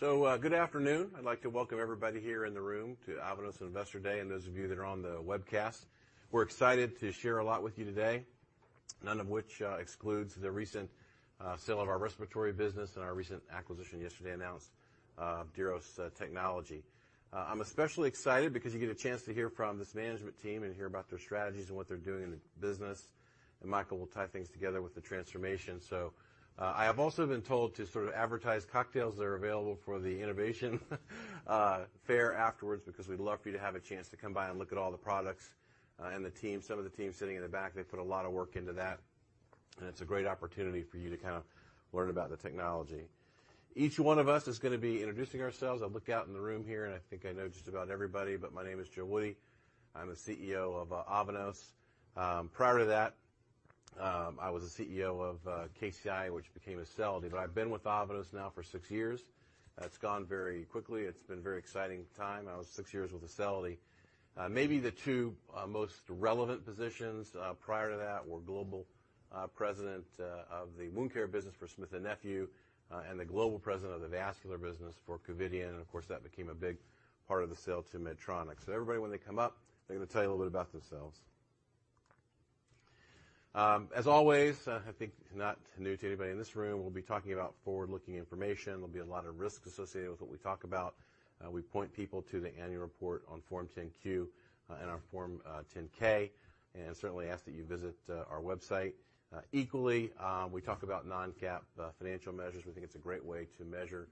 Good afternoon. I'd like to welcome everybody here in the room to Avanos Investor Day, and those of you that are on the webcast. We're excited to share a lot with you today, none of which excludes the recent sale of our respiratory business and our recent acquisition yesterday announced, Diros Technology. I'm especially excited because you get a chance to hear from this management team and hear about their strategies and what they're doing in the business, and Michael will tie things together with the transformation. I have also been told to sort of advertise cocktails that are available for the innovation fair afterwards, because we'd love for you to have a chance to come by and look at all the products and the team. Some of the team sitting in the back, they put a lot of work into that, and it's a great opportunity for you to kind of learn about the technology. Each one of us is gonna be introducing ourselves. I look out in the room here, and I think I know just about everybody, but my name is Joe Woody. I'm the CEO of Avanos. Prior to that, I was the CEO of KCI, which became Acelity. I've been with Avanos now for six years. It's gone very quickly. It's been a very exciting time. I was six years with Acelity. Maybe the two most relevant positions prior to that were Global President of the Wound Care business for Smith & Nephew, and the Global President of the Vascular business for Covidien, and of course, that became a big part of the sale to Medtronic. Everybody, when they come up, they're gonna tell you a little bit about themselves. As always, I think not new to anybody in this room, we'll be talking about forward-looking information. There'll be a lot of risks associated with what we talk about. We point people to the annual report on Form 10-Q and our Form 10-K, and certainly ask that you visit our website. Equally, we talk about non-GAAP financial measures. We think it's a great way to measure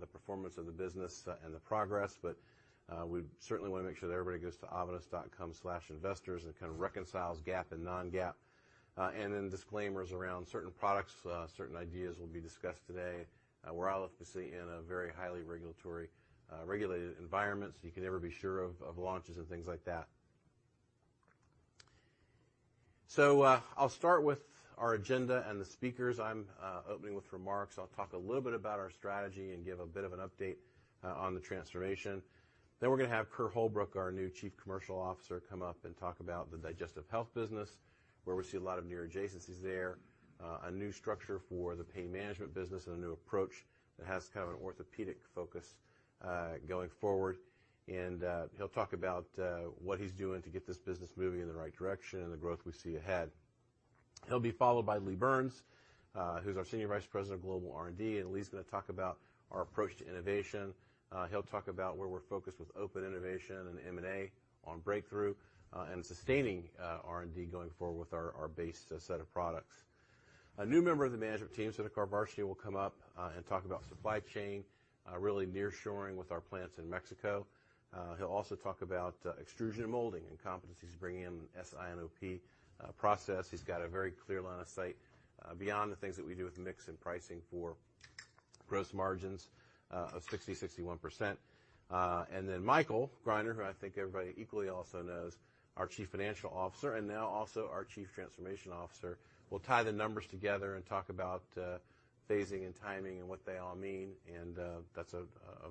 the performance of the business and the progress. We certainly want to make sure that everybody goes to Avanos.com/investors and kind of reconciles GAAP and non-GAAP. Disclaimers around certain products, certain ideas will be discussed today. We're obviously in a very highly regulated environment. You can never be sure of launches and things like that. I'll start with our agenda and the speakers. I'm opening with remarks. I'll talk a little bit about our strategy and give a bit of an update on the transformation. We're gonna have Kerr Holbrook, our new Chief Commercial Officer, come up and talk about the digestive health business, where we see a lot of near adjacencies there, a new structure for the pain management business and a new approach that has kind of an orthopedic focus going forward. He'll talk about what he's doing to get this business moving in the right direction and the growth we see ahead. He'll be followed by Lee Burnes, who's our Senior Vice President of Global R&D, and Lee's gonna talk about our approach to innovation. He'll talk about where we're focused with open innovation and M&A on breakthrough and sustaining R&D going forward with our base set of products. A new member of the management team, Sudhakar Varshney, will come up and talk about supply chain, really nearshoring with our plants in Mexico. He'll also talk about extrusion and molding and competencies, bringing in an S&OP process. He's got a very clear line of sight beyond the things that we do with mix and pricing for gross margins of 60%-61%. Michael Greiner, who I think everybody equally also knows, our Chief Financial Officer, and now also our Chief Transformation Officer, will tie the numbers together and talk about phasing and timing and what they all mean, and that's a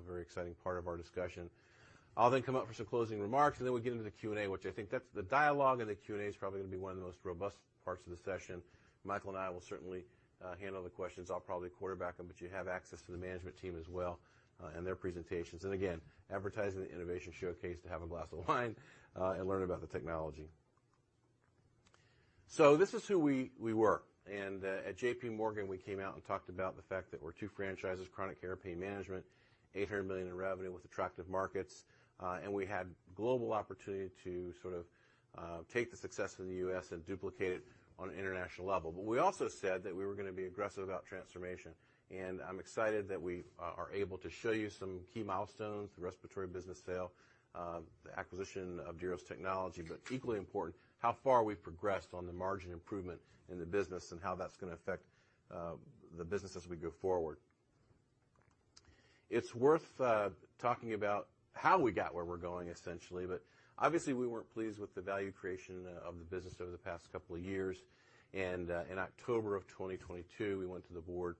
very exciting part of our discussion. I'll then come up for some closing remarks, and then we'll get into the Q&A, which I think that's the dialogue, and the Q&A is probably gonna be one of the most robust parts of the session. Michael and I will certainly handle the questions. I'll probably quarterback them, but you have access to the management team as well and their presentations. Again, advertising the innovation showcase to have a glass of wine and learn about the technology. This is who we were. At JPMorgan, we came out and talked about the fact that we're two franchises, chronic care, pain management, $800 million in revenue with attractive markets and we had global opportunity to sort of take the success of the U.S. and duplicate it on an international level. We also said that we were gonna be aggressive about transformation, and I'm excited that we are able to show you some key milestones, the Respiratory business sale, the acquisition of Diros Technology, but equally important, how far we've progressed on the margin improvement in the business and how that's gonna affect the business as we go forward. It's worth talking about how we got where we're going, essentially, but obviously, we weren't pleased with the value creation of the business over the past couple of years, and in October of 2022, we went to the board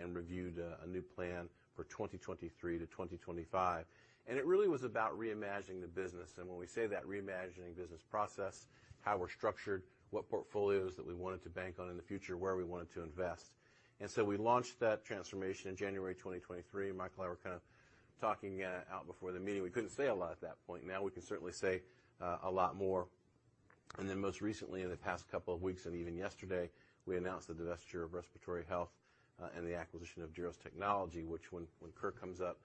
and reviewed a new plan for 2023 to 2025. It really was about reimagining the business. When we say that, reimagining business process, how we're structured, what portfolios that we wanted to bank on in the future, where we wanted to invest. We launched that transformation in January 2023. Michael and I were kind of talking out before the meeting. We couldn't say a lot at that point. Now, we can certainly say a lot more. Most recently, in the past couple of weeks, and even yesterday, we announced the divestiture of Respiratory Health and the acquisition of Diros Technology, which when Kerr comes up,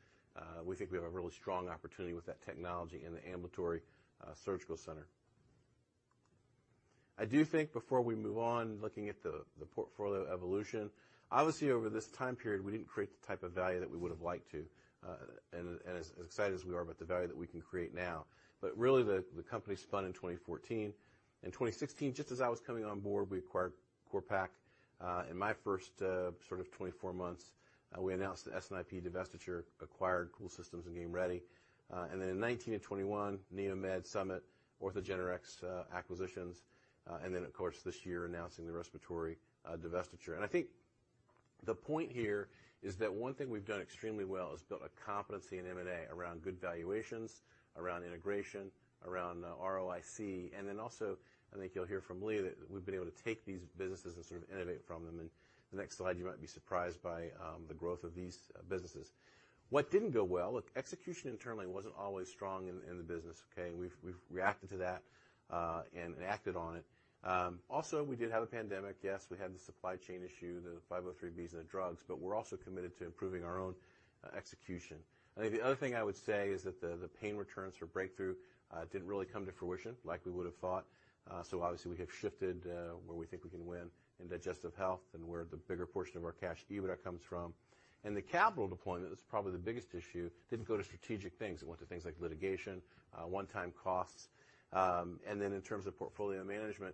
we think we have a really strong opportunity with that technology in the ambulatory surgical center. I do think before we move on, looking at the portfolio evolution, obviously, over this time period, we didn't create the type of value that we would have liked to, and as excited as we are about the value that we can create now. The company spun in 2014. In 2016, just as I was coming on board, we acquired CORPAK. In my first, sort of 2four months, we announced the S&IP divestiture, acquired CoolSystems and Game Ready. Then in 2019 and 2021, NeoMed, Summit, OrthogenRx acquisitions, then, of course, this year announcing the Respiratory divestiture. The point here is that one thing we've done extremely well is built a competency in M&A around good valuations, around integration, around ROIC. Also, I think you'll hear from Lee that we've been able to take these businesses and sort of innovate from them, and the next slide, you might be surprised by the growth of these businesses. What didn't go well? Look, execution internally wasn't always strong in the business, okay? We've reacted to that and acted on it. Also, we did have a pandemic. Yes, we had the supply chain issue, the 503Bs and the drugs, but we're also committed to improving our own execution. I think the other thing I would say is that the pain returns for breakthrough didn't really come to fruition like we would have thought. Obviously we have shifted where we think we can win in digestive health and where the bigger portion of our cash EBITDA comes from. The capital deployment is probably the biggest issue, didn't go to strategic things. It went to things like litigation, one-time costs. Then in terms of portfolio management,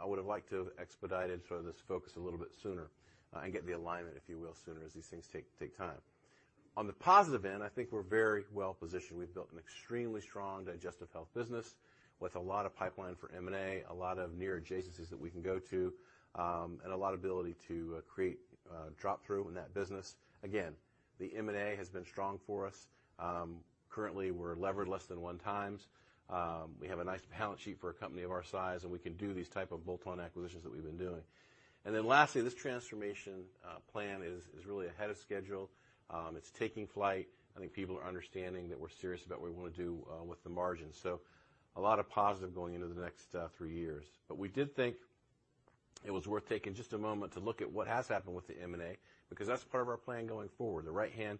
I would have liked to have expedited sort of this focus a little bit sooner, and get the alignment, if you will, sooner, as these things take time. On the positive end, I think we're very well positioned. We've built an extremely strong digestive health business with a lot of pipeline for M&A, a lot of near adjacencies that we can go to, and a lot of ability to create drop through in that business. The M&A has been strong for us. Currently, we're levered less than 1x. We have a nice balance sheet for a company of our size, and we can do these type of bolt-on acquisitions that we've been doing. Lastly, this transformation plan is really ahead of schedule. It's taking flight. I think people are understanding that we're serious about what we want to do with the margin. A lot of positive going into the next three years. We did think it was worth taking just a moment to look at what has happened with the M&A, because that's part of our plan going forward. The right-hand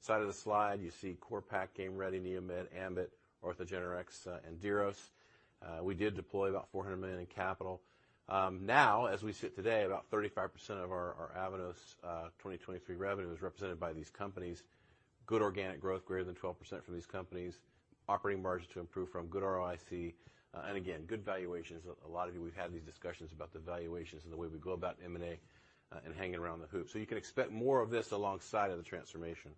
side of the slide, you see CORPAK, Game Ready, NeoMed, ambIT, OrthogenRx, and Diros. We did deploy about $400 million in capital. Now, as we sit today, about 35% of our Avanos 2023 revenue is represented by these companies. Good organic growth, greater than 12% from these companies. Operating margins to improve from good ROIC, and again, good valuations. A lot of you, we've had these discussions about the valuations and the way we go about M&A, and hanging around the hoop. You can expect more of this alongside of the transformation.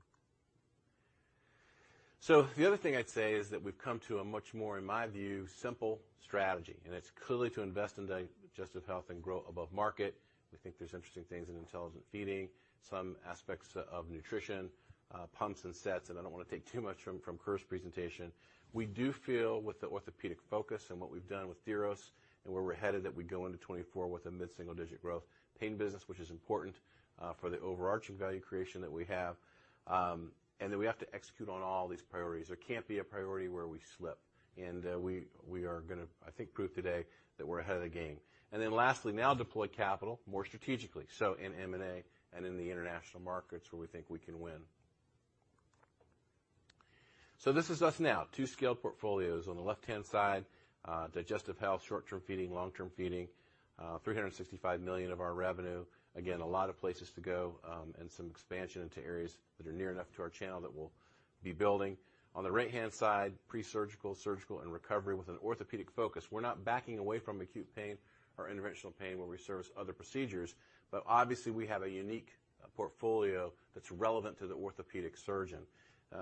The other thing I'd say is that we've come to a much more, in my view, simple strategy, and it's clearly to invest in digestive health and grow above market. We think there's interesting things in intelligent feeding, some aspects of nutrition, pumps and sets, and I don't want to take too much from Kerr's presentation. We do feel with the orthopedic focus and what we've done with Diros and where we're headed, that we go into 2024 with a mid-single-digit growth pain business, which is important for the overarching value creation that we have. We have to execute on all these priorities. There can't be a priority where we slip, we are gonna, I think, prove today that we're ahead of the game. Lastly, now deploy capital more strategically, in M&A and in the international markets where we think we can win. This is us now, two scaled portfolios. On the left-hand side, digestive health, short-term feeding, long-term feeding, $365 million of our revenue. Again, a lot of places to go, and some expansion into areas that are near enough to our channel that we'll be building. On the right-hand side, pre-surgical, surgical, and recovery with an orthopedic focus. We're not backing away from acute pain or interventional pain where we service other procedures, but obviously, we have a unique portfolio that's relevant to the orthopedic surgeon.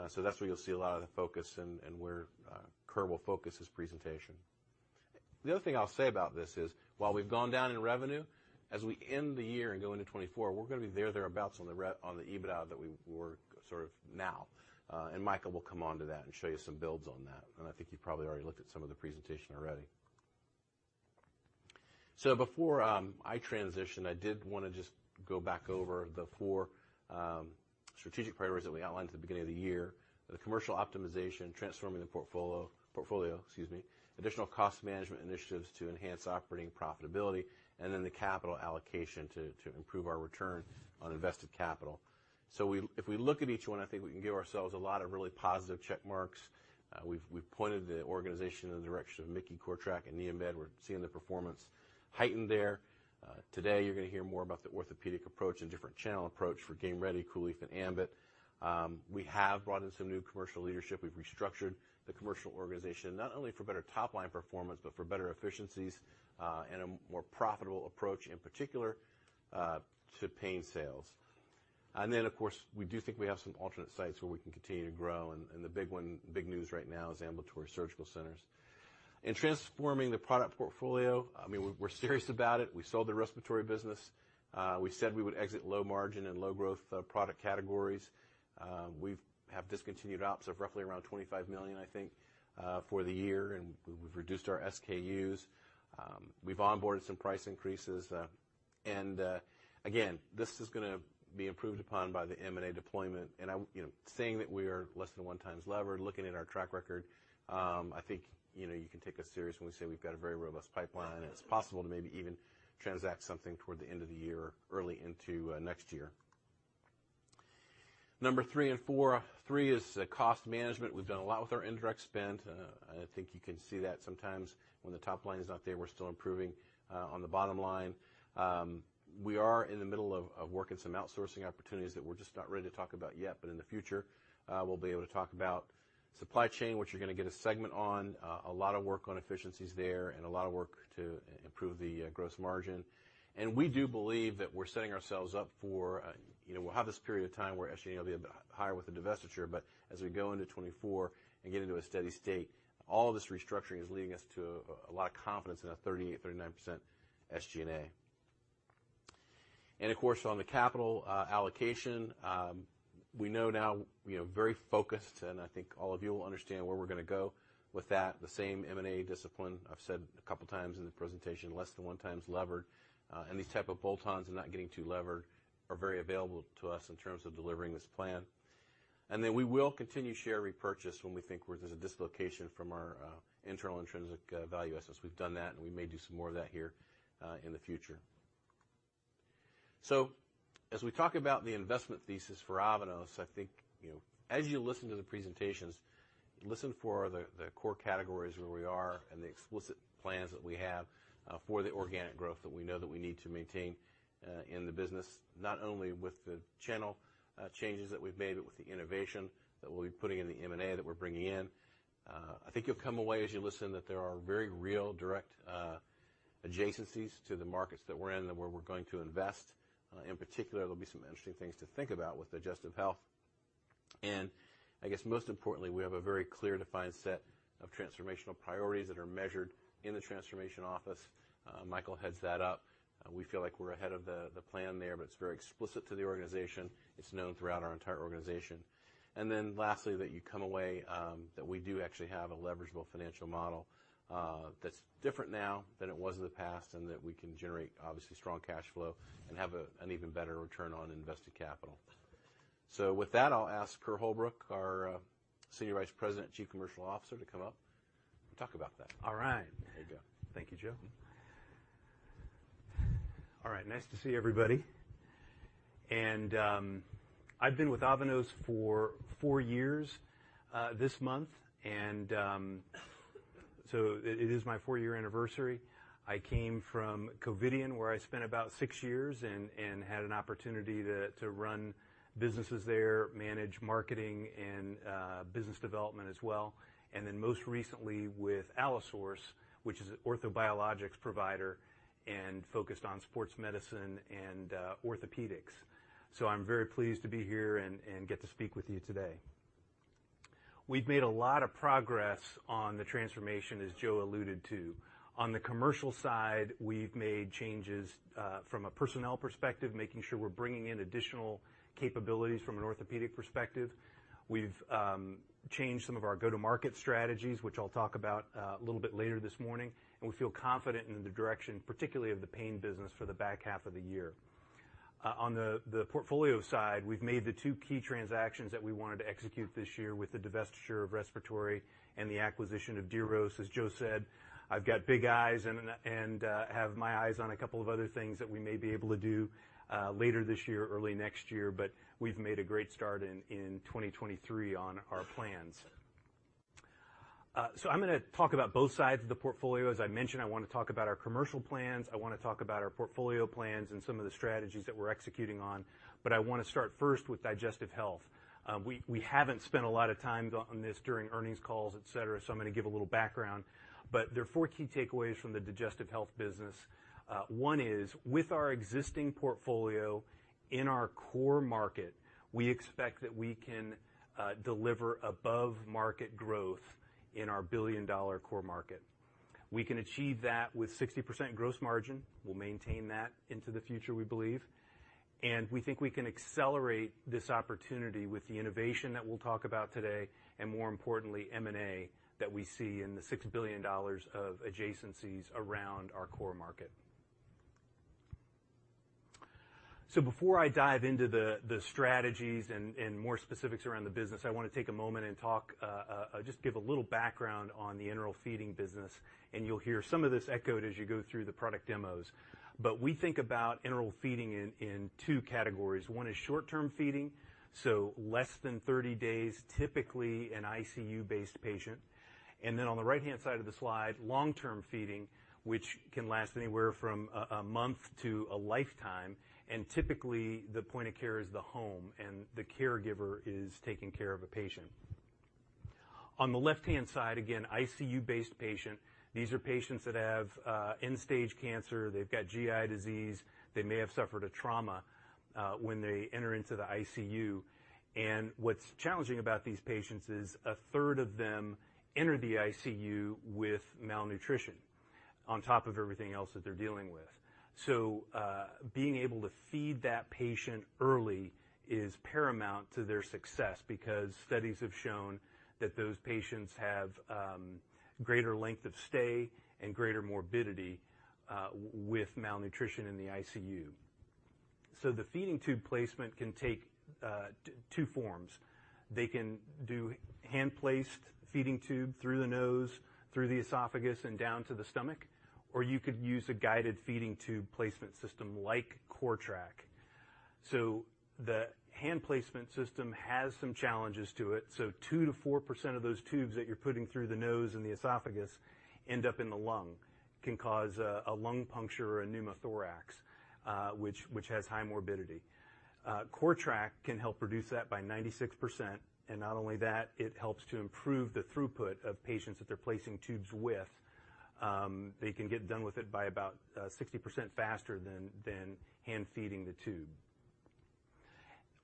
So that's where you'll see a lot of the focus and where Kerr will focus his presentation. The other thing I'll say about this is, while we've gone down in revenue, as we end the year and go into 2024, we're gonna be there, thereabouts, on the EBITDA that we were sort of now, Michael Greiner will come on to that and show you some builds on that. I think you've probably already looked at some of the presentation already. Before I transition, I did want to just go back over the four strategic priorities that we outlined at the beginning of the year: the commercial optimization, transforming the portfolio, excuse me, additional cost management initiatives to enhance operating profitability, the capital allocation to improve our return on invested capital. If we look at each one, I think we can give ourselves a lot of really positive check marks. We've pointed the organization in the direction of MIC-KEY, CORTRAK and NeoMed. We're seeing the performance heightened there. Today, you're gonna hear more about the orthopedic approach and different channel approach for Game Ready, COOLIEF, and ambIT. We have brought in some new commercial leadership. We've restructured the commercial organization, not only for better top-line performance, but for better efficiencies, and a more profitable approach, in particular, to pain sales. Of course, we do think we have some alternate sites where we can continue to grow, and the big news right now is ambulatory surgical centers. In transforming the product portfolio, I mean, we're serious about it. We sold the respiratory business. We said we would exit low margin and low growth product categories. We've discontinued ops of roughly $25 million for the year. We've reduced our SKUs. We've onboarded some price increases, and again, this is gonna be improved upon by the M&A deployment. You know, saying that we are less than 1x lever, looking at our track record, I think, you know, you can take us serious when we say we've got a very robust pipeline. It's possible to maybe even transact something toward the end of the year or early into next year. Number three and four. Three is cost management. We've done a lot with our indirect spend. I think you can see that sometimes when the top line is not there, we're still improving on the bottom line. We are in the middle of working some outsourcing opportunities that we're just not ready to talk about yet, but in the future, we'll be able to talk about supply chain, which you're gonna get a segment on, a lot of work on efficiencies there, and a lot of work to improve the gross margin. We do believe that we're setting ourselves up for, you know, we'll have this period of time where SG&A will be a bit higher with the divestiture, but as we go into 2024 and get into a steady state, all of this restructuring is leading us to a lot of confidence in a 38%-39% SG&A. Of course, on the capital allocation, we know now, you know, very focused, and I think all of you will understand where we're gonna go with that. The same M&A discipline I've said a couple times in the presentation, less than 1x levered, and these type of bolt-ons and not getting too levered are very available to us in terms of delivering this plan. Then we will continue share repurchase when we think where there's a dislocation from our internal intrinsic value essence. We've done that, and we may do some more of that here in the future. As we talk about the investment thesis for Avanos, I think, you know, as you listen to the presentations, listen for the core categories where we are and the explicit plans that we have for the organic growth that we know that we need to maintain in the business, not only with the channel changes that we've made, but with the innovation that we'll be putting in the M&A that we're bringing in. I think you'll come away as you listen, that there are very real, direct adjacencies to the markets that we're in and where we're going to invest. In particular, there'll be some interesting things to think about with digestive health. I guess most importantly, we have a very clear, defined set of transformational priorities that are measured in the transformation office. Michael heads that up. We feel like we're ahead of the plan there. It's very explicit to the organization. It's known throughout our entire organization. Lastly, that you come away, that we do actually have a leverageable financial model, that's different now than it was in the past, and that we can generate, obviously, strong cash flow and have an even better return on invested capital. With that, I'll ask Kerr Holbrook, our Senior Vice President, Chief Commercial Officer, to come up and talk about that. All right. There you go. Thank you, Joe. All right, nice to see everybody. I've been with Avanos for four years this month, so it is my four-year anniversary. I came from Covidien, where I spent about 6 years and had an opportunity to run businesses there, manage marketing and business development as well, and then most recently with AlloSource, which is an orthobiologics provider and focused on sports medicine and orthopedics. I'm very pleased to be here and get to speak with you today. We've made a lot of progress on the transformation, as Joe alluded to. On the commercial side, we've made changes from a personnel perspective, making sure we're bringing in additional capabilities from an orthopedic perspective. We've changed some of our go-to-market strategies, which I'll talk about a little bit later this morning, and we feel confident in the direction, particularly of the pain business for the back half of the year. On the portfolio side, we've made the two key transactions that we wanted to execute this year with the divestiture of Respiratory and the acquisition of Diros. As Joe said, I've got big eyes and have my eyes on a couple of other things that we may be able to do later this year or early next year, but we've made a great start in 2023 on our plans. I'm gonna talk about both sides of the portfolio. As I mentioned, I wanna talk about our commercial plans, I wanna talk about our portfolio plans and some of the strategies that we're executing on, but I wanna start first with digestive health. We haven't spent a lot of time on this during earnings calls, et cetera, so I'm gonna give a little background. There are four key takeaways from the digestive health business. One is, with our existing portfolio in our core market, we expect that we can deliver above-market growth in our $1 billion core market. We can achieve that with 60% gross margin. We'll maintain that into the future, we believe. We think we can accelerate this opportunity with the innovation that we'll talk about today, and more importantly, M&A, that we see in the $6 billion of adjacencies around our core market. Before I dive into the strategies and more specifics around the business, I wanna take a moment and talk, just give a little background on the enteral feeding business, and you'll hear some of this echoed as you go through the product demos. We think about enteral feeding in two categories. One is short-term feeding, so less than 30 days, typically an ICU-based patient. On the right-hand side of the slide, long-term feeding, which can last anywhere from a month to a lifetime, and typically, the point of care is the home, and the caregiver is taking care of a patient. On the left-hand side, again, ICU-based patient. These are patients that have end-stage cancer. They've got GI disease. They may have suffered a trauma when they enter into the ICU. What's challenging about these patients is 1/3 of them enter the ICU with malnutrition on top of everything else that they're dealing with. Being able to feed that patient early is paramount to their success because studies have shown that those patients have greater length of stay and greater morbidity with malnutrition in the ICU. The feeding tube placement can take two forms. They can do hand-placed feeding tube through the nose, through the esophagus, and down to the stomach, or you could use a guided feeding tube placement system like CORTRAK. The hand placement system has some challenges to it, 2%-4% of those tubes that you're putting through the nose and the esophagus end up in the lung, can cause a lung puncture or a pneumothorax, which has high morbidity. CORTRAK can help reduce that by 96%. Not only that, it helps to improve the throughput of patients that they're placing tubes with. They can get done with it by about 60% faster than hand-feeding the tube.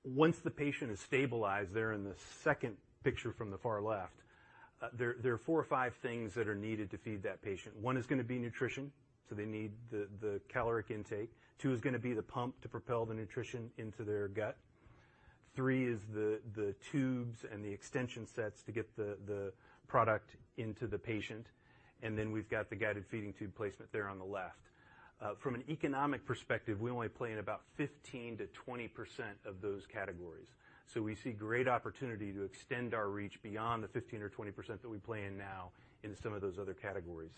Once the patient is stabilized, they're in the second picture from the far left, there are four or five things that are needed to feed that patient. One is gonna be nutrition, so they need the caloric intake. Two is gonna be the pump to propel the nutrition into their gut. Three is the tubes and the extension sets to get the product into the patient. Then we've got the guided feeding tube placement there on the left. From an economic perspective, we only play in about 15%-20% of those categories. We see great opportunity to extend our reach beyond the 15% or 20% that we play in now in some of those other categories.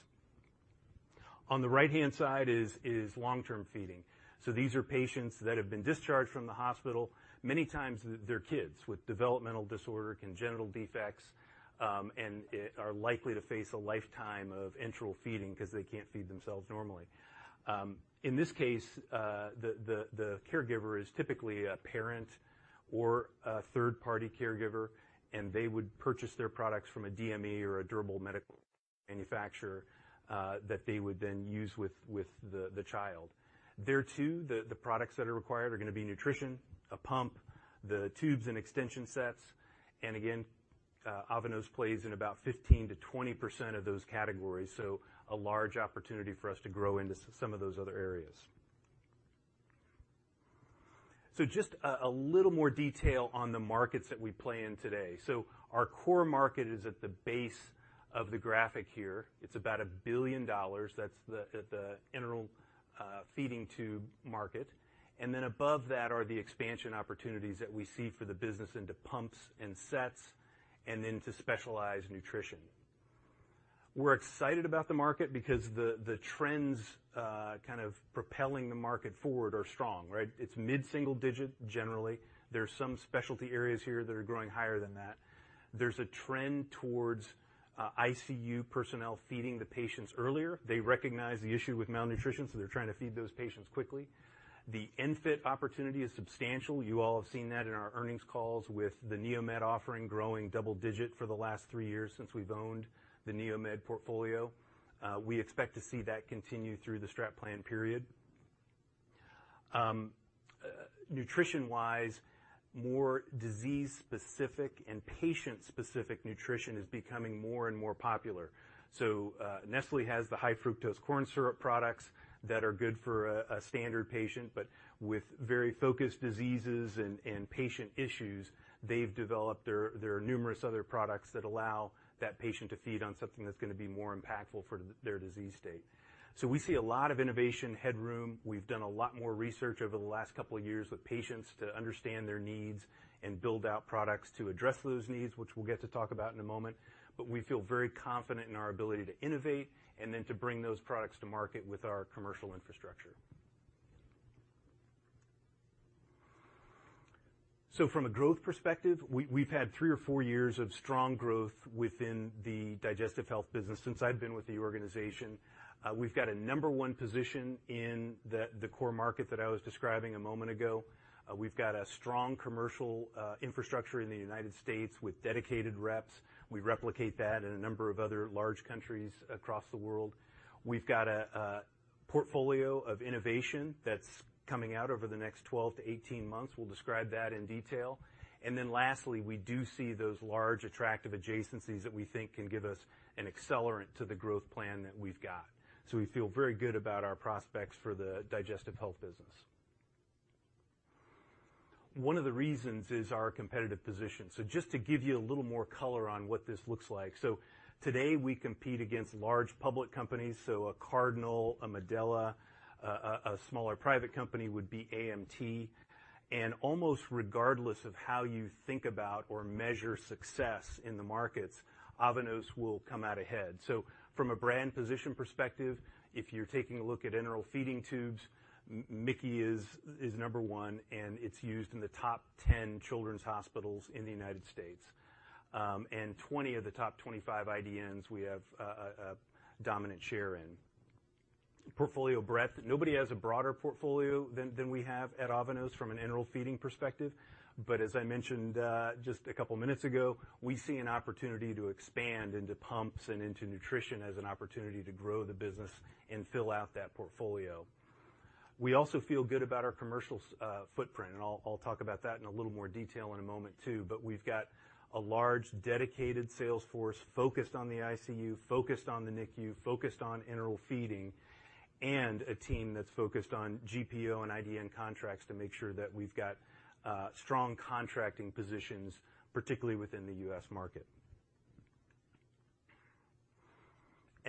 On the right-hand side is long-term feeding. These are patients that have been discharged from the hospital. Many times, they're kids with developmental disorder, congenital defects, and are likely to face a lifetime of enteral feeding because they can't feed themselves normally. In this case, the caregiver is typically a parent or 1/3-party caregiver, and they would purchase their products from a DME or a durable medical manufacturer that they would then use with the child. There, too, the products that are required are gonna be nutrition, a pump, the tubes and extension sets, and again, Avanos plays in about 15%-20% of those categories, so a large opportunity for us to grow into some of those other areas. Just a little more detail on the markets that we play in today. Our core market is at the base of the graphic here. It's about $1 billion. That's the enteral feeding tube market. Then above that are the expansion opportunities that we see for the business into pumps and sets and then to specialized nutrition. We're excited about the market because the trends kind of propelling the market forward are strong, right? It's mid-single-digit, generally. There are some specialty areas here that are growing higher than that. There's a trend towards ICU personnel feeding the patients earlier. They recognize the issue with malnutrition, they're trying to feed those patients quickly. The ENFit opportunity is substantial. You all have seen that in our earnings calls with the NeoMed offering growing double-digit for the last three years since we've owned the NeoMed portfolio. We expect to see that continue through the strat plan period. Nutrition-wise, more disease-specific and patient-specific nutrition is becoming more and more popular. Nestlé has the high-fructose corn syrup products that are good for a standard patient, but with very focused diseases and patient issues, there are numerous other products that allow that patient to feed on something that's gonna be more impactful for their disease state. We see a lot of innovation headroom. We've done a lot more research over the last couple of years with patients to understand their needs and build out products to address those needs, which we'll get to talk about in a moment. We feel very confident in our ability to innovate and then to bring those products to market with our commercial infrastructure. From a growth perspective, we've had three or four years of strong growth within the digestive health business since I've been with the organization. We've got a number one position in the core market that I was describing a moment ago. We've got a strong commercial infrastructure in the United States with dedicated reps. We replicate that in a number of other large countries across the world. We've got a portfolio of innovation that's coming out over the next 12-18 months. We'll describe that in detail. Lastly, we do see those large, attractive adjacencies that we think can give us an accelerant to the growth plan that we've got. We feel very good about our prospects for the digestive health business. One of the reasons is our competitive position. Just to give you a little more color on what this looks like. Today, we compete against large public companies, so a Cardinal, a Medela, a smaller private company would be AMT. Almost regardless of how you think about or measure success in the markets, Avanos will come out ahead. From a brand position perspective, if you're taking a look at enteral feeding tubes, MIC-KEY is number one, and it's used in the top 10 children's hospitals in the United States. 20 of the top 25 IDNs, we have a dominant share in. Portfolio breadth, nobody has a broader portfolio than we have at Avanos from an enteral feeding perspective. As I mentioned, just a couple of minutes ago, we see an opportunity to expand into pumps and into nutrition as an opportunity to grow the business and fill out that portfolio. We also feel good about our commercial footprint, and I'll talk about that in a little more detail in a moment, too. We've got a large, dedicated sales force focused on the ICU, focused on the NICU, focused on enteral feeding, and a team that's focused on GPO and IDN contracts to make sure that we've got strong contracting positions, particularly within the U.S. market.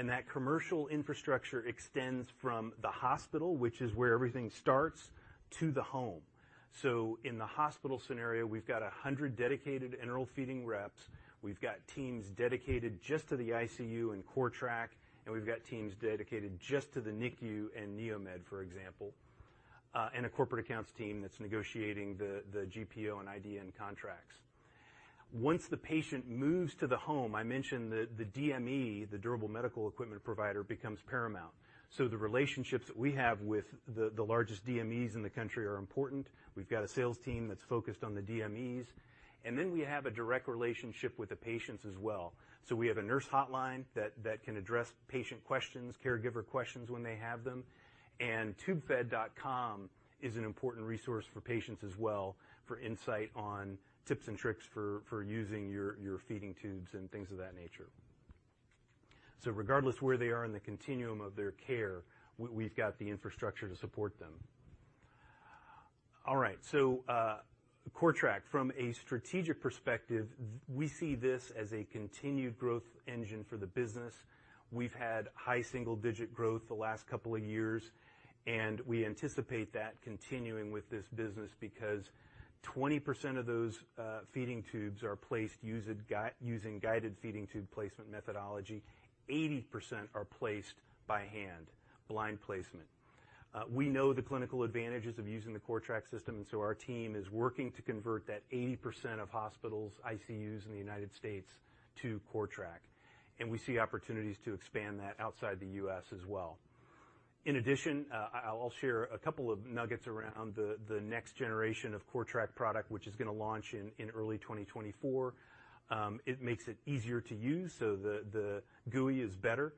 That commercial infrastructure extends from the hospital, which is where everything starts, to the home. In the hospital scenario, we've got 100 dedicated enteral feeding reps. We've got teams dedicated just to the ICU and CORTRAK, and we've got teams dedicated just to the NICU and NeoMed, for example, and a corporate accounts team that's negotiating the GPO and IDN contracts. Once the patient moves to the home, I mentioned the DME, the Durable Medical Equipment provider, becomes paramount. The relationships that we have with the largest DMEs in the country are important. We've got a sales team that's focused on the DMEs, and then we have a direct relationship with the patients as well. We have a nurse hotline that can address patient questions, caregiver questions when they have them. Tubefed.com is an important resource for patients as well, for insight on tips and tricks for using your feeding tubes and things of that nature. Regardless of where they are in the continuum of their care, we've got the infrastructure to support them. All right, CORTRAK, from a strategic perspective, we see this as a continued growth engine for the business. We've high-single-digit growth the last couple of years, and we anticipate that continuing with this business because 20% of those feeding tubes are placed used guide, using guided feeding tube placement methodology. 80% are placed by hand, blind placement. We know the clinical advantages of using the CORTRAK system. Our team is working to convert that 80% of hospitals, ICUs in the United States to CORTRAK. We see opportunities to expand that outside the U.S. as well. In addition, I'll share a couple of nuggets around the next generation of CORTRAK product, which is gonna launch in early 2024. It makes it easier to use, so the GUI is better.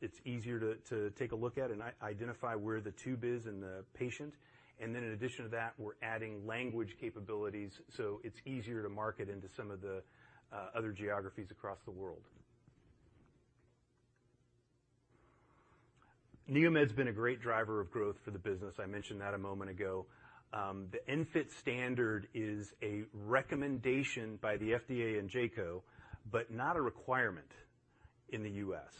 It's easier to take a look at and identify where the tube is in the patient. In addition to that, we're adding language capabilities, so it's easier to market into some of the other geographies across the world. NeoMed's been a great driver of growth for the business. I mentioned that a moment ago. The ENFit standard is a recommendation by the FDA and JCAHO, not a requirement in the U.S.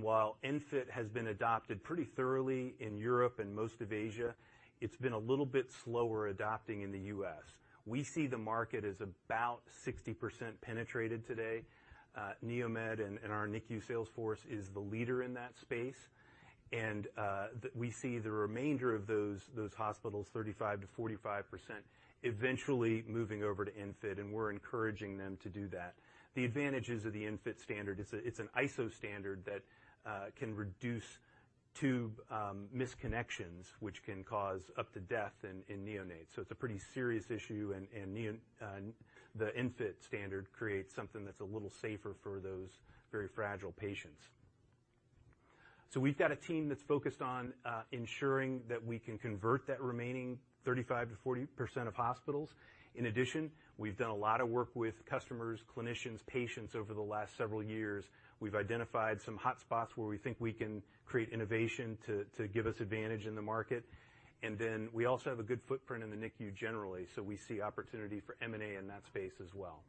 While ENFit has been adopted pretty thoroughly in Europe and most of Asia, it's been a little bit slower adopting in the U.S. We see the market as about 60% penetrated today. NeoMed and our NICU sales force is the leader in that space, we see the remainder of those hospitals, 35%-45%, eventually moving over to ENFit, we're encouraging them to do that. The advantages of the ENFit standard, it's an ISO standard that can reduce tube misconnections, which can cause up to death in neonates. It's a pretty serious issue, the ENFit standard creates something that's a little safer for those very fragile patients. We've got a team that's focused on ensuring that we can convert that remaining 35%-40% of hospitals. In addition, we've done a lot of work with customers, clinicians, patients over the last several years. We've identified some hotspots where we think we can create innovation to give us advantage in the market. Then we also have a good footprint in the NICU generally, so we see opportunity for M&A in that space as well.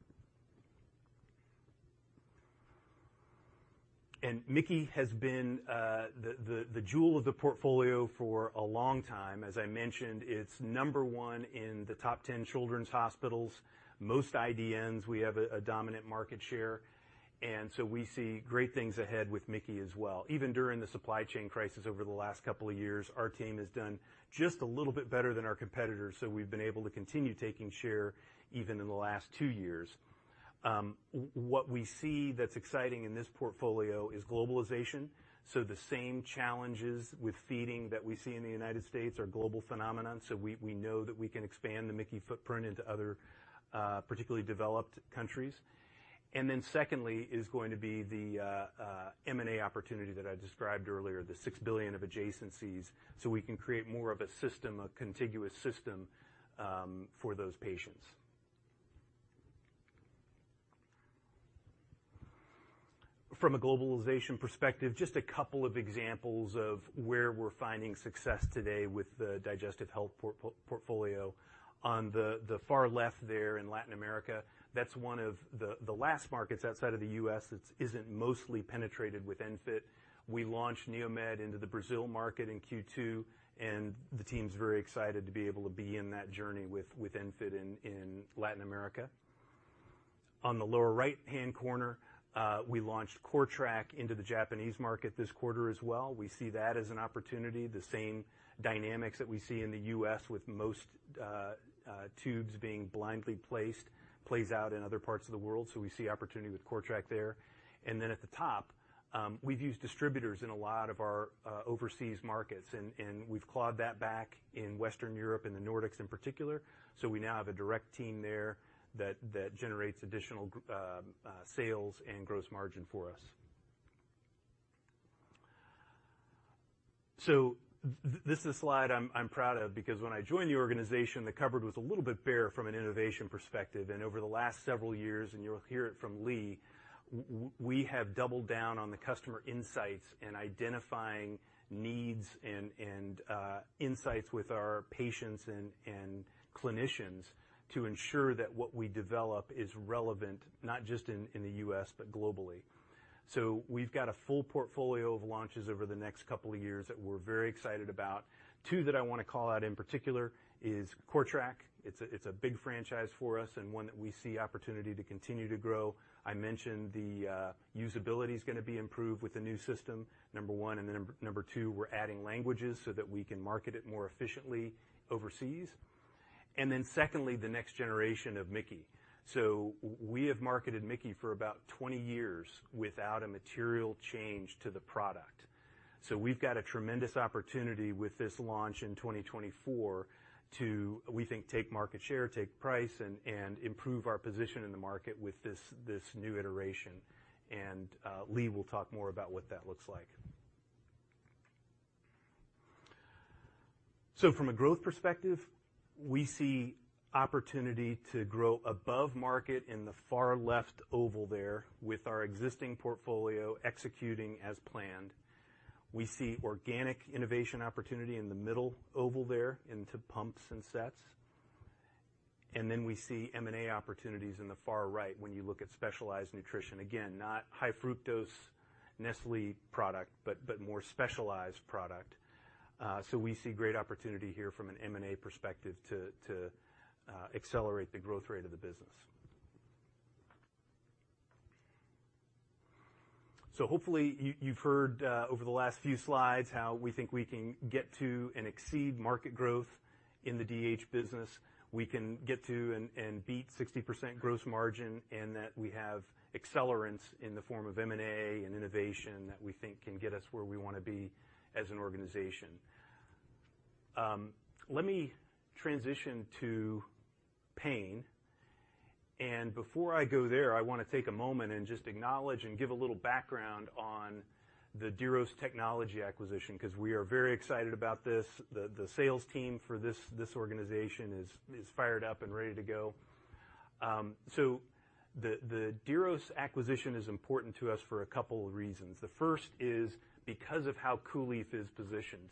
MIC-KEY has been the jewel of the portfolio for a long time. As I mentioned, it's number one in the top 10 children's hospitals. Most IDNs, we have a dominant market share, and so we see great things ahead with MIC-KEY as well. Even during the supply chain crisis over the last couple of years, our team has done just a little bit better than our competitors. We've been able to continue taking share even in the last two years. What we see that's exciting in this portfolio is globalization. The same challenges with feeding that we see in the United States are global phenomenon. We know that we can expand the MIC-KEY footprint into other, particularly developed countries. Then secondly is going to be the M&A opportunity that I described earlier, the $6 billion of adjacencies. We can create more of a system, a contiguous system, for those patients. From a globalization perspective, just a couple of examples of where we're finding success today with the Digestive Health portfolio. On the far left there in Latin America, that's one of the last markets outside of the U.S. that's isn't mostly penetrated with ENFit. We launched NeoMed into the Brazil market in Q2, and the team's very excited to be able to be in that journey with ENFit in Latin America. On the lower right-hand corner, we launched CORTRAK into the Japanese market this quarter as well. We see that as an opportunity. The same dynamics that we see in the U.S. with most tubes being blindly placed, plays out in other parts of the world, so we see opportunity with CORTRAK there. At the top, we've used distributors in a lot of our overseas markets, and we've clawed that back in Western Europe and the Nordics in particular. We now have a direct team there that generates additional sales and gross margin for us. This is a slide I'm proud of because when I joined the organization, the cupboard was a little bit bare from an innovation perspective. And over the last several years, and you'll hear it from Lee, we have doubled down on the customer insights and identifying needs and insights with our patients and clinicians to ensure that what we develop is relevant, not just in the U.S., but globally. We've got a full portfolio of launches over the next couple of years that we're very excited about. Two that I want to call out in particular is CORTRAK. It's a big franchise for us and one that we see opportunity to continue to grow. I mentioned the usability is gonna be improved with the new system, number one, number 2, we're adding languages so that we can market it more efficiently overseas. Secondly, the next generation of MIC-KEY. We have marketed MIC-KEY for about 20 years without a material change to the product. We've got a tremendous opportunity with this launch in 2024 to, we think, take market share, take price, and improve our position in the market with this new iteration. Lee will talk more about what that looks like. From a growth perspective, we see opportunity to grow above market in the far left oval there with our existing portfolio executing as planned.... We see organic innovation opportunity in the middle oval there into pumps and sets. We see M&A opportunities in the far right when you look at specialized nutrition. Again, not high-fructose Nestlé product, but more specialized product. So we see great opportunity here from an M&A perspective to accelerate the growth rate of the business. Hopefully, you've heard over the last few slides how we think we can get to and exceed market growth in the DH business. We can get to and beat 60% gross margin, and that we have accelerants in the form of M&A and innovation that we think can get us where we wanna be as an organization. Let me transition to pain. Before I go there, I wanna take a moment and just acknowledge and give a little background on the Diros Technology acquisition, because we are very excited about this. The sales team for this organization is fired up and ready to go. The Diros acquisition is important to us for a couple of reasons. The first is because of how COOLIEF is positioned.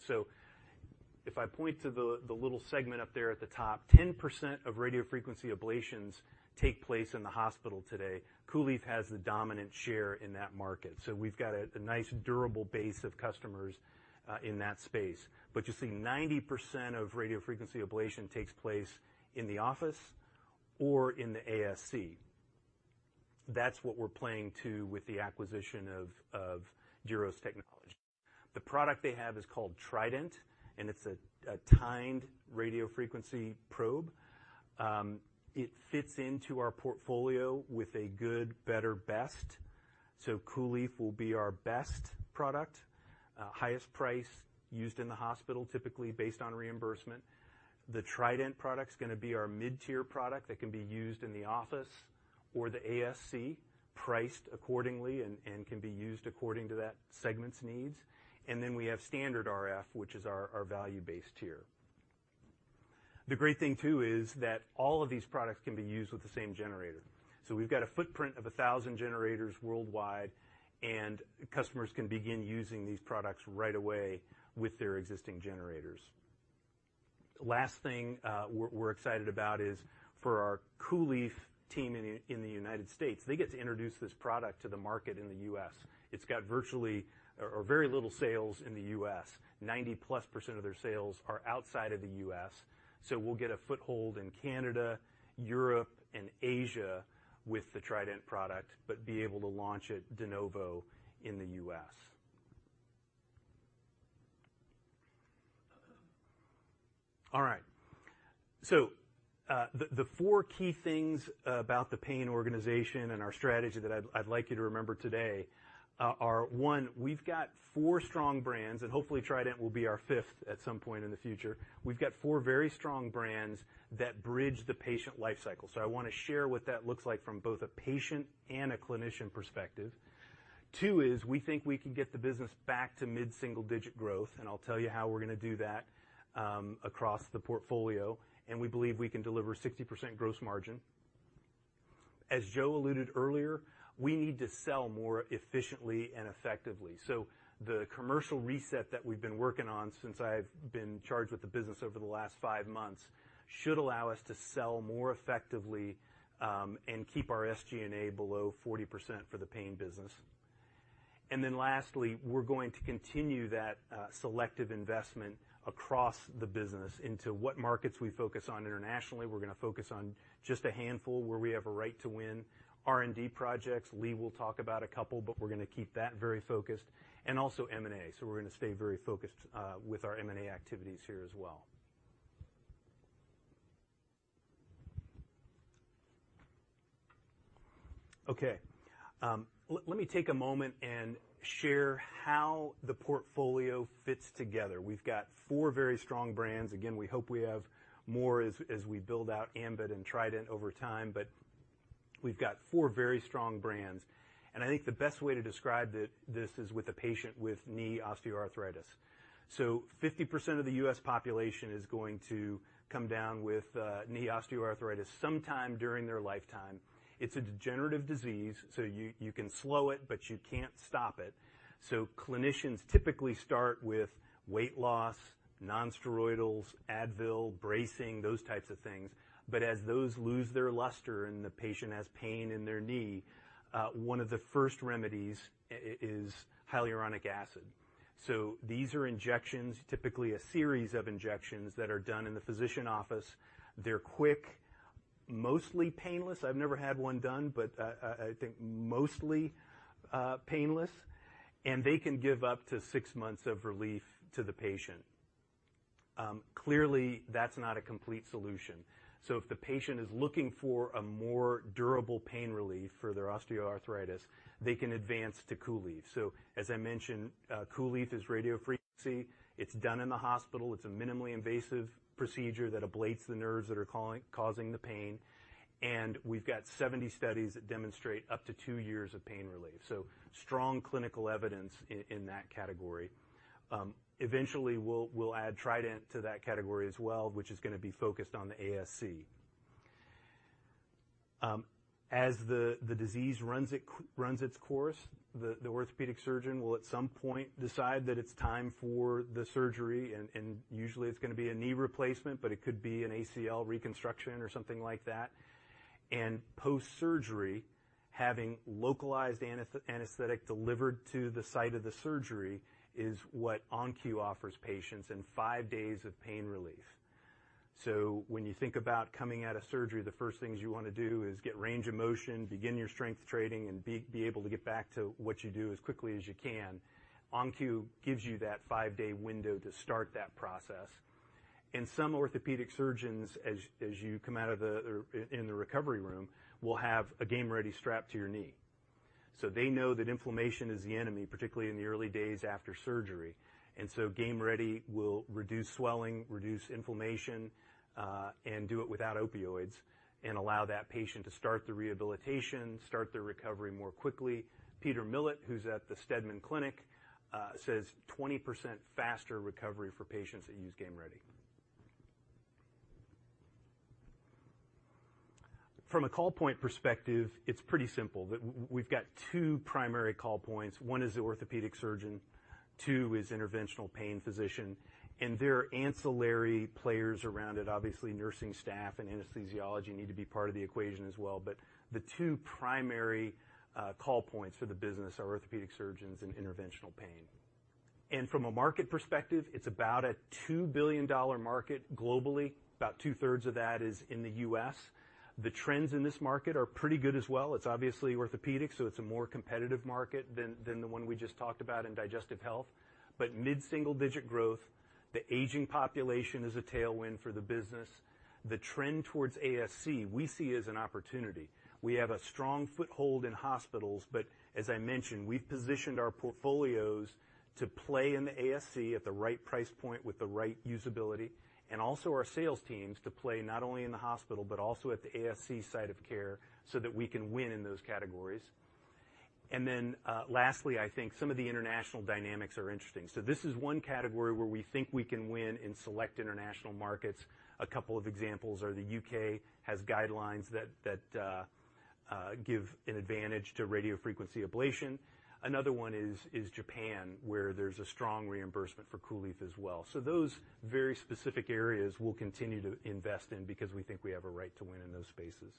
If I point to the little segment up there at the top, 10% of radiofrequency ablations take place in the hospital today. COOLIEF has the dominant share in that market. We've got a nice, durable base of customers in that space. You see, 90% of radiofrequency ablation takes place in the office or in the ASC. That's what we're playing to with the acquisition of Diros Technology. The product they have is called Trident, and it's a tined radiofrequency probe. It fits into our portfolio with a good, better, best. COOLIEF will be our best product, highest price used in the hospital, typically based on reimbursement. The Trident product's gonna be our mid-tier product that can be used in the office or the ASC, priced accordingly and can be used according to that segment's needs. Then we have standard RF, which is our value-based tier. The great thing, too, is that all of these products can be used with the same generator. We've got a footprint of 1,000 generators worldwide, and customers can begin using these products right away with their existing generators. Last thing, we're excited about is for our COOLIEF team in the United States, they get to introduce this product to the market in the U.S. It's got virtually or very little sales in the U.S. 90%+ of their sales are outside of the U.S., we'll get a foothold in Canada, Europe, and Asia with the Trident product, but be able to launch it de novo in the U.S. All right. The 4 key things about the pain organization and our strategy that I'd like you to remember today are, 1, we've got 4 strong brands, and hopefully Trident will be our fifth at some point in the future. We've got 4 very strong brands that bridge the patient life cycle. I wanna share what that looks like from both a patient and a clinician perspective. 2 is we think we can get the business back to mid-single-digit growth, and I'll tell you how we're gonna do that across the portfolio, and we believe we can deliver 60% gross margin. As Joe alluded earlier, we need to sell more efficiently and effectively. The commercial reset that we've been working on since I've been charged with the business over the last five months, should allow us to sell more effectively, and keep our SG&A below 40% for the pain business. Lastly, we're going to continue that selective investment across the business into what markets we focus on internationally. We're gonna focus on just a handful where we have a right to win. R&D projects, Lee will talk about a couple, but we're gonna keep that very focused and also M&A. We're gonna stay very focused with our M&A activities here as well. Okay, let me take a moment and share how the portfolio fits together. We've got four very strong brands. We hope we have more as we build out ambIT and Trident over time. We've got four very strong brands. I think the best way to describe it, this is with a patient with knee osteoarthritis. 50% of the U.S. population is going to come down with knee osteoarthritis sometime during their lifetime. It's a degenerative disease, you can slow it, but you can't stop it. Clinicians typically start with weight loss, nonsteroidals, Advil, bracing, those types of things. As those lose their luster, the patient has pain in their knee, one of the first remedies is hyaluronic acid. These are injections, typically a series of injections that are done in the physician office. They're quick, mostly painless. I've never had one done, I think mostly painless, and they can give up to six months of relief to the patient. Clearly, that's not a complete solution. If the patient is looking for a more durable pain relief for their osteoarthritis, they can advance to COOLIEF. As I mentioned, COOLIEF is radiofrequency. It's done in the hospital. It's a minimally invasive procedure that ablates the nerves that are causing the pain. We've got 70 studies that demonstrate up to two years of pain relief, so strong clinical evidence in that category. Eventually, we'll add Trident to that category as well, which is gonna be focused on the ASC.... As the disease runs its course, the orthopedic surgeon will at some point decide that it's time for the surgery, and usually it's gonna be a knee replacement, but it could be an ACL reconstruction or something like that. Post-surgery, having localized anesthetic delivered to the site of the surgery is what ON-Q offers patients, and five days of pain relief. When you think about coming out of surgery, the first things you wanna do is get range of motion, begin your strength training, and be able to get back to what you do as quickly as you can. ON-Q gives you that five-day window to start that process. Some orthopedic surgeons, as you come out of the recovery room, will have a Game Ready strapped to your knee. They know that inflammation is the enemy, particularly in the early days after surgery, and so Game Ready will reduce swelling, reduce inflammation, and do it without opioids and allow that patient to start the rehabilitation, start their recovery more quickly. Peter Millett, who's at The Steadman Clinic, says 20% faster recovery for patients that use Game Ready. From a call point perspective, it's pretty simple. We've got two primary call points. One is the orthopedic surgeon, two is interventional pain physician, and there are ancillary players around it. Obviously, nursing staff and anesthesiology need to be part of the equation as well. The two primary call points for the business are orthopedic surgeons and interventional pain. From a market perspective, it's about a $2 billion market globally. About 2/3 of that is in the U.S. The trends in this market are pretty good as well. It's obviously orthopedics, so it's a more competitive market than the one we just talked about in digestive health, but mid-single-digit growth. The aging population is a tailwind for the business. The trend towards ASC, we see as an opportunity. We have a strong foothold in hospitals, but as I mentioned, we've positioned our portfolios to play in the ASC at the right price point with the right usability, and also our sales teams to play not only in the hospital, but also at the ASC site of care, so that we can win in those categories. Lastly, I think some of the international dynamics are interesting. This is one category where we think we can win in select international markets. A couple of examples are the U.K. has guidelines that give an advantage to radiofrequency ablation. Another one is Japan, where there's a strong reimbursement for COOLIEF as well. Those very specific areas we'll continue to invest in because we think we have a right to win in those spaces.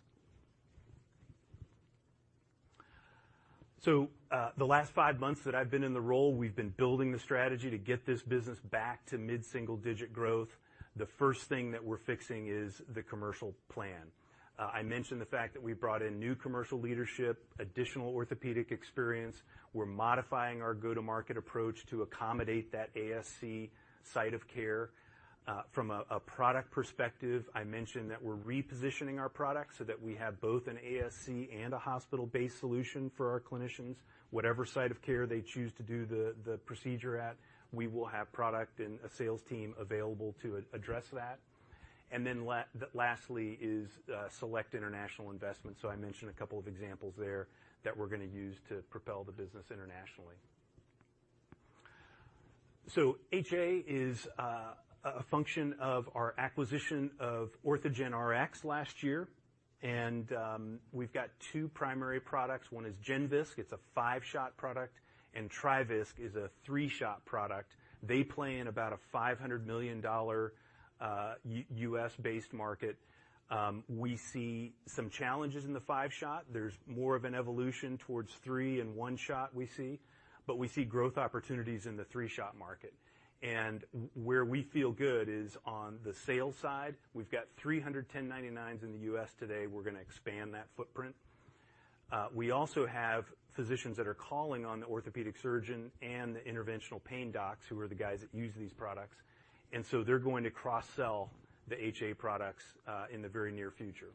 The last five months that I've been in the role, we've been building the strategy to get this business back to mid-single-digit growth. The first thing that we're fixing is the commercial plan. I mentioned the fact that we brought in new commercial leadership, additional orthopedic experience. We're modifying our go-to-market approach to accommodate that ASC site of care. From a product perspective, I mentioned that we're repositioning our products so that we have both an ASC and a hospital-based solution for our clinicians. Whatever site of care they choose to do the procedure at, we will have product and a sales team available to address that. Lastly is select international investments. I mentioned a couple of examples there that we're gonna use to propel the business internationally. HA is a function of our acquisition of OrthogenRx last year, and we've got two primary products. One is GenVisc, it's a Five-Shot product, and TriVisc is a Three-Shot product. They play in about a $500 million U.S.-based market. We see some challenges in the Five-Shot. There's more of an evolution towards Three- Shot and One-Shot, we see, but we see growth opportunities in the Three-Shot market. Where we feel good is on the sales side. We've got 300 1099s in the U.S. today, we're gonna expand that footprint. We also have physicians that are calling on the orthopedic surgeon and the interventional pain docs, who are the guys that use these products, and so they're going to cross-sell the HA products in the very near future.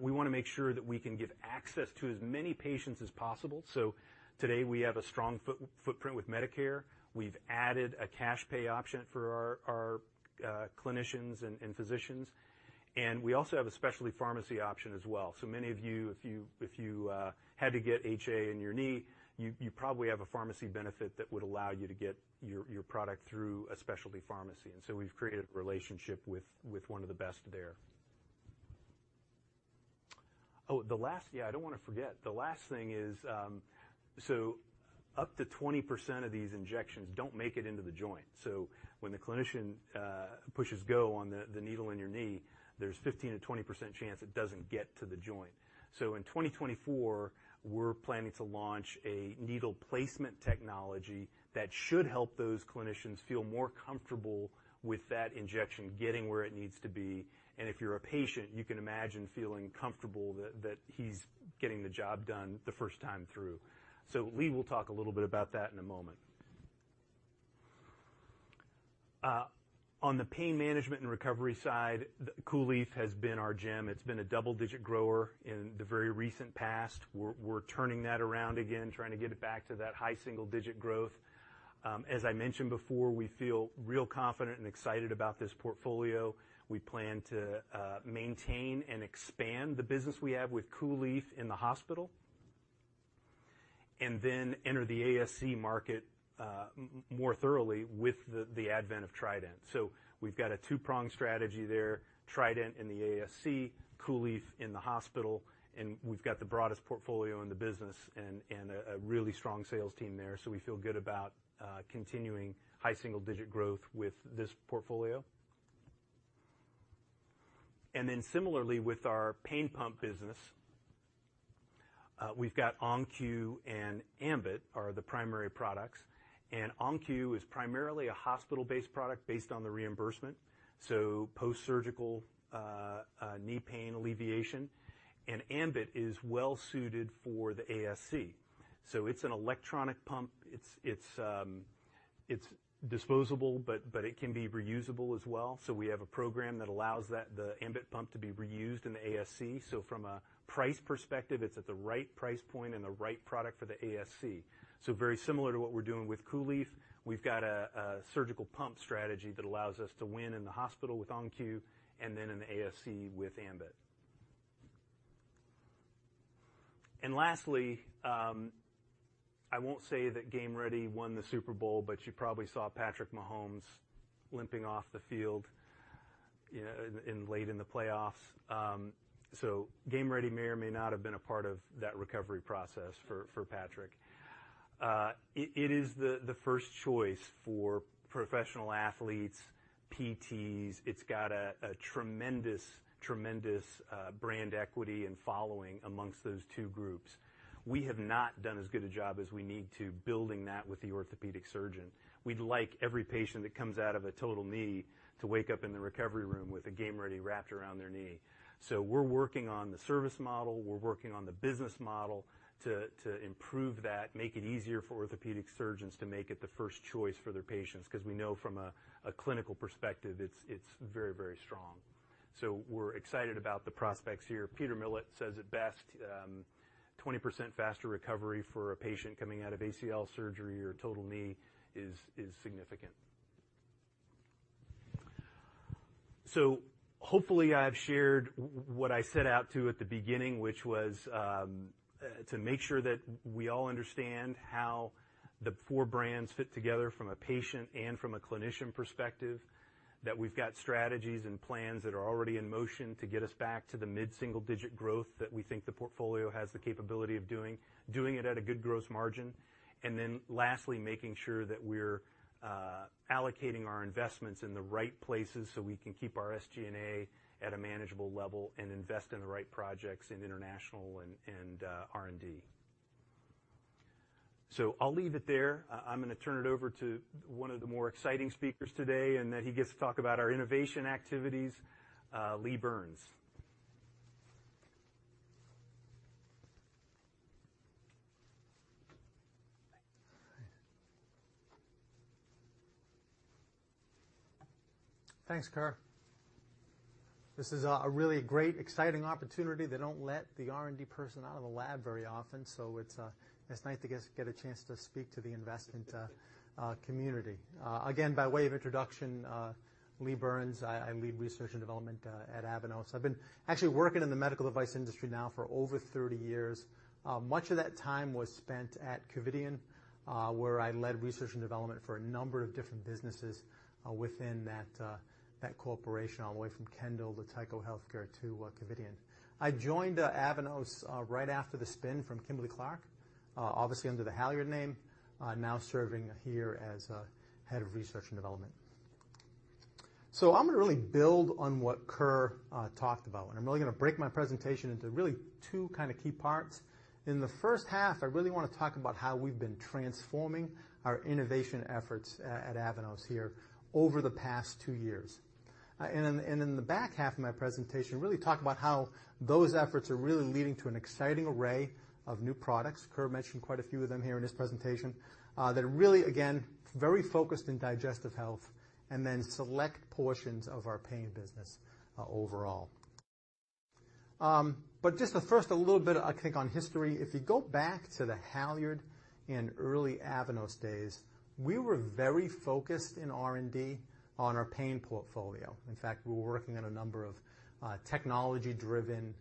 We wanna make sure that we can give access to as many patients as possible. So today, we have a strong footprint with Medicare. We've added a cash pay option for our clinicians and physicians, and we also have a specialty pharmacy option as well. So many of you, if you, if you had to get HA in your knee, you probably have a pharmacy benefit that would allow you to get your product through a specialty pharmacy. We've created a relationship with one of the best there. I don't wanna forget. The last thing is up to 20% of these injections don't make it into the joint. When the clinician pushes go on the needle in your knee, there's 15%-20% chance it doesn't get to the joint. In 2024, we're planning to launch a needle placement technology that should help those clinicians feel more comfortable with that injection getting where it needs to be. If you're a patient, you can imagine feeling comfortable that he's getting the job done the first time through. Lee will talk a little bit about that in a moment. On the Pain Management and Recovery side, COOLIEF has been our gem. It's been a double-digit grower in the very recent past. We're turning that around again, trying to get it back to high-single-digit growth. As I mentioned before, we feel real confident and excited about this portfolio. We plan to maintain and expand the business we have with COOLIEF in the hospital. Then enter the ASC market more thoroughly with the advent of Trident. We've got a two-pronged strategy there, Trident in the ASC, COOLIEF in the hospital, and we've got the broadest portfolio in the business and a really strong sales team there. We feel good about high-single-digit growth with this portfolio. Then similarly, with our pain pump business, we've got ON-Q and ambIT are the primary products. ON-Q is primarily a hospital-based product based on the reimbursement, so postsurgical knee pain alleviation. ambIT is well suited for the ASC. It's an electronic pump. It's disposable, but it can be reusable as well. We have a program that allows the ambIT pump to be reused in the ASC. From a price perspective, it's at the right price point and the right product for the ASC. Very similar to what we're doing with COOLIEF, we've got a surgical pump strategy that allows us to win in the hospital with ON-Q and then in the ASC with ambIT. Lastly, I won't say that Game Ready won the Super Bowl, but you probably saw Patrick Mahomes limping off the field, you know, late in the playoffs. Game Ready may or may not have been a part of that recovery process for Patrick. It is the first choice for professional athletes, PTs. It's got a tremendous brand equity and following amongst those two groups. We have not done as good a job as we need to building that with the orthopedic surgeon. We'd like every patient that comes out of a total knee to wake up in the recovery room with a Game Ready wrapped around their knee. We're working on the service model, we're working on the business model to improve that, make it easier for orthopedic surgeons to make it the first choice for their patients, 'cause we know from a clinical perspective, it's very, very strong. We're excited about the prospects here. Peter Millett says it best, 20% faster recovery for a patient coming out of ACL surgery or total knee is significant. Hopefully, I've shared what I set out to at the beginning, which was to make sure that we all understand how the four brands fit together from a patient and from a clinician perspective, that we've got strategies and plans that are already in motion to get us back to the mid-single-digit growth that we think the portfolio has the capability of doing it at a good gross margin, and then lastly, making sure that we're allocating our investments in the right places so we can keep our SG&A at a manageable level and invest in the right projects in international and R&D. I'll leave it there. I'm gonna turn it over to one of the more exciting speakers today, and then he gets to talk about our innovation activities, Lee Burnes. Thanks, Kerr. This is a really great, exciting opportunity. They don't let the R&D person out of the lab very often, so it's nice to get a chance to speak to the investment community. Again, by way of introduction, Lee Burnes, I lead research and development at Avanos. I've been actually working in the medical device industry now for over 30 years. Much of that time was spent at Covidien, where I led research and development for a number of different businesses within that corporation, all the way from Kendall to Tyco Healthcare to Covidien. I joined Avanos, right after the spin from Kimberly-Clark, obviously under the Halyard name, now serving here as Head of Research and Development. I'm gonna really build on what Kerr talked about, and I'm really gonna break my presentation into really two kind of key parts. In the first half, I really wanna talk about how we've been transforming our innovation efforts at Avanos here over the past two years. In the back half of my presentation, really talk about how those efforts are really leading to an exciting array of new products, Kerr mentioned quite a few of them here in his presentation, that are really, again, very focused in digestive health and then select portions of our pain business overall. Just the first, a little bit, I think, on history. If you go back to the Halyard and early Avanos days, we were very focused in R&D on our pain portfolio. In fact, we were working on a number of technology-driven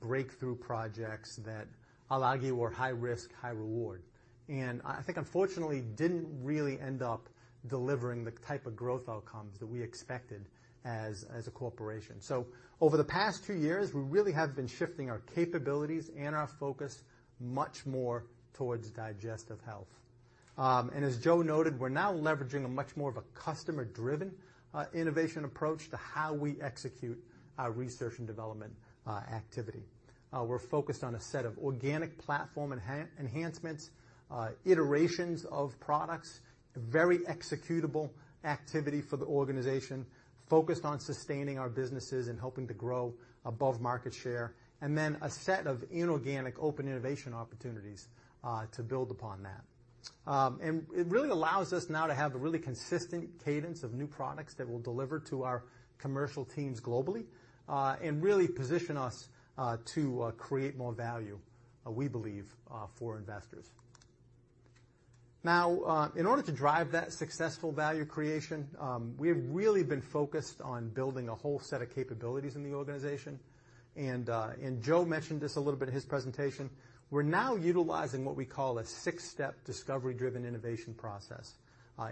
breakthrough projects that I'll argue were high risk, high reward, and I think unfortunately, didn't really end up delivering the type of growth outcomes that we expected as a corporation. Over the past two years, we really have been shifting our capabilities and our focus much more towards digestive health. As Joe noted, we're now leveraging a much more of a customer-driven innovation approach to how we execute our research and development activity. We're focused on a set of organic platform enhancements, iterations of products, very executable activity for the organization, focused on sustaining our businesses and helping to grow above market share, a set of inorganic open innovation opportunities to build upon that. It really allows us now to have a really consistent cadence of new products that we'll deliver to our commercial teams globally, and really position us to create more value, we believe, for investors. Now, in order to drive that successful value creation, we have really been focused on building a whole set of capabilities in the organization. Joe mentioned this a little bit in his presentation. We're now utilizing what we call a six-step discovery-driven innovation process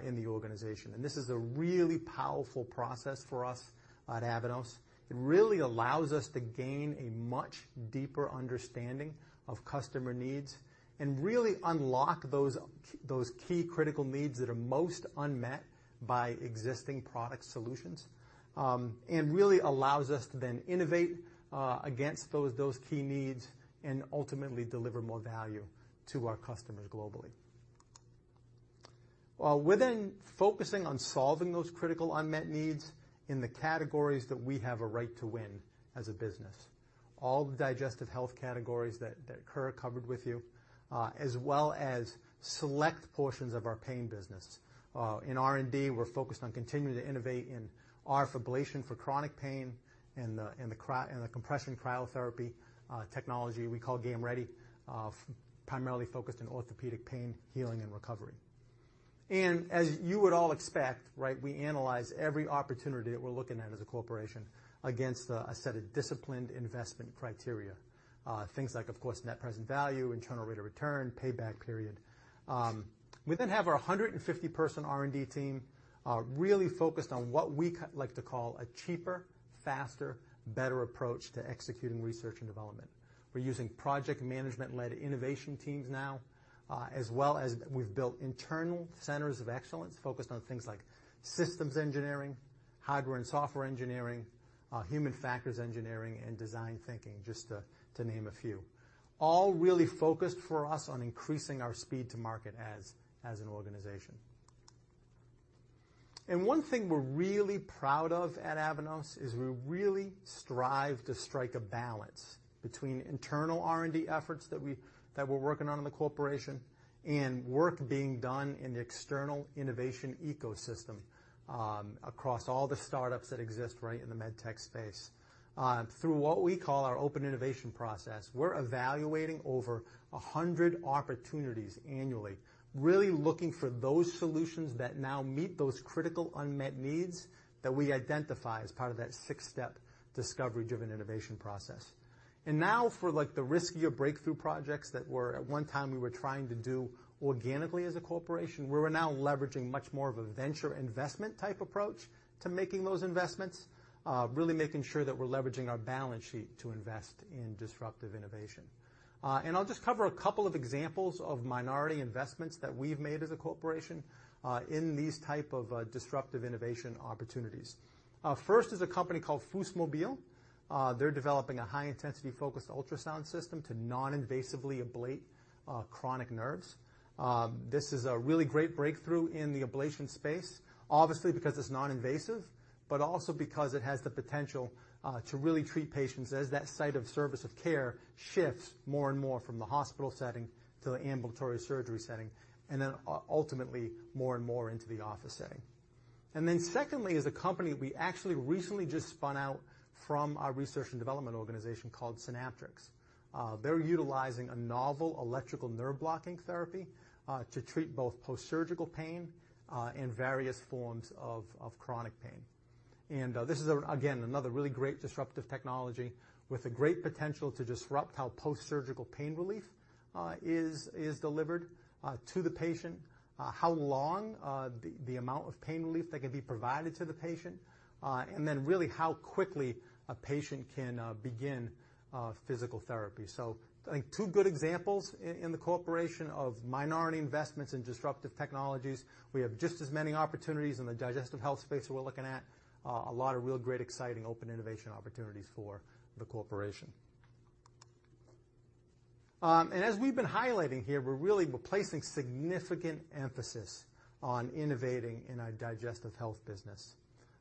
in the organization, and this is a really powerful process for us at Avanos. It really allows us to gain a much deeper understanding of customer needs and really unlock those key critical needs that are most unmet by existing product solutions. Really allows us to then innovate against those key needs and ultimately deliver more value to our customers globally. Within focusing on solving those critical unmet needs in the categories that we have a right to win as a business, all the digestive health categories that Kerr covered with you, as well as select portions of our pain business. In R&D, we're focused on continuing to innovate in RF ablation for chronic pain and the compression cryotherapy technology we call Game Ready, primarily focused on orthopedic pain, healing, and recovery. As you would all expect, right, we analyze every opportunity that we're looking at as a corporation against a set of disciplined investment criteria. Things like, of course, net present value, internal rate of return, payback period. We have our 150-person R&D team really focused on what we like to call a cheaper, faster, better approach to executing research and development. We're using project management-led innovation teams now, as well as we've built internal centers of excellence focused on things like systems engineering, hardware and software engineering, human factors engineering, and design thinking, just to name a few. All really focused for us on increasing our speed to market as an organization. One thing we're really proud of at Avanos is we really strive to strike a balance between internal R&D efforts that we're working on in the corporation and work being done in the external innovation ecosystem across all the startups that exist right in the med tech space. Through what we call our open innovation process, we're evaluating over 100 opportunities annually, really looking for those solutions that now meet those critical unmet needs that we identify as part of that six-step discovery-driven innovation process. Now, for, like, the riskier breakthrough projects that were, at one time, we were trying to do organically as a corporation, we're now leveraging much more of a venture investment type approach to making those investments, really making sure that we're leveraging our balance sheet to invest in disruptive innovation. I'll just cover a couple of examples of minority investments that we've made as a corporation, in these type of disruptive innovation opportunities. First is a company called FUSMobile. They're developing a high-intensity focused ultrasound system to non-invasively ablate chronic nerves. This is a really great breakthrough in the ablation space, obviously, because it's non-invasive, but also because it has the potential to really treat patients as that site of service of care shifts more and more from the hospital setting to the ambulatory surgery setting, and then ultimately, more and more into the office setting. Secondly, is a company we actually recently just spun out from our research and development organization called Synaptrix. They're utilizing a novel electrical nerve blocking therapy to treat both post-surgical pain and various forms of chronic pain. This is, again, another really great disruptive technology with a great potential to disrupt how post-surgical pain relief is delivered to the patient, how long, the amount of pain relief that can be provided to the patient, and then really how quickly a patient can begin physical therapy. I think 2 good examples in the corporation of minority investments in disruptive technologies. We have just as many opportunities in the digestive health space we're looking at, a lot of real great exciting open innovation opportunities for the corporation. As we've been highlighting here, we're really placing significant emphasis on innovating in our digestive health business.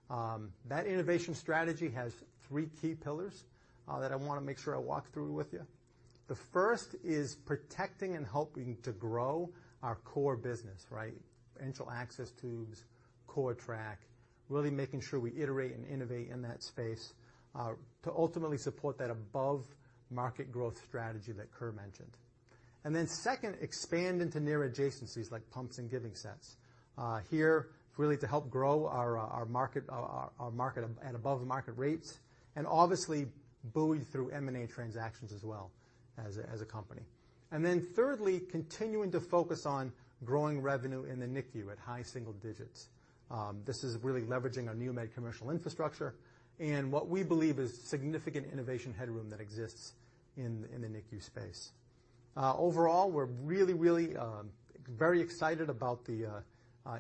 That innovation strategy has 3 key pillars that I want to make sure I walk through with you. The first is protecting and helping to grow our core business, right? Enteral access tubes, CORTRAK, really making sure we iterate and innovate in that space to ultimately support that above-market growth strategy that Kerr mentioned. Second, expand into near adjacencies like pumps and giving sets. Here, really to help grow our market, our market at above market rates, obviously buoy through M&A transactions as well as a, as a company. Thirdly, continuing to focus on growing revenue in the NICU at high single digits. This is really leveraging our NeoMed commercial infrastructure and what we believe is significant innovation headroom that exists in the NICU space. Overall, we're really excited about the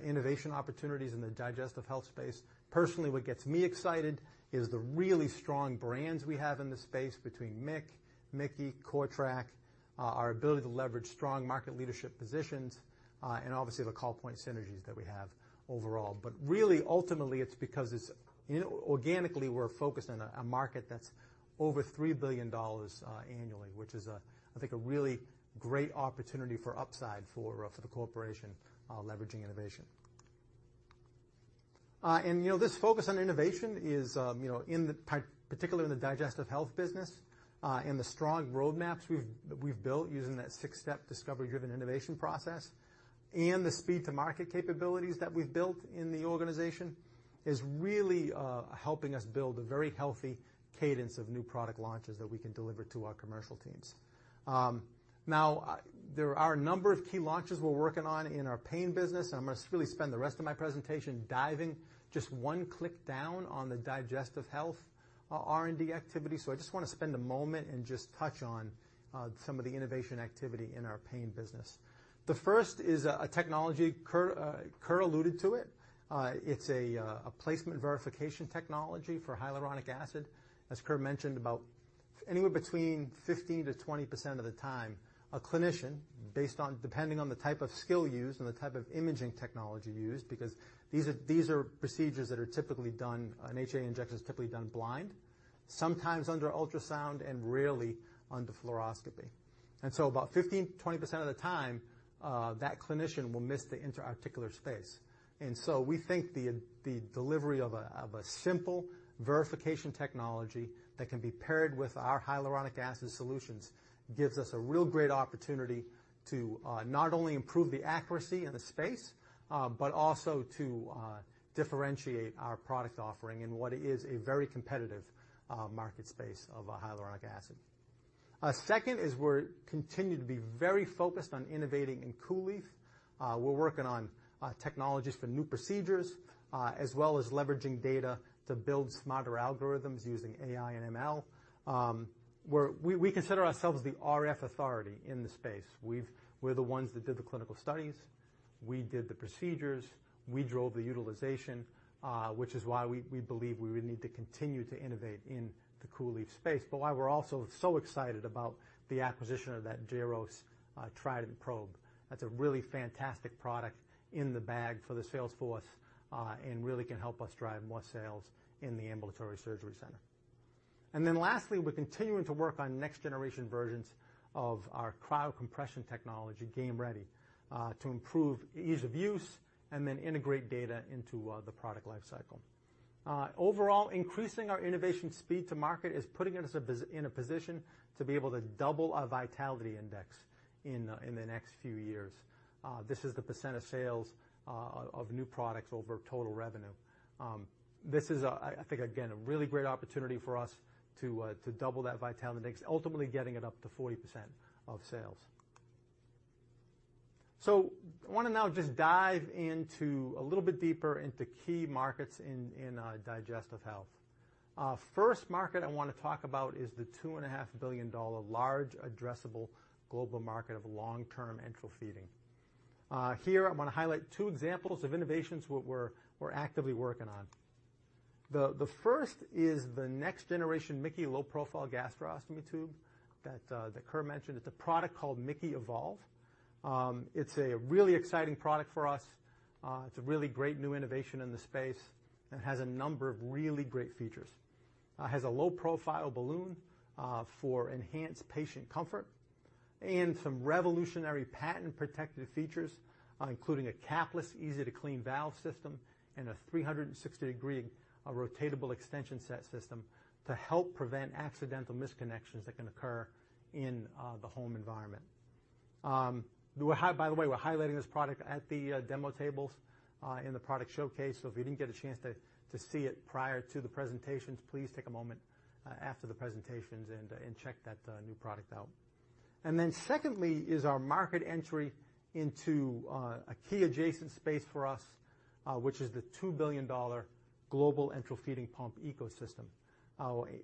innovation opportunities in the digestive health space. Personally, what gets me excited is the really strong brands we have in this space between MIC-KEY, MIC-KEY Evolve, CORTRAK, our ability to leverage strong market leadership positions, and obviously, the call point synergies that we have overall. Really, ultimately, it's because organically, we're focused on a market that's over $3 billion annually, which is, I think, a really great opportunity for upside for the corporation, leveraging innovation. You know, this focus on innovation is, you know, particularly in the digestive health business, and the strong roadmaps we've built using that six-step discovery-driven innovation process and the speed-to-market capabilities that we've built in the organization, is really helping us build a very healthy cadence of new product launches that we can deliver to our commercial teams. There are a number of key launches we're working on in our pain business, and I'm going to really spend the rest of my presentation diving just one click down on the digestive health R&D activity. I just want to spend a moment and just touch on some of the innovation activity in our pain business. The first is a technology, Kerr alluded to it. It's a placement verification technology for hyaluronic acid. As Kerr mentioned, about anywhere between 15%-20% of the time, a clinician, based on depending on the type of skill used and the type of imaging technology used, because these are procedures that are typically done, an HA injection is typically done blind, sometimes under ultrasound and rarely under fluoroscopy. About 15%-20% of the time, that clinician will miss the intra-articular space. We think the delivery of a simple verification technology that can be paired with our hyaluronic acid solutions gives us a real great opportunity to not only improve the accuracy in the space, but also to differentiate our product offering in what is a very competitive market space of a hyaluronic acid. Second is we're continuing to be very focused on innovating in COOLIEF. We're working on technologies for new procedures, as well as leveraging data to build smarter algorithms using AI and ML. We consider ourselves the RF authority in the space. We're the ones that did the clinical studies. We did the procedures. We drove the utilization, which is why we believe we would need to continue to innovate in the COOLIEF space, but why we're also so excited about the acquisition of that Diros Trident probe. That's a really fantastic product in the bag for the sales force, and really can help us drive more sales in the ambulatory surgery center. Lastly, we're continuing to work on next-generation versions of our cryocompression technology, Game Ready, to improve ease of use and then integrate data into the product life cycle. Overall, increasing our innovation speed to market is putting us in a position to be able to double our Vitality Index in the next few years. This is the % of sales, of new products over total revenue. This is, again, a really great opportunity for us to double that Vitality Index, ultimately getting it up to 40% of sales. I want to now just dive into a little bit deeper into key markets in digestive health. First market I want to talk about is the $2.5 billion large addressable global market of long-term enteral feeding. Here I want to highlight two examples of innovations what we're actively working on. The first is the next generation MIC-KEY low-profile gastrostomy tube that Kerr mentioned. It's a product called MIC-KEY Evolve. It's a really exciting product for us. It's a really great new innovation in the space and has a number of really great features. It has a low-profile balloon for enhanced patient comfort and some revolutionary patent-protected features, including a capless, easy-to-clean valve system and a 360-degree rotatable extension set system to help prevent accidental misconnections that can occur in the home environment. By the way, we're highlighting this product at the demo tables in the product showcase, so if you didn't get a chance to see it prior to the presentations, please take a moment after the presentations and check that new product out. Secondly, is our market entry into a key adjacent space for us, which is the $2 billion global enteral feeding pump ecosystem,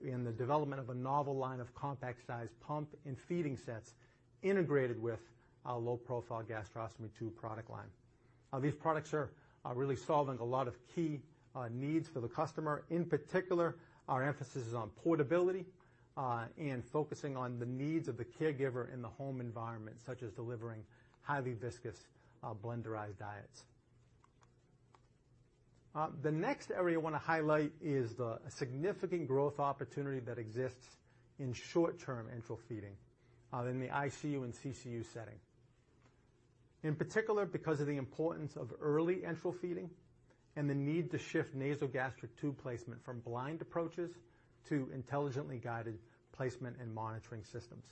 and the development of a novel line of compact size pump and feeding sets integrated with our low-profile gastrostomy tube product line. These products are really solving a lot of key needs for the customer. In particular, our emphasis is on portability and focusing on the needs of the caregiver in the home environment, such as delivering highly viscous, blenderized diets. The next area I want to highlight is the significant growth opportunity that exists in short-term enteral feeding in the ICU and CCU setting. In particular, because of the importance of early enteral feeding and the need to shift nasogastric tube placement from blind approaches to intelligently guided placement and monitoring systems.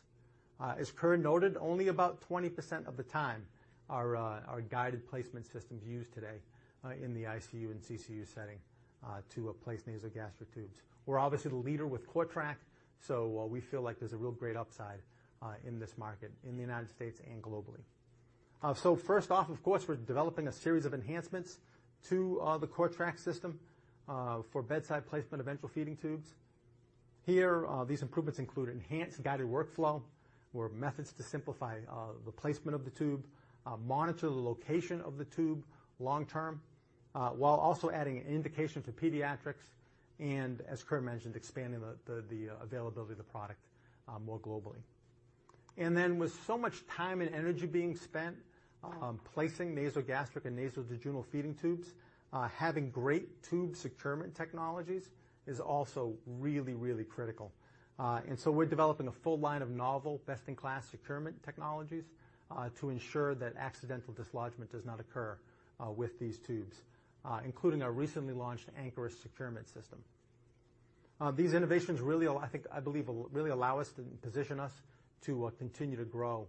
As Kerr noted, only about 20% of the time are guided placement systems used today in the ICU and CCU setting to place nasogastric tubes. We're obviously the leader with CORTRAK. We feel like there's a real great upside in this market in the United States and globally. First off, of course, we're developing a series of enhancements to the CORTRAK system for bedside placement of enteral feeding tubes. Here, these improvements include enhanced guided workflow, where methods to simplify the placement of the tube, monitor the location of the tube long term, while also adding an indication for pediatrics, and as Kerr mentioned, expanding the availability of the product more globally. With so much time and energy being spent placing nasogastric and nasojejunal feeding tubes, having great tube securement technologies is also really, really critical. We're developing a full line of novel best-in-class securement technologies to ensure that accidental dislodgement does not occur with these tubes, including our recently launched anchorless securement system. These innovations really will allow us to position us to continue to grow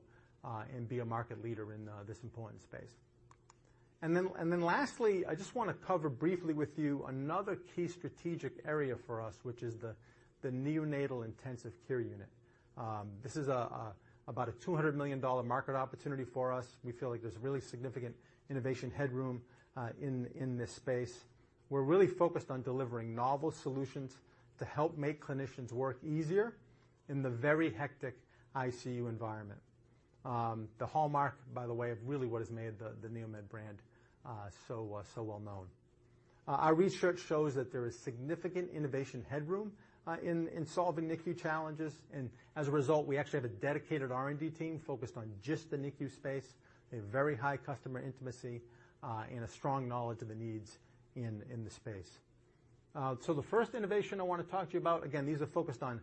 and be a market leader in this important space. lastly, I just want to cover briefly with you another key strategic area for us, which is the neonatal intensive care unit. this is about a $200 million market opportunity for us. We feel like there's really significant innovation headroom in this space. We're really focused on delivering novel solutions to help make clinicians' work easier in the very hectic ICU environment. The hallmark, by the way, of really what has made the NeoMed brand so well known. Our research shows that there is significant innovation headroom in solving NICU challenges, and as a result, we actually have a dedicated R&D team focused on just the NICU space, a very high customer intimacy and a strong knowledge of the needs in the space. The first innovation I want to talk to you about, again, these are focused on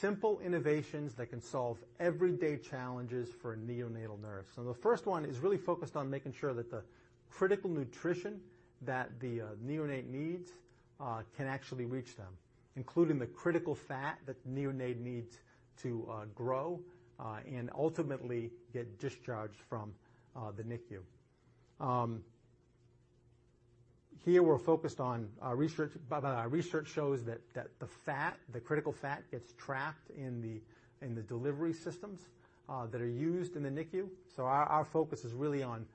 simple innovations that can solve everyday challenges for neonatal nurse. The first one is really focused on making sure that the critical nutrition that the neonate needs can actually reach them, including the critical fat that the neonate needs to grow and ultimately get discharged from the NICU. Here, we're focused on our research. Our research shows that the fat, the critical fat, gets trapped in the delivery systems that are used in the NICU. Our focus is really on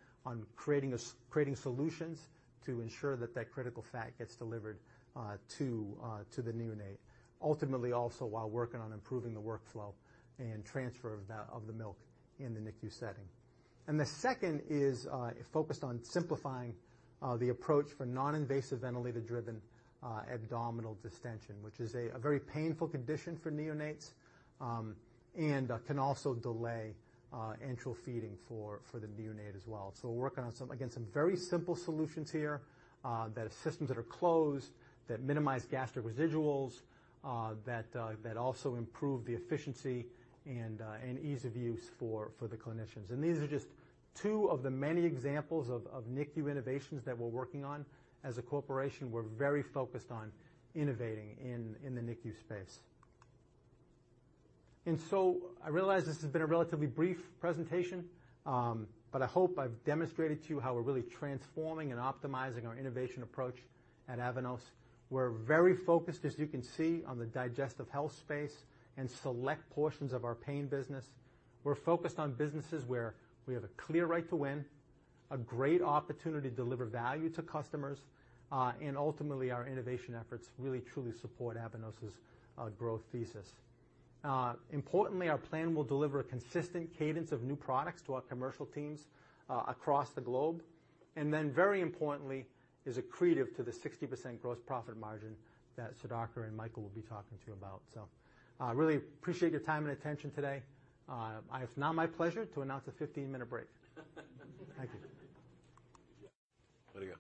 creating solutions to ensure that critical fat gets delivered to the neonate. Ultimately, also, while working on improving the workflow and transfer of the milk in the NICU setting. The second is focused on simplifying the approach for non-invasive ventilator-driven abdominal distension, which is a very painful condition for neonates, and can also delay enteral feeding for the neonate as well. We're working on some, again, some very simple solutions here, that are systems that are closed, that minimize gastric residuals, that also improve the efficiency and ease of use for the clinicians. These are just two of the many examples of NICU innovations that we're working on. As a corporation, we're very focused on innovating in the NICU space. I realize this has been a relatively brief presentation, but I hope I've demonstrated to you how we're really transforming and optimizing our innovation approach at Avanos. We're very focused, as you can see, on the digestive health space and select portions of our pain business. We're focused on businesses where we have a clear right to win, a great opportunity to deliver value to customers, and ultimately, our innovation efforts really, truly support Avanos's growth thesis. Importantly, our plan will deliver a consistent cadence of new products to our commercial teams across the globe, and then, very importantly, is accretive to the 60% gross profit margin that Sudhakar and Michael will be talking to you about. Really appreciate your time and attention today. It's now my pleasure to announce a 15-minute break. Thank you.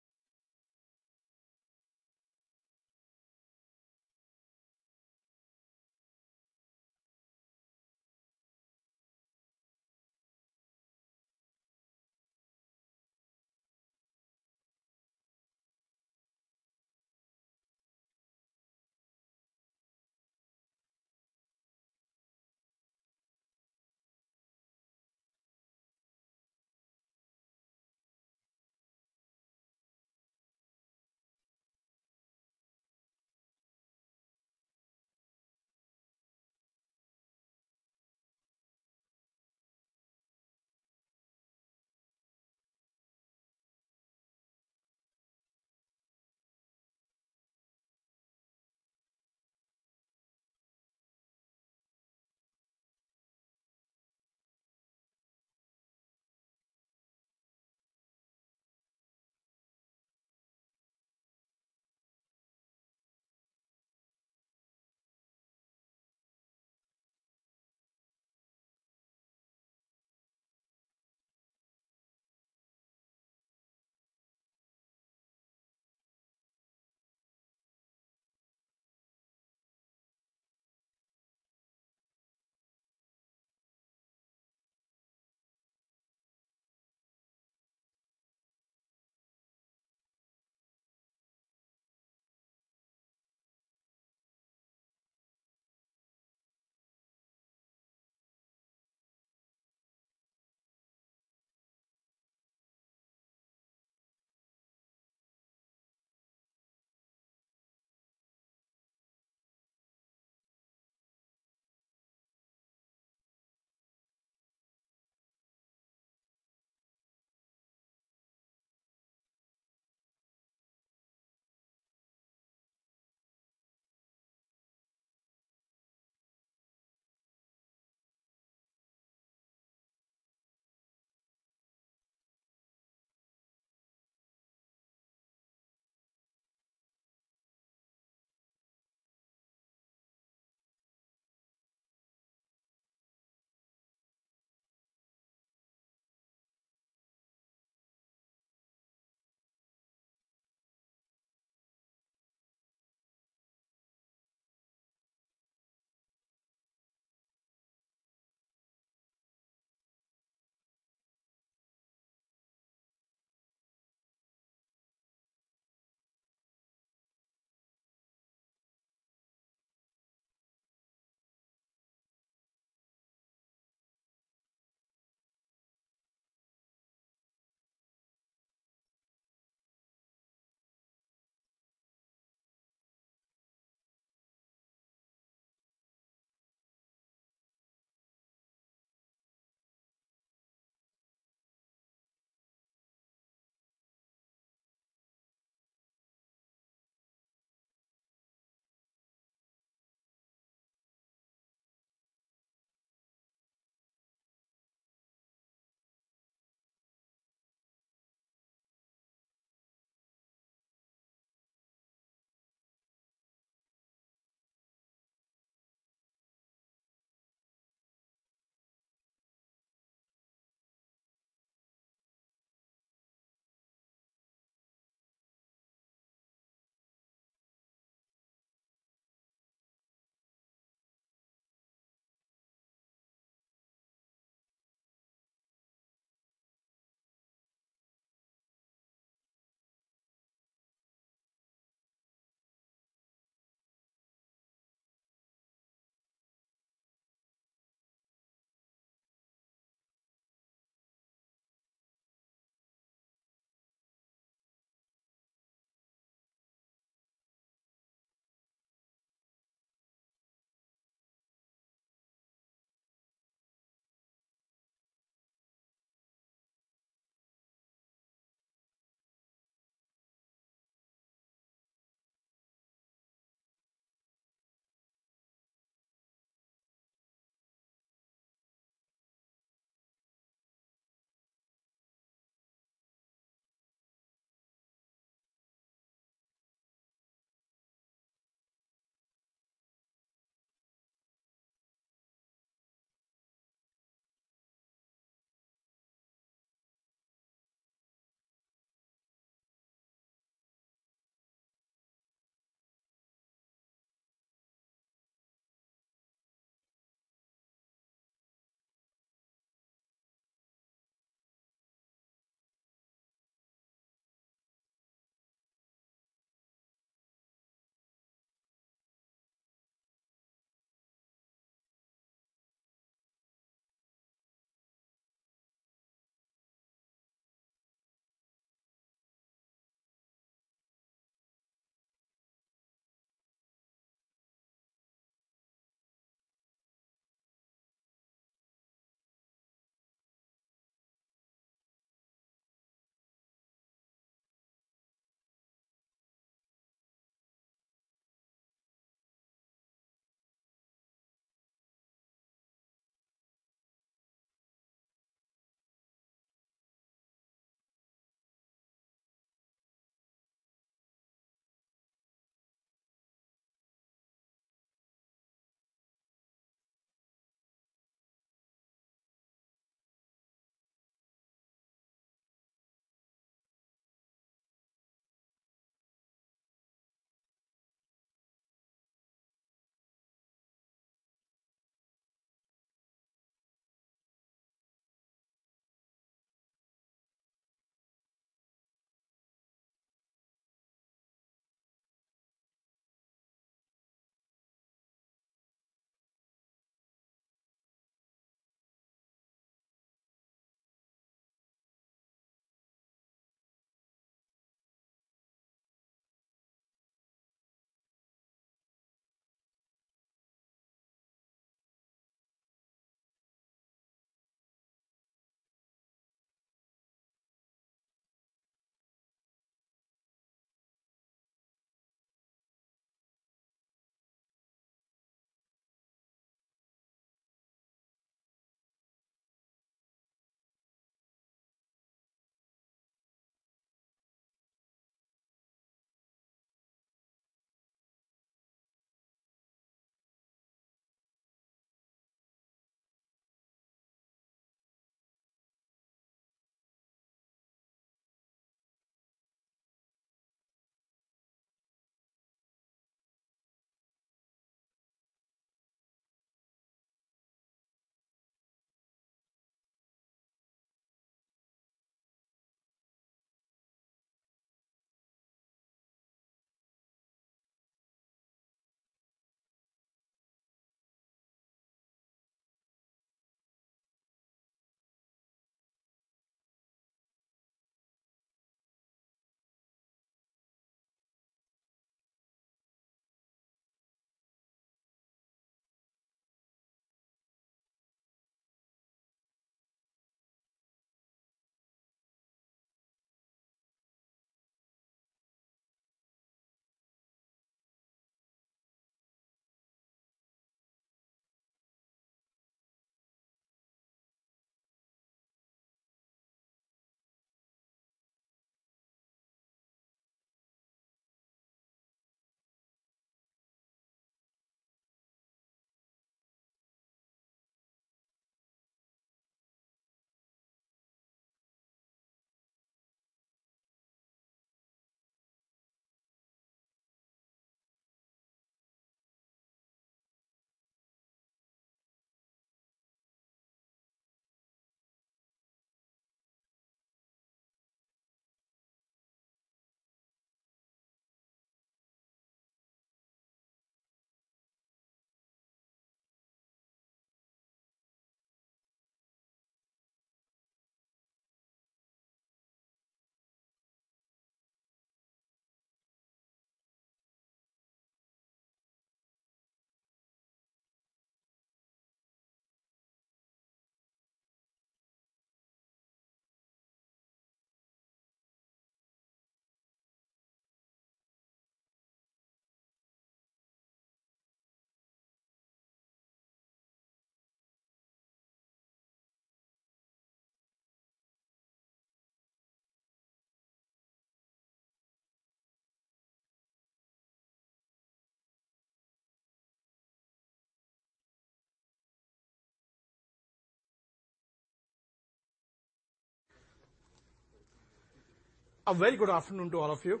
Way to go! A very good afternoon to all of you.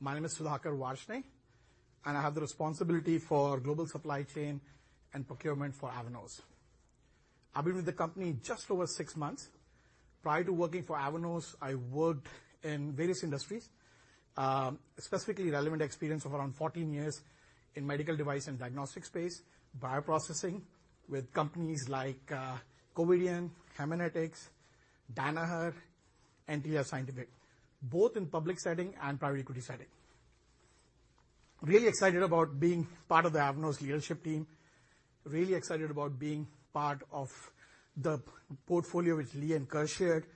My name is Sudhakar Varshney. I have the responsibility for global supply chain and procurement for Avanos. I've been with the company just over six months. Prior to working for Avanos, I worked in various industries, specifically relevant experience of around 14 years in medical device and diagnostic space, bioprocessing with companies like Covidien, Haemonetics, Danaher, and TF Scientific, both in public setting and private equity setting. Really excited about being part of the Avanos leadership team, really excited about being part of the portfolio, which Lee and Kerr shared,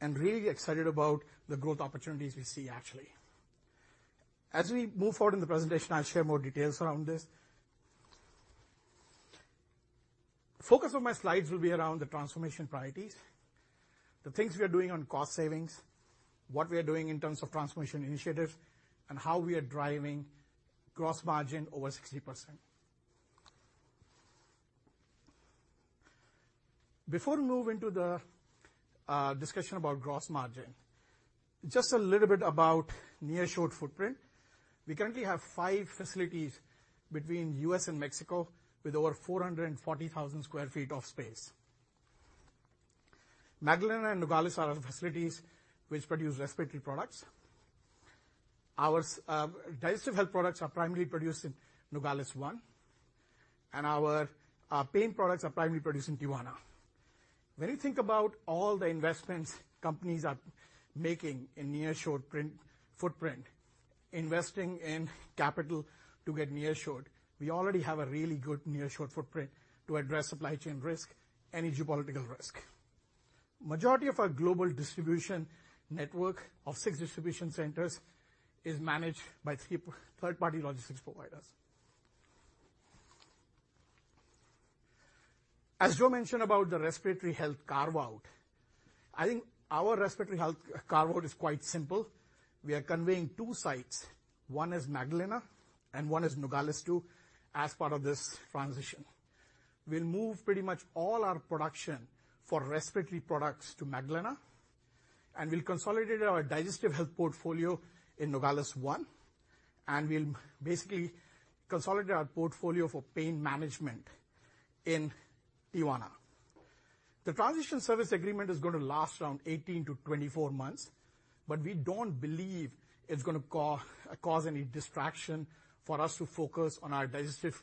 and really excited about the growth opportunities we see actually. As we move forward in the presentation, I'll share more details around this. The focus of my slides will be around the transformation priorities, the things we are doing on cost savings, what we are doing in terms of transformation initiatives, and how we are driving gross margin over 60%. Before we move into the discussion about gross margin, just a little bit about nearshore footprint. We currently have five facilities between U.S. and Mexico, with over 440,000 sq ft of space. Magdalena and Nogales are our facilities which produce respiratory products. Our digestive health products are primarily produced in Nogales 1, and our pain products are primarily produced in Tijuana. When you think about all the investments companies are making in nearshore footprint, investing in capital to get near short, we already have a really good nearshore footprint to address supply chain risk and geopolitical risk. Majority of our global distribution network of six distribution centers is managed by three third-party logistics providers. As Joe mentioned about the Respiratory Health carve-out, I think our Respiratory Health carve-out is quite simple. We are conveying two sites. One is Magdalena, and one is Nogales 2 as part of this transition. We'll move pretty much all our production for respiratory products to Magdalena, and we'll consolidate our digestive health portfolio in Nogales 1, and we'll basically consolidate our portfolio for pain management in Tijuana. The transition service agreement is going to last around 18 months-24 months, We don't believe it's gonna cause any distraction for us to focus on our digestive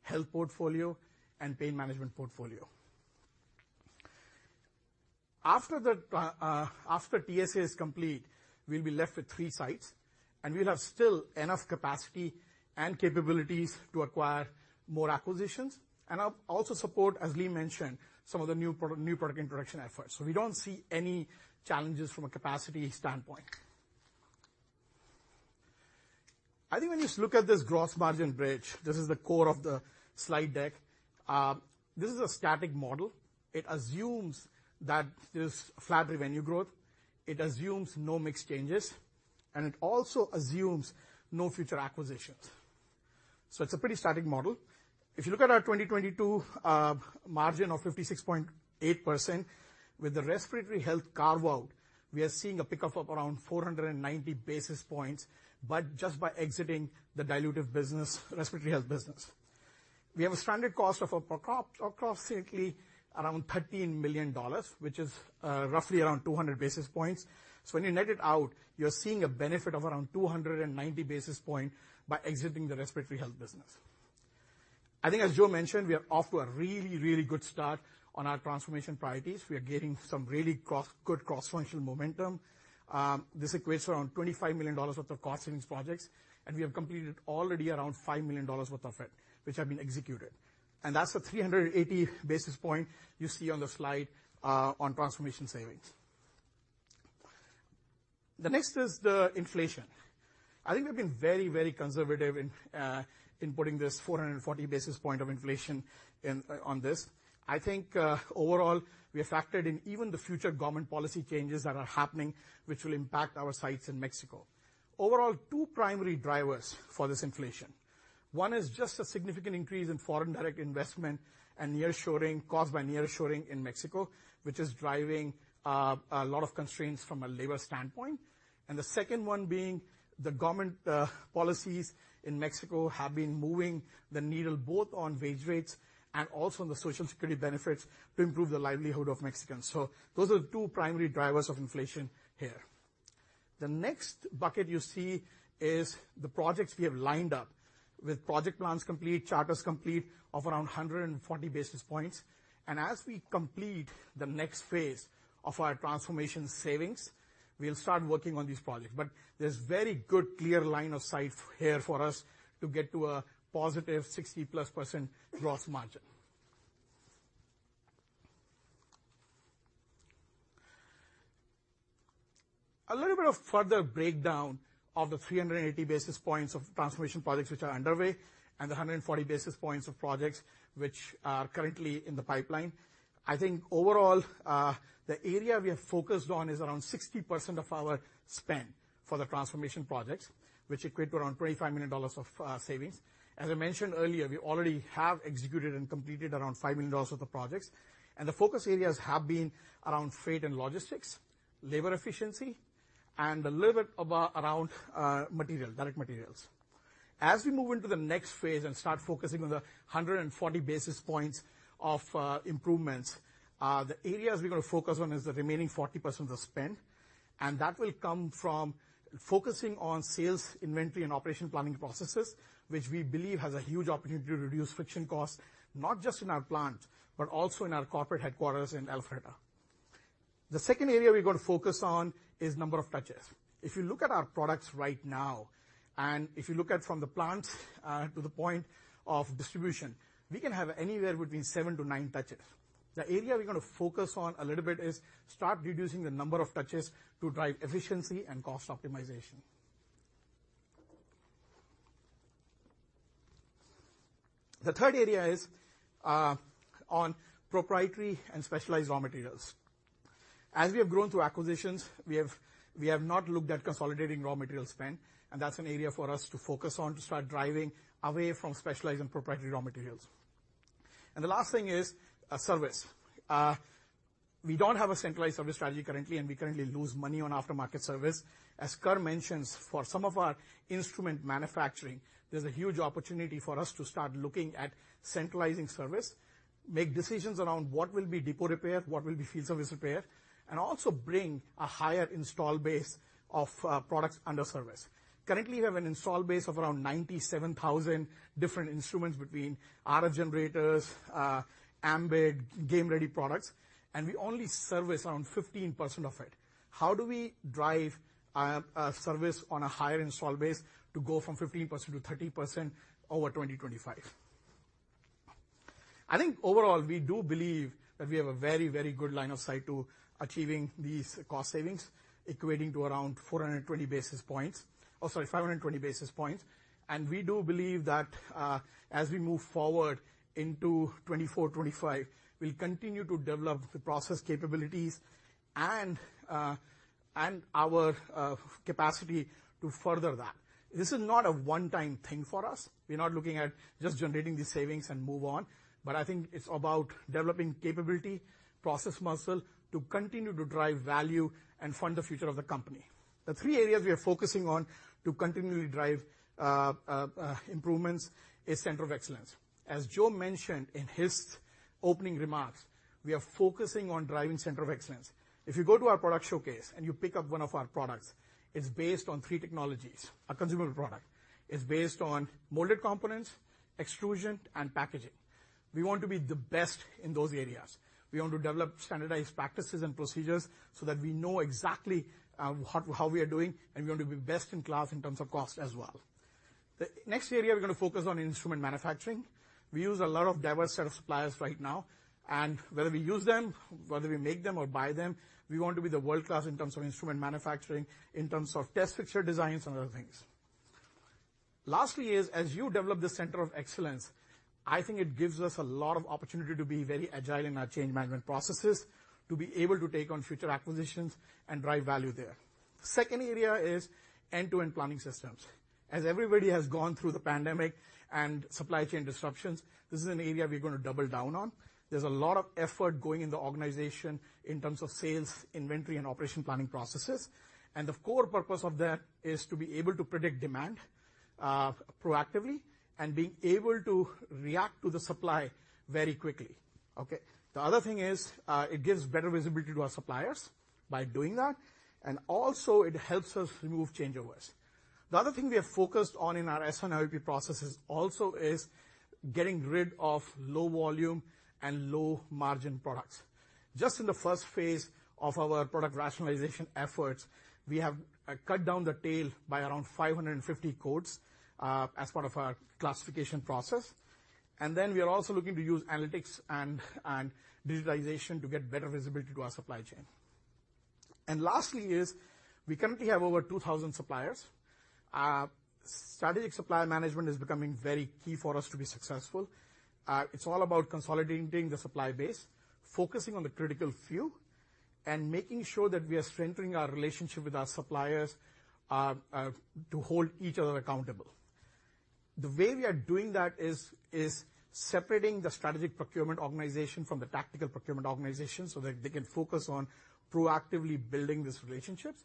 health portfolio and pain management portfolio. After TSA is complete, we'll be left with three sites, We'll have still enough capacity and capabilities to acquire more acquisitions. Also support, as Lee mentioned, some of the new product introduction efforts. We don't see any challenges from a capacity standpoint. I think when you look at this gross margin bridge, this is the core of the slide deck. This is a static model. It assumes that there's flat revenue growth, it assumes no mix changes, and it also assumes no future acquisitions. It's a pretty static model. You look at our 2022 margin of 56.8%, with the Respiratory Health carve-out, we are seeing a pickup of around 490 basis points just by exiting the dilutive business, Respiratory Health business. We have a stranded cost of around $13 million, which is roughly around 200 basis points. When you net it out, you're seeing a benefit of around 290 basis points by exiting the Respiratory Health business. I think, as Joe mentioned, we are off to a really good start on our transformation priorities. We are getting some really good cross-functional momentum. This equates to around $25 million worth of cost savings projects, we have completed already around $5 million worth of it, which have been executed. That's the 380 basis points you see on the slide, on transformation savings. The next is the inflation. I think we've been very, very conservative 440 basis points of inflation in, on this. I think, overall, we have factored in even the future government policy changes that are happening, which will impact our sites in Mexico. Overall, two primary drivers for this inflation. One is just the significant increase in foreign direct investment and nearshoring, caused by nearshoring in Mexico, which is driving, a lot of constraints from a labor standpoint. The second one being the government, policies in Mexico have been moving the needle, both on wage rates and also on the Social Security benefits, to improve the livelihood of Mexicans. Those are the two primary drivers of inflation here. The next bucket you see is the projects we have lined up with project plans complete, charters complete of around 140 basis points. As we complete the next phase of our transformation savings, we'll start working on these projects. There's very good, clear line of sight here for us to get to a positive 60%+ gross margin. A little bit of further breakdown of the 380 basis points of transformation projects which are underway and the 140 basis points of projects which are currently in the pipeline. I think overall, the area we are focused on is around 60% of our spend for the transformation projects, which equate to around $25 million of savings. I mentioned earlier, we already have executed and completed around $5 million worth of projects. The focus areas have been around freight and logistics, labor efficiency, and a little bit around direct materials. We move into the next phase, start focusing on the 140 basis points of improvements. The areas we're going to focus on is the remaining 40% of the spend. That will come from focusing on sales, inventory, and operation planning processes, which we believe has a huge opportunity to reduce friction costs, not just in our plant, but also in our corporate headquarters in Alpharetta. The second area we're going to focus on is number of touches. If you look at our products right now, if you look at from the plant, to the point of distribution, we can have anywhere between seven-nine touches. The area we're gonna focus on a little bit is start reducing the number of touches to drive efficiency and cost optimization. The third area is, on proprietary and specialized raw materials. As we have grown through acquisitions, we have not looked at consolidating raw material spend, and that's an area for us to focus on to start driving away from specialized and proprietary raw materials. The last thing is, service. We don't have a centralized service strategy currently, and we currently lose money on aftermarket service. As Kerr mentioned, for some of our instrument manufacturing, there's a huge opportunity for us to start looking at centralizing service, make decisions around what will be depot repair, what will be field service repair, and also bring a higher install base of products under service. Currently, we have an install base of around 97,000 different instruments between RF generators, ambIT, Game Ready products, and we only service around 15% of it. How do we drive a service on a higher install base to go from 15%-30% over 2025? Overall, we do believe that we have a very, very good line of sight to achieving these cost savings, equating to around 420 basis points, or sorry, 520 basis points. We do believe that, as we move forward into 2024, 2025, we'll continue to develop the process capabilities and our capacity to further that. This is not a one-time thing for us. We're not looking at just generating these savings and move on, but I think it's about developing capability, process muscle, to continue to drive value and fund the future of the company. The three areas we are focusing on to continually drive improvements is center of excellence. As Joe mentioned in his opening remarks, we are focusing on driving center of excellence. If you go to our product showcase and you pick up one of our products, it's based on three technologies. A consumable product is based on molded components, extrusion, and packaging. We want to be the best in those areas. We want to develop standardized practices and procedures so that we know exactly how we are doing, and we want to be best in class in terms of cost as well. The next area, we're going to focus on instrument manufacturing. We use a lot of diverse set of suppliers right now, and whether we use them, whether we make them or buy them, we want to be the world-class in terms of instrument manufacturing, in terms of test fixture designs and other things. Lastly is, as you develop the center of excellence, I think it gives us a lot of opportunity to be very agile in our change management processes, to be able to take on future acquisitions and drive value there. Second area is end-to-end planning systems. As everybody has gone through the pandemic and supply chain disruptions, this is an area we're going to double down on. There's a lot of effort going in the organization in terms of sales, inventory, and operation planning processes. The core purpose of that is to be able to predict demand proactively and being able to react to the supply very quickly. Okay? The other thing is, it gives better visibility to our suppliers by doing that, and also it helps us remove changeovers. The other thing we are focused on in our S&OP processes also is getting rid of low volume and low margin products. Just in the phase I of our product rationalization efforts, we have cut down the tail by around 550 codes as part of our classification process. We are also looking to use analytics and digitization to get better visibility to our supply chain. Lastly, we currently have over 2,000 suppliers. Strategic supplier management is becoming very key for us to be successful. It's all about consolidating the supply base, focusing on the critical few, and making sure that we are strengthening our relationship with our suppliers to hold each other accountable. The way we are doing that is separating the strategic procurement organization from the tactical procurement organization, so that they can focus on proactively building these relationships,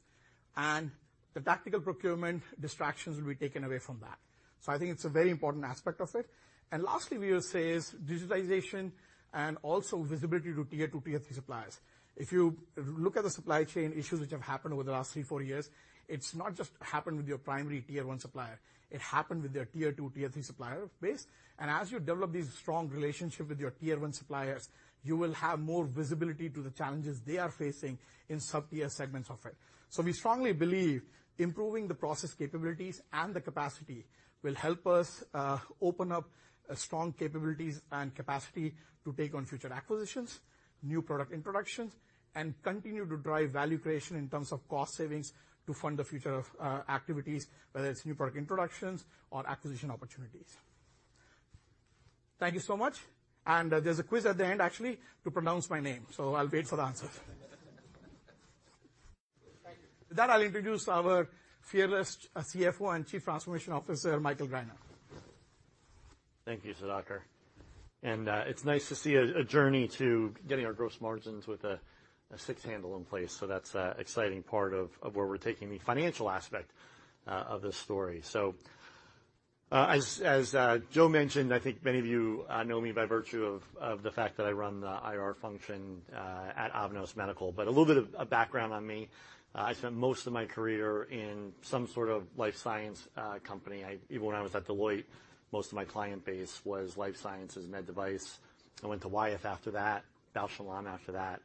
and the tactical procurement distractions will be taken away from that. I think it's a very important aspect of it. Lastly, we will say is digitization and also visibility to Tier 2, Tier 3 suppliers. If you look at the supply chain issues which have happened over the last three, four years, it's not just happened with your primary Tier 1 supplier, it happened with your Tier 2, Tier 3 supplier base. As you develop these strong relationships with your Tier 1 suppliers, you will have more visibility to the challenges they are facing in sub-tier segments of it. We strongly believe improving the process capabilities and the capacity will help us open up a strong capabilities and capacity to take on future acquisitions, new product introductions, and continue to drive value creation in terms of cost savings to fund the future of activities, whether it's new product introductions or acquisition opportunities. Thank you so much. There's a quiz at the end actually, to pronounce my name, so I'll wait for the answers. With that, I'll introduce our fearless CFO and Chief Transformation Officer, Michael Greiner. Thank you, Sudhakar. It's nice to see a journey to getting our gross margins with a six handle in place, so that's a exciting part of where we're taking the financial aspect of this story. As Joe mentioned, I think many of you know me by virtue of the fact that I run the IR function at Avanos Medical. A little bit of a background on me. I spent most of my career in some sort of life science company. Even when I was at Deloitte, most of my client base was life sciences, med device. I went to Wyeth after that, Bausch + Lomb after that.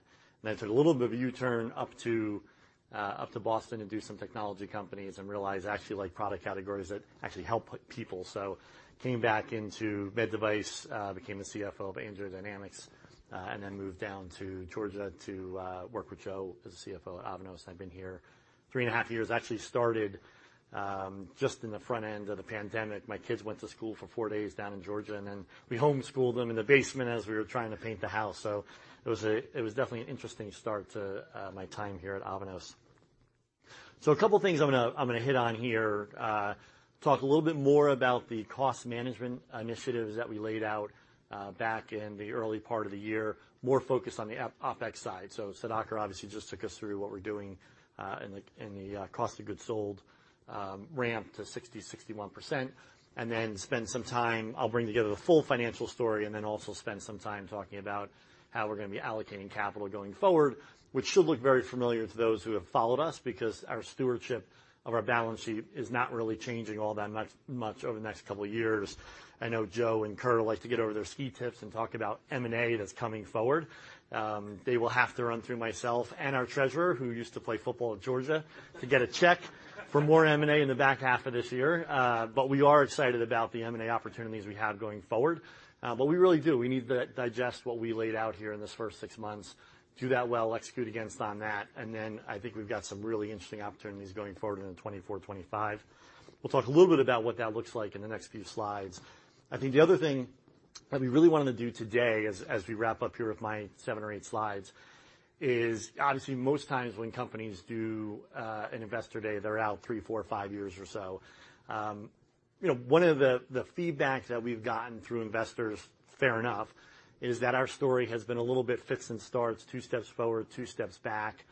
I took a little bit of a U-turn up to Boston to do some technology companies and realized I actually like product categories that actually help people. came back into med device, became the CFO of AngioDynamics, and then moved down to Georgia to work with Joe as the CFO at Avanos. I've been here three and a half years. I actually started just in the front end of the pandemic. My kids went to school for four days down in Georgia, and then we homeschooled them in the basement as we were trying to paint the house. it was definitely an interesting start to my time here at Avanos. A couple of things I'm gonna hit on here. Talk a little bit more about the cost management initiatives that we laid out back in the early part of the year, more focused on the OpEx side. Sudhakar obviously just took us through what we're doing in the cost of goods sold ramp to 60%-61%, and then spend some time. I'll bring together the full financial story, and then also spend some time talking about how we're gonna be allocating capital going forward, which should look very familiar to those who have followed us, because our stewardship of our balance sheet is not really changing all that much over the next couple of years. I know Joe and Kerr like to get over their ski tips and talk about M&A that's coming forward. They will have to run through myself and our treasurer, who used to play football at Georgia, to get a check for more M&A in the back half of this year. We are excited about the M&A opportunities we have going forward. We really do. We need to digest what we laid out here in this first six months, do that well, execute against on that, and then I think we've got some really interesting opportunities going forward into 2024, 2025. We'll talk a little bit about what that looks like in the next few slides. I think the other thing that we really wanted to do today as we wrap up here with my 7 or 8 slides, is obviously most times when companies do an Investor Day, they're out three, four, or five years or so. you know, one of the feedbacks that we've gotten through investors, fair enough, is that our story has been a little bit fits and starts, two steps forward, two steps back.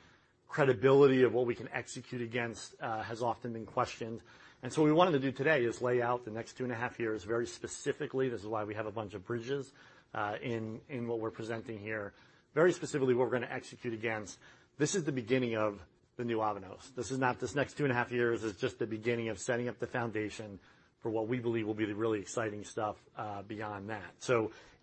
Credibility of what we can execute against, has often been questioned. What we wanted to do today is lay out the next two and a half years very specifically. This is why we have a bunch of bridges, in what we're presenting here. Very specifically, what we're gonna execute against. This is the beginning of the new Avanos. This is not, this next two and a half years is just the beginning of setting up the foundation for what we believe will be the really exciting stuff, beyond that.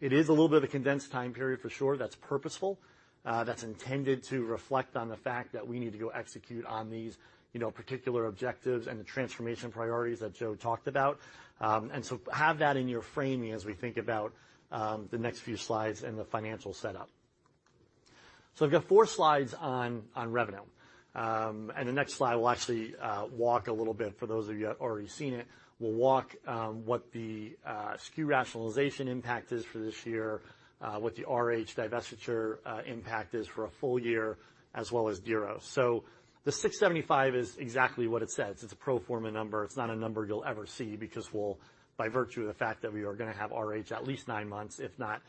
It is a little bit of a condensed time period for sure. That's purposeful. That's intended to reflect on the fact that we need to go execute on these, you know, particular objectives and the transformation priorities that Joe talked about. Have that in your framing as we think about the next few slides and the financial setup. I've got 4 slides on revenue. The next slide will actually walk a little bit, for those of you who have already seen it, we'll walk what the SKU rationalization impact is for this year, what the RH divestiture impact is for a full year, as well as Diros. The 675 is exactly what it says. It's a pro forma number. It's not a number you'll ever see because we'll, by virtue of the fact that we are gonna have RH at least 9 months, if not,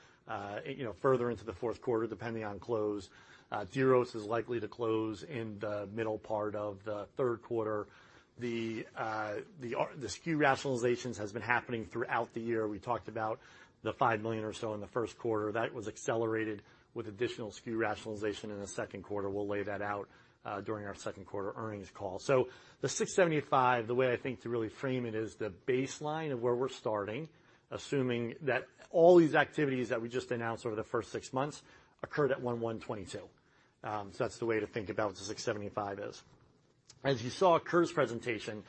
you know, further into the fourth quarter, depending on close. Diros is likely to close in the middle part of the third quarter. The SKU rationalizations has been happening throughout the year. We talked about the $5 million or so in the first quarter. That was accelerated with additional SKU rationalization in the second quarter. We'll lay that out during our second quarter earnings call. The $675, the way I think to really frame it, is the baseline of where we're starting, assuming that all these activities that we just announced over the first six months occurred at 01/01/2022. That's the way to think about what the $675 is. As you saw in Kerr's presentation,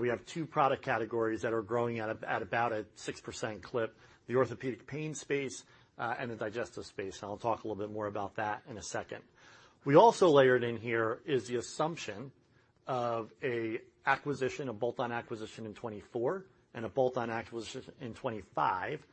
we have two product categories that are growing at about a 6% clip: the orthopedic pain space and the digestive space. I'll talk a little bit more about that in a second. We also layered in here is the assumption of a acquisition, a bolt-on acquisition, in 2024 and a bolt-on acquisition in 2025,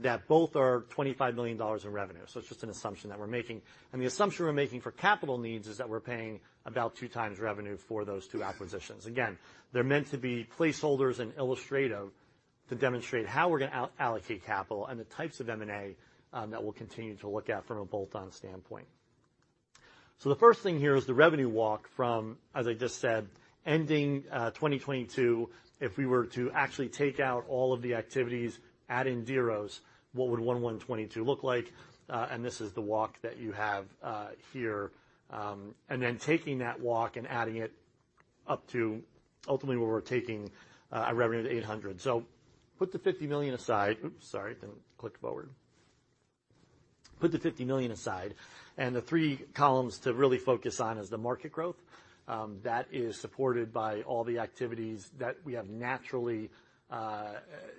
that both are $25 million in revenue. It's just an assumption that we're making. The assumption we're making for capital needs is that we're paying about 2x revenue for those two acquisitions. Again, they're meant to be placeholders and illustrative to demonstrate how we're gonna allocate capital and the types of M&A that we'll continue to look at from a bolt-on standpoint. The first thing here is the revenue walk from, as I just said, ending 2022. If we were to actually take out all of the activities, add in Diros, what would 01/01/2022 look like? This is the walk that you have here. Then taking that walk and adding it up to ultimately where we're taking a revenue to $800 million. Put the $50 million aside. Oops, sorry, didn't click forward. Put the $50 million aside, the 3 columns to really focus on is the market growth. That is supported by all the activities that we have naturally,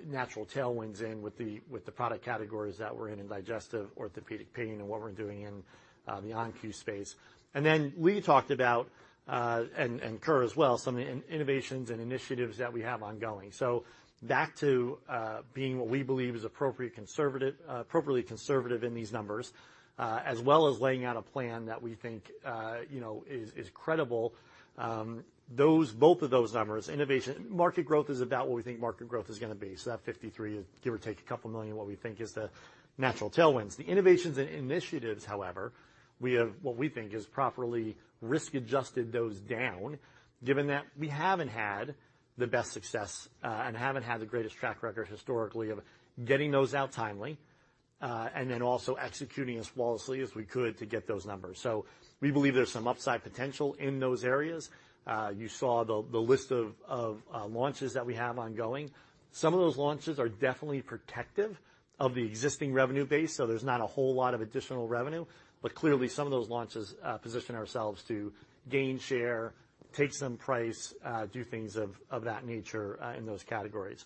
natural tailwinds in with the product categories that we're in digestive, orthopedic, pain, and what we're doing in the ON-Q space. We talked about, and Kerr as well, some of the innovations and initiatives that we have ongoing. Back to being what we believe is appropriate conservative, appropriately conservative in these numbers, as well as laying out a plan that we think, you know, is credible. Those, both of those numbers, market growth is about what we think market growth is gonna be. So that $53 million, give or take a couple million, what we think is the natural tailwinds. The innovations and initiatives, however, we have what we think has properly risk-adjusted those down, given that we haven't had the best success, and haven't had the greatest track record historically of getting those out timely, and then also executing as flawlessly as we could to get those numbers. We believe there's some upside potential in those areas. You saw the list of launches that we have ongoing. Some of those launches are definitely protective of the existing revenue base, so there's not a whole lot of additional revenue. Clearly, some of those launches position ourselves to gain share, take some price, do things of that nature in those categories.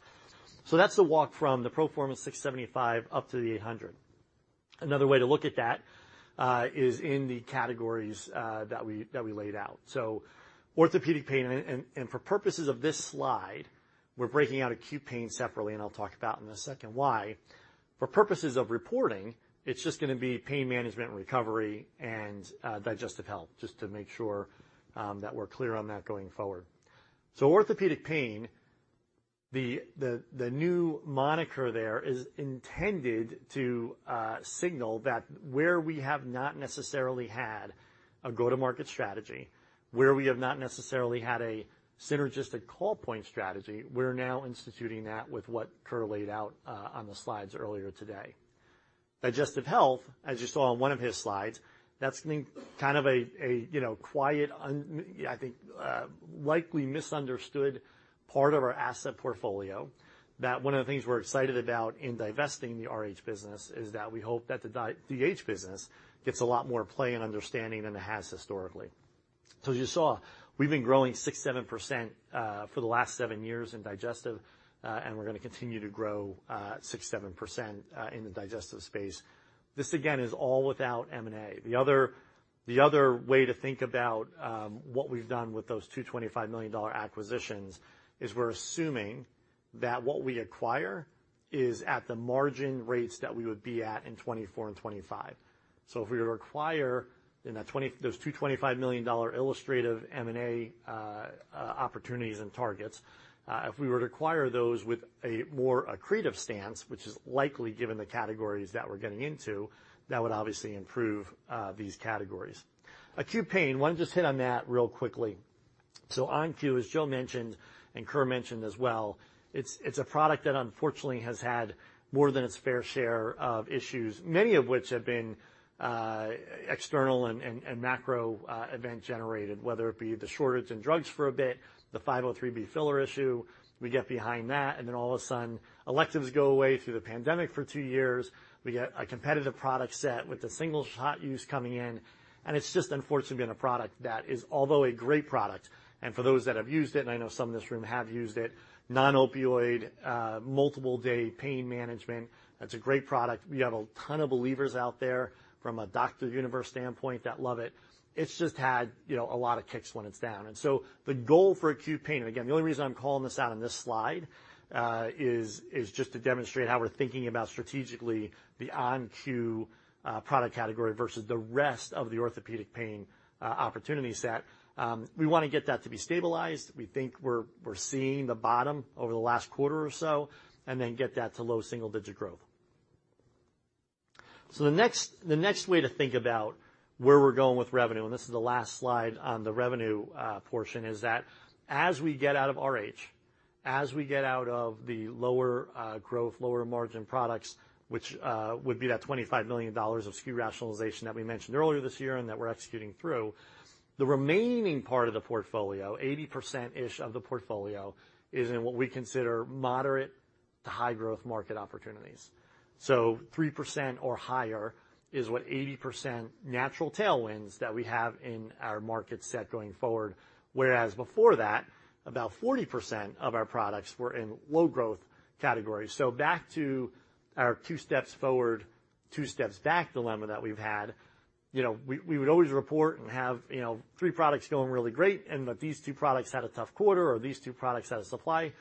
That's the walk from the pro forma $675 million up to the $800 million. Another way to look at that is in the categories that we laid out. Orthopedic pain, and for purposes of this slide, we're breaking out acute pain separately, and I'll talk about in a second why. For purposes of reporting, it's just gonna be Pain Management and Recovery and digestive health, just to make sure that we're clear on that going forward. Orthopedic pain, the new moniker there is intended to signal that where we have not necessarily had a go-to-market strategy, where we have not necessarily had a synergistic call point strategy, we're now instituting that with what Kerr laid out on the slides earlier today. Digestive health, as you saw on one of his slides, that's been kind of a, you know, quiet, I think, likely misunderstood part of our asset portfolio, that one of the things we're excited about in divesting the RH business is that we hope that the DH business gets a lot more play and understanding than it has historically. As you saw, we've been growing 6%-7% for the last seven years in digestive, and we're gonna continue to grow 6%-7% in the digestive space. This, again, is all without M&A. The other way to think about what we've done with those $225 million acquisitions is we're assuming that what we acquire is at the margin rates that we would be at in 2024 and 2025. If we were to acquire in those $225 million illustrative M&A opportunities and targets, if we were to acquire those with a more accretive stance, which is likely, given the categories that we're getting into, that would obviously improve these categories. Acute pain. Want to just hit on that real quickly. ON-Q, as Joe mentioned, and Kerr mentioned as well, it's a product that unfortunately has had more than its fair share of issues, many of which have been external and macro event generated, whether it be the shortage in drugs for a bit, the 503B filler issue. We get behind that, and then all of a sudden, electives go away through the pandemic for two years. We get a competitive product set with the Single-Shot use coming in, and it's just unfortunately been a product that is, although a great product, and for those that have used it, and I know some in this room have used it, non-opioid, multiple day pain management, that's a great product. We have a ton of believers out there from a doctor universe standpoint that love it. It's just had, you know, a lot of kicks when it's down. The goal for acute pain... Again, the only reason I'm calling this out on this slide, is just to demonstrate how we're thinking about strategically the ON-Q product category versus the rest of the orthopedic pain opportunity set. We wanna get that to be stabilized. We think we're seeing the bottom over the last quarter or so, and then get that to low single-digit growth. The next way to think about where we're going with revenue, and this is the last slide on the revenue portion, is that as we get out of RH, as we get out of the lower growth, lower margin products, which would be that $25 million of SKU rationalization that we mentioned earlier this year and that we're executing through, the remaining part of the portfolio, 80%-ish of the portfolio, is in what we consider moderate to high growth market opportunities. 3% or higher is what 80% natural tailwinds that we have in our market set going forward, whereas before that, about 40% of our products were in low growth categories. Back to our two steps forward, two steps back dilemma that we've had. You know, we would always report and have, you know, three products going really great, and but these two products had a tough quarter, or these two products had a supply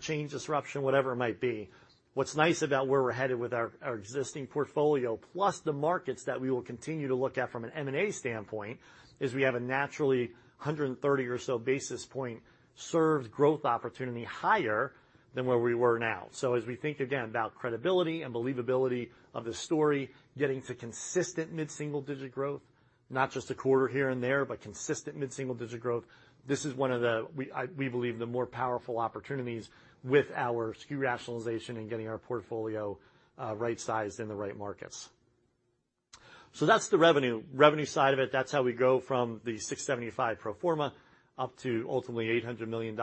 chain disruption, whatever it might be. What's nice about where we're headed with our existing portfolio, plus the markets that we will continue to look at from an M&A standpoint, is we have a naturally 130 or so basis points served growth opportunity higher than where we were now. As we think again about credibility and believability of the story, getting to consistent mid-single-digit growth, not just a quarter here and there, but consistent mid-single-digit growth, this is one of the, we believe, the more powerful opportunities with our SKU rationalization and getting our portfolio right-sized in the right markets. That's the revenue side of it. That's how we go from the 675 pro forma up to ultimately $800 million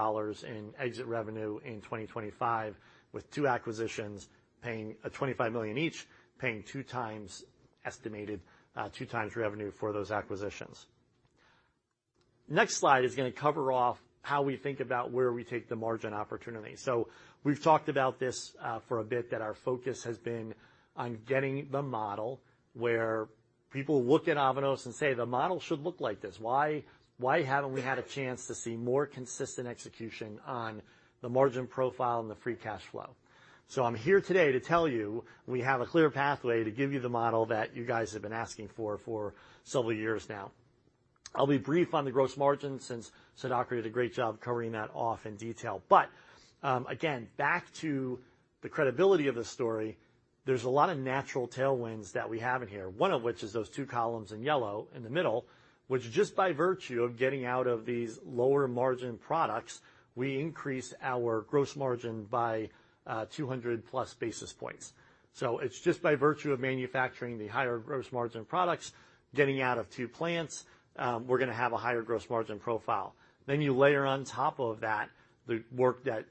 in exit revenue in 2025, with two acquisitions paying $25 million each, paying 2x estimated 2x revenue for those acquisitions. Next slide is gonna cover off how we think about where we take the margin opportunity. We've talked about this for a bit, that our focus has been on getting the model where people look at Avanos and say: "The model should look like this. Why haven't we had a chance to see more consistent execution on the margin profile and the free cash flow?" I'm here today to tell you, we have a clear pathway to give you the model that you guys have been asking for for several years now. I'll be brief on the gross margin, since Sudhakar did a great job covering that off in detail. Again, back to the credibility of the story. There's a lot of natural tailwinds that we have in here, one of which is those 2 columns in yellow in the middle, which just by virtue of getting out of these lower margin products, we increase our gross margin by 200 plus basis points. It's just by virtue of manufacturing the higher gross margin products, getting out of 2 plants, we're gonna have a higher gross margin profile. You layer on top of that the work that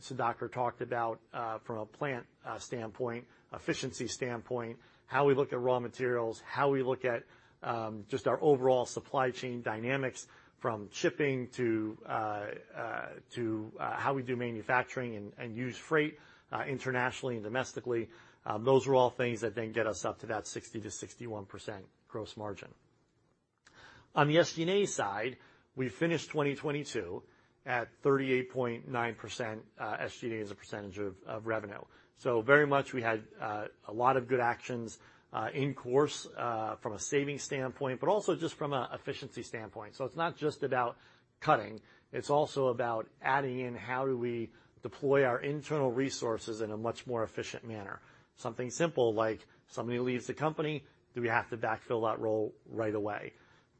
Sudhakar talked about from a plant standpoint, efficiency standpoint, how we look at raw materials, how we look at just our overall supply chain dynamics, from shipping to to how we do manufacturing and use freight internationally and domestically. Those are all things that then get us up to that 60%-61% gross margin. On the SG&A side, we finished 2022 at 38.9% SG&A as a percentage of revenue. Very much we had a lot of good actions in course from a savings standpoint, but also just from a efficiency standpoint. It's not just about cutting, it's also about adding in how do we deploy our internal resources in a much more efficient manner? Something simple, like somebody leaves the company, do we have to backfill that role right away?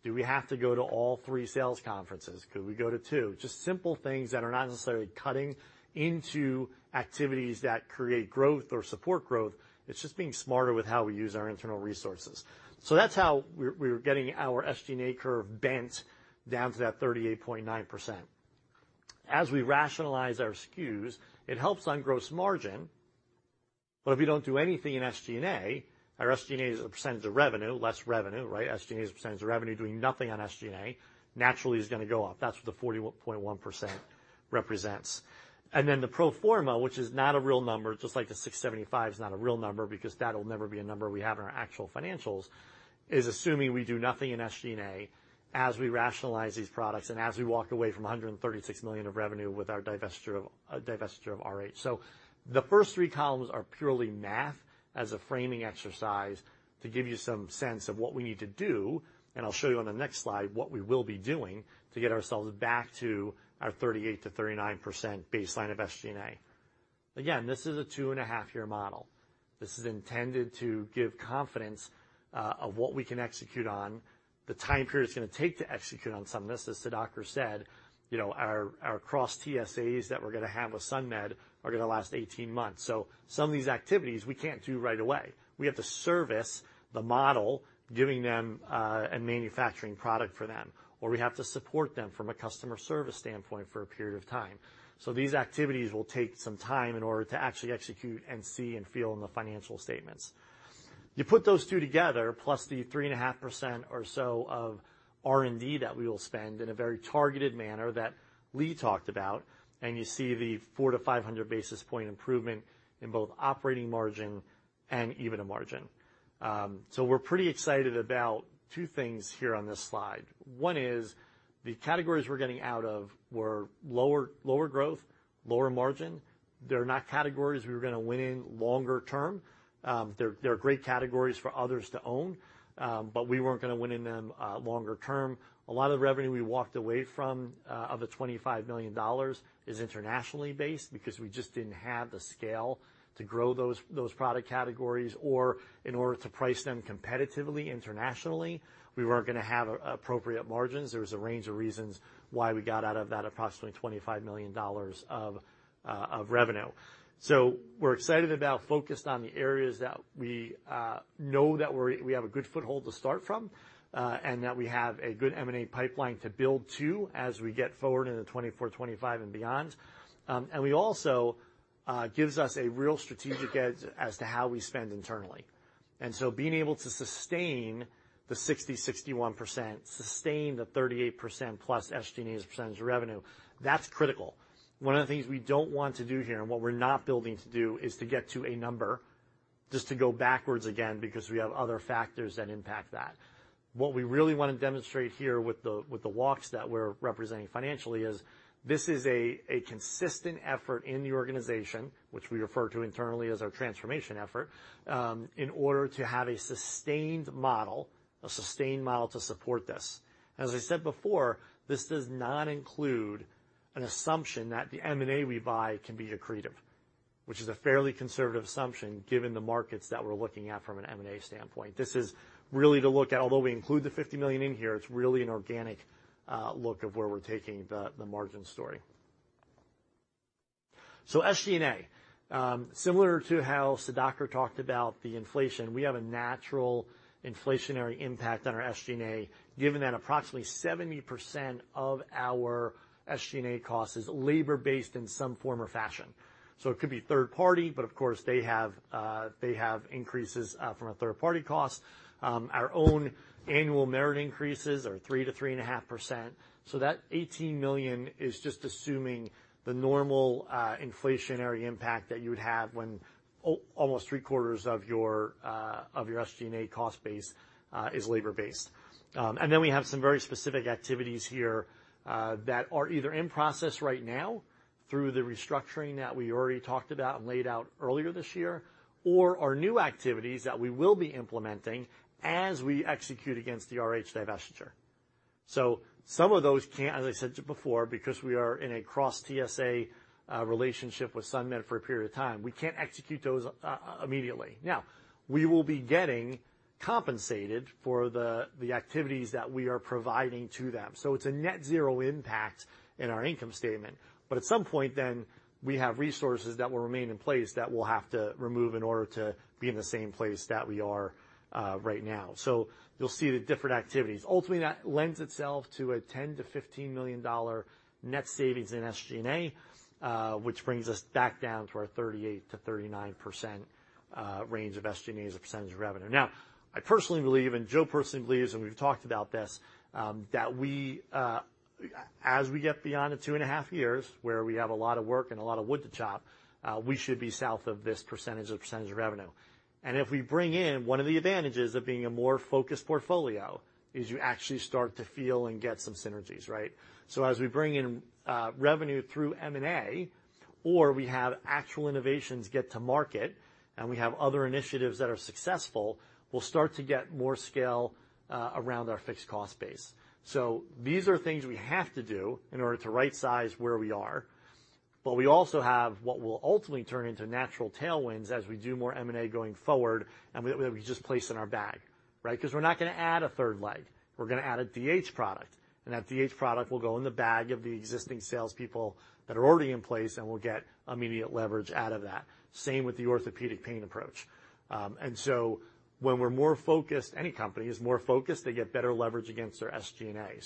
Do we have to go to all three sales conferences? Could we go to two? Just simple things that are not necessarily cutting into activities that create growth or support growth. It's just being smarter with how we use our internal resources. That's how we're getting our SG&A curve bent down to that 38.9%. As we rationalize our SKUs, it helps on gross margin, but if you don't do anything in SG&A, our SG&A as a percentage of revenue, less revenue, right? SG&A as a percentage of revenue, doing nothing on SG&A, naturally is gonna go up. That's what the 41.1% represents. The pro forma, which is not a real number, just like the $675 is not a real number, because that'll never be a number we have in our actual financials, is assuming we do nothing in SG&A as we rationalize these products and as we walk away from $136 million of revenue with our divestiture of RH. The first three columns are purely math as a framing exercise to give you some sense of what we need to do, and I'll show you on the next slide what we will be doing to get ourselves back to our 38%-39% baseline of SG&A. Again, this is a two-and-a-half-year model. This is intended to give confidence of what we can execute on. The time period it's gonna take to execute on some of this, as Sudhakar Varshney said, you know, our cross TSAs that we're gonna have with SunMed are gonna last 18 months. Some of these activities we can't do right away. We have to service the model, giving them a manufacturing product for them, or we have to support them from a customer service standpoint for a period of time. These activities will take some time in order to actually execute and see and feel in the financial statements. You put those two together, plus the 3.5% or so of R&D that we will spend in a very targeted manner Lee Burnes talked about, you see the 400-500 basis points improvement in both operating margin and EBITDA margin. We're pretty excited about two things here on this slide. One is the categories we're getting out of were lower growth, lower margin. They're not categories we were gonna win in longer term. They're great categories for others to own, we weren't gonna win in them longer term. A lot of the revenue we walked away from of the $25 million is internationally based, because we just didn't have the scale to grow those product categories, or in order to price them competitively internationally, we weren't gonna have appropriate margins. There was a range of reasons why we got out of that approximately $25 million of revenue. We're excited about focused on the areas that we know that we have a good foothold to start from, and that we have a good M&A pipeline to build to as we get forward into 2024, 2025 and beyond. We also gives us a real strategic edge as to how we spend internally. Being able to sustain the 60%-61%, sustain the 38%+ SG&A as a percentage of revenue, that's critical. One of the things we don't want to do here, and what we're not building to do, is to get to a number just to go backwards again, because we have other factors that impact that. What we really want to demonstrate here with the walks that we're representing financially, is this is a consistent effort in the organization, which we refer to internally as our transformation effort, in order to have a sustained model to support this. As I said before, this does not include an assumption that the M&A we buy can be accretive, which is a fairly conservative assumption, given the markets that we're looking at from an M&A standpoint. This is really to look at, although we include the $50 million in here, it's really an organic look of where we're taking the margin story. SG&A, similar to how Sudhakar talked about the inflation, we have a natural inflationary impact on our SG&A, given that approximately 70% of our SG&A cost is labor-based in some form or fashion. It could be third-party, but of course, they have increases from 1/3-party cost. Our own annual merit increases are 3%-3.5%. That $18 million is just assuming the normal inflationary impact that you would have when almost three-quarters of your SG&A cost base is labor-based. We have some very specific activities here that are either in process right now through the restructuring that we already talked about and laid out earlier this year, or are new activities that we will be implementing as we execute against the RH divestiture. Some of those can't, as I said to you before, because we are in a cross TSA relationship with SunMed for a period of time, we can't execute those immediately. We will be getting compensated for the activities that we are providing to them. It's a net zero impact in our income statement. At some point, we have resources that will remain in place that we'll have to remove in order to be in the same place that we are right now. You'll see the different activities. Ultimately, that lends itself to a $10 million-$15 million net savings in SG&A, which brings us back down to our 38%-39% range of SG&A as a percentage of revenue. I personally believe, Joe personally believes, and we've talked about this, that we, as we get beyond the two and a half years, where we have a lot of work and a lot of wood to chop, we should be south of this percentage of revenue. If we bring in, one of the advantages of being a more focused portfolio is you actually start to feel and get some synergies, right? As we bring in revenue through M&A, or we have actual innovations get to market, and we have other initiatives that are successful, we'll start to get more scale around our fixed cost base. These are things we have to do in order to rightsize where we are, but we also have what will ultimately turn into natural tailwinds as we do more M&A going forward, and we just place in our bag, right? Because we're not gonna add 1/3 leg. We're gonna add a DH product, and that DH product will go in the bag of the existing salespeople that are already in place, and we'll get immediate leverage out of that. Same with the orthopedic pain approach. When we're more focused, any company is more focused, they get better leverage against their SG&A.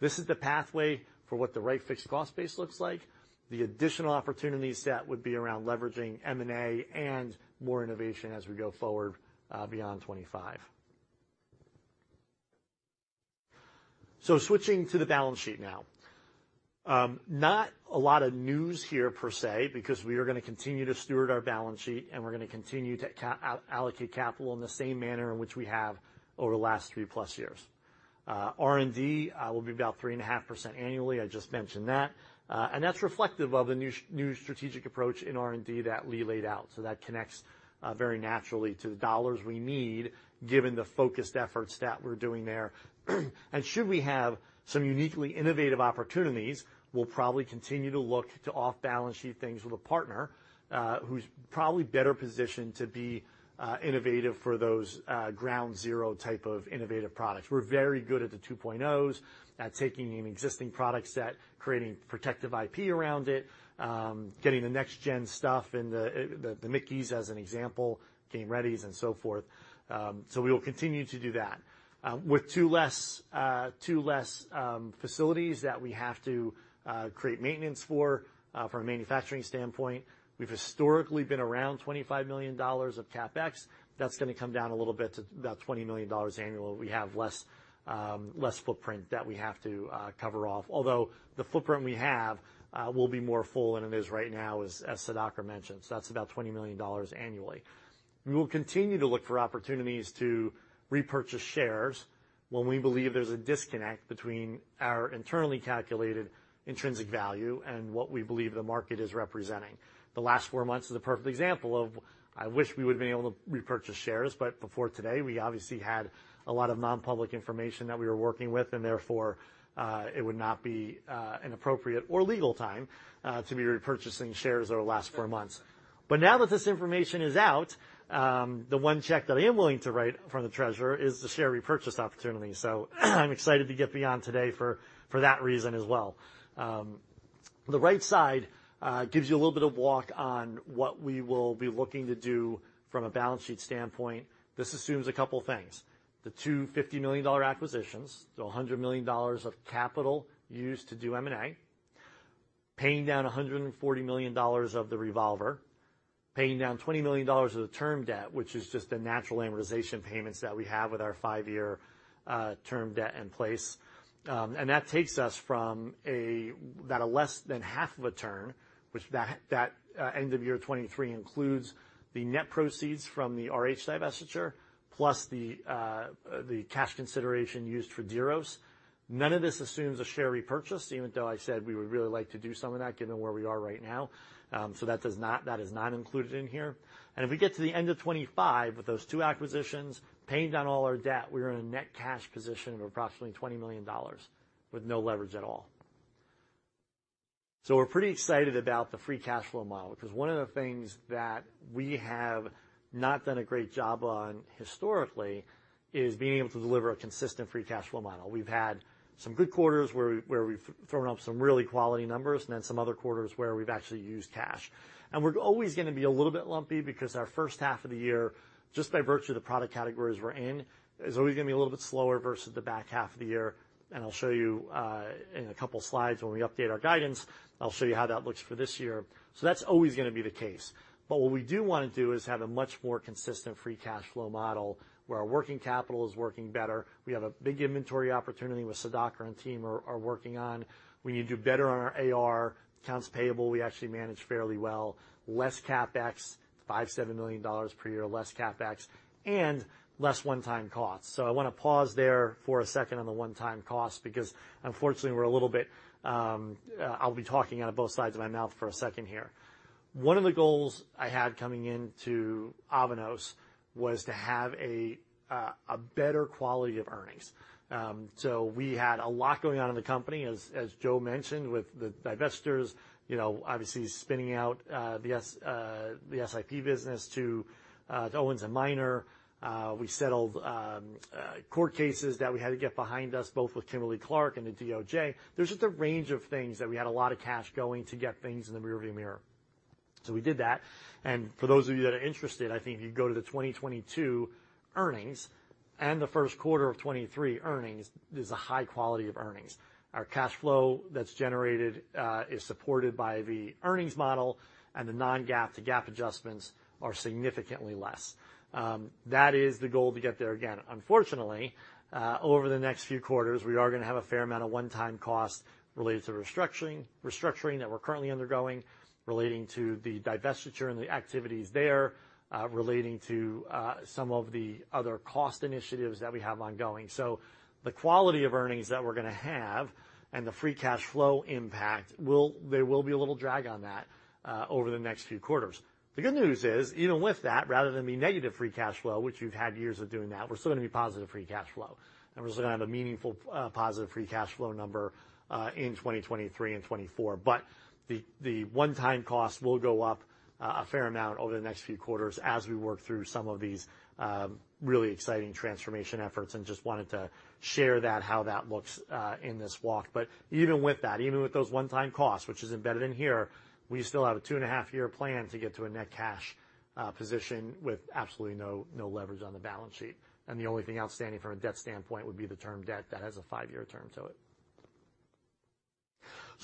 This is the pathway for what the right fixed cost base looks like. The additional opportunity set would be around leveraging M&A and more innovation as we go forward, beyond 2025. Switching to the balance sheet now. Not a lot of news here per se, because we are gonna continue to steward our balance sheet, and we're gonna continue to out-allocate capital in the same manner in which we have over the last three-plus years. R&D will be about 3.5% annually. I just mentioned that. That's reflective of the new strategic approach in R&D that Lee laid out, so that connects very naturally to the dollars we need, given the focused efforts that we're doing there. Should we have some uniquely innovative opportunities, we'll probably continue to look to off-balance sheet things with a partner, who's probably better positioned to be innovative for those ground zero type of innovative products. We're very good at the 2.0s, at taking an existing product set, creating protective IP around it, getting the next gen stuff and the MIC-KEYs, as an example, Game Readys and so forth. We will continue to do that. With two less facilities that we have to create maintenance for, from a manufacturing standpoint, we've historically been around $25 million of CapEx. That's gonna come down a little bit to about $20 million annually. We have less footprint that we have to cover off, although the footprint we have will be more full than it is right now, as Sudhakar mentioned. That's about $20 million annually. We will continue to look for opportunities to repurchase shares when we believe there's a disconnect between our internally calculated intrinsic value and what we believe the market is representing. The last four months is a perfect example of I wish we would have been able to repurchase shares, but before today, we obviously had a lot of non-public information that we were working with, and therefore, it would not be an appropriate or legal time to be repurchasing shares over the last four months. Now that this information is out, the one check that I am willing to write from the treasurer is the share repurchase opportunity. I'm excited to get beyond today for that reason as well. The right side gives you a little bit of walk on what we will be looking to do from a balance sheet standpoint. This assumes a couple of things. The $250 million acquisitions, so $100 million of capital used to do M&A, paying down $140 million of the revolver, paying down $20 million of the term debt, which is just the natural amortization payments that we have with our five-year term debt in place. And that takes us from a, about a less than half of a term, which that end of year 2023 includes the net proceeds from the RH divestiture, plus the cash consideration used for Diros. None of this assumes a share repurchase, even though I said we would really like to do some of that given where we are right now. That is not included in here. If we get to the end of 2025, with those two acquisitions, paying down all our debt, we are in a net cash position of approximately $20 million with no leverage at all. We're pretty excited about the free cash flow model, because one of the things that we have not done a great job on historically is being able to deliver a consistent free cash flow model. We've had some good quarters where we've thrown up some really quality numbers, and then some other quarters where we've actually used cash. We're always gonna be a little bit lumpy because our first half of the year, just by virtue of the product categories we're in, is always gonna be a little bit slower versus the back half of the year. I'll show you in a couple of slides when we update our guidance, I'll show you how that looks for this year. That's always gonna be the case. What we do wanna do is have a much more consistent free cash flow model, where our working capital is working better. We have a big inventory opportunity, which Sudhakar and team are working on. We need to do better on our AR. Accounts payable, we actually manage fairly well. Less CapEx, $5 million-$7 million per year, less CapEx, and less one-time costs. I wanna pause there for a second on the one-time cost, because unfortunately, we're a little bit, I'll be talking out of both sides of my mouth for a second here. One of the goals I had coming into Avanos was to have a better quality of earnings. We had a lot going on in the company, as Joe mentioned, with the divestitures, you know, obviously spinning out the S&IP business to Owens & Minor. We settled court cases that we had to get behind us, both with Kimberly-Clark and the DOJ. There's just a range of things that we had a lot of cash going to get things in the rearview mirror. We did that, for those of you that are interested, I think if you go to the 2022 earnings and the first quarter of 2023 earnings, there's a high quality of earnings. Our cash flow that's generated is supported by the earnings model, the non-GAAP to GAAP adjustments are significantly less. That is the goal to get there again. Unfortunately, over the next few quarters, we are gonna have a fair amount of one-time costs related to restructuring that we're currently undergoing, relating to the divestiture and the activities there, relating to some of the other cost initiatives that we have ongoing. The quality of earnings that we're gonna have and the free cash flow impact there will be a little drag on that over the next few quarters. The good news is, even with that, rather than be negative free cash flow, which we've had years of doing that, we're still gonna be positive free cash flow, and we're still gonna have a meaningful positive free cash flow number in 2023 and 2024. The one-time cost will go up a fair amount over the next few quarters as we work through some of these really exciting transformation efforts, and just wanted to share that, how that looks in this walk. Even with that, even with those one-time costs, which is embedded in here, we still have a two-and-a-half-year plan to get to a net cash position with absolutely no leverage on the balance sheet, and the only thing outstanding from a debt standpoint would be the term debt. That has a five-year term to it.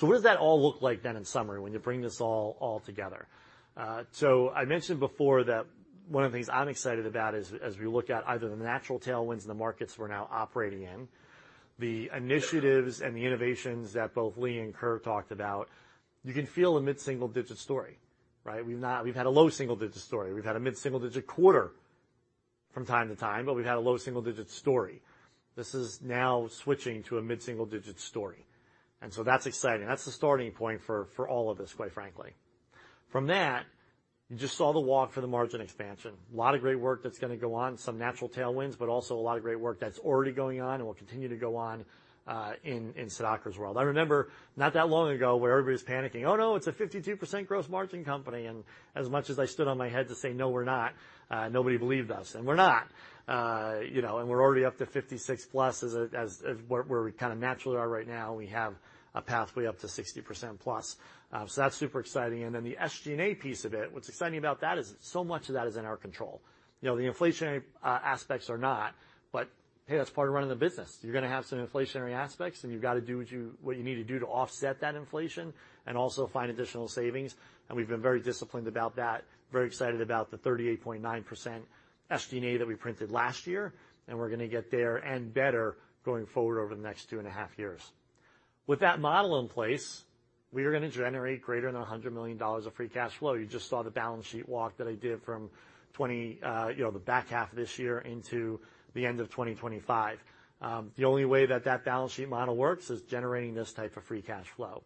What does that all look like then in summary, when you bring this all together? I mentioned before that one of the things I'm excited about is, as we look at either the natural tailwinds in the markets we're now operating in, the initiatives and the innovations that both Lee and Kerr talked about, you can feel a mid-single-digit story, right? We've had a low single-digit story. We've had a mid-single-digit quarter from time to time, but we've had a low single-digit story. This is now switching to a mid-single-digit story. That's exciting. That's the starting point for all of us, quite frankly. From that, you just saw the walk for the margin expansion. A lot of great work that's gonna go on, some natural tailwinds, but also a lot of great work that's already going on and will continue to go on, in Sudhakar's world. I remember not that long ago, where everybody was panicking, "Oh, no, it's a 52% gross margin company," As much as I stood on my head to say, "No, we're not," nobody believed us, and we're not. You know, we're already up to 56%+ as where we kind of naturally are right now. We have a pathway up to 60%+. That's super exciting. The SG&A piece of it, what's exciting about that is so much of that is in our control. You know, the inflationary aspects are not, but, hey, that's part of running the business. You're gonna have some inflationary aspects, and you've got to do what you need to do to offset that inflation and also find additional savings. We've been very disciplined about that. Very excited about the 38.9% SG&A that we printed last year. We're gonna get there and better going forward over the next two and a half years. With that model in place, we are gonna generate greater than $100 million of free cash flow. You just saw the balance sheet walk that I did from you know, the back half of this year into the end of 2025. The only way that that balance sheet model works is generating this type of free cash flow.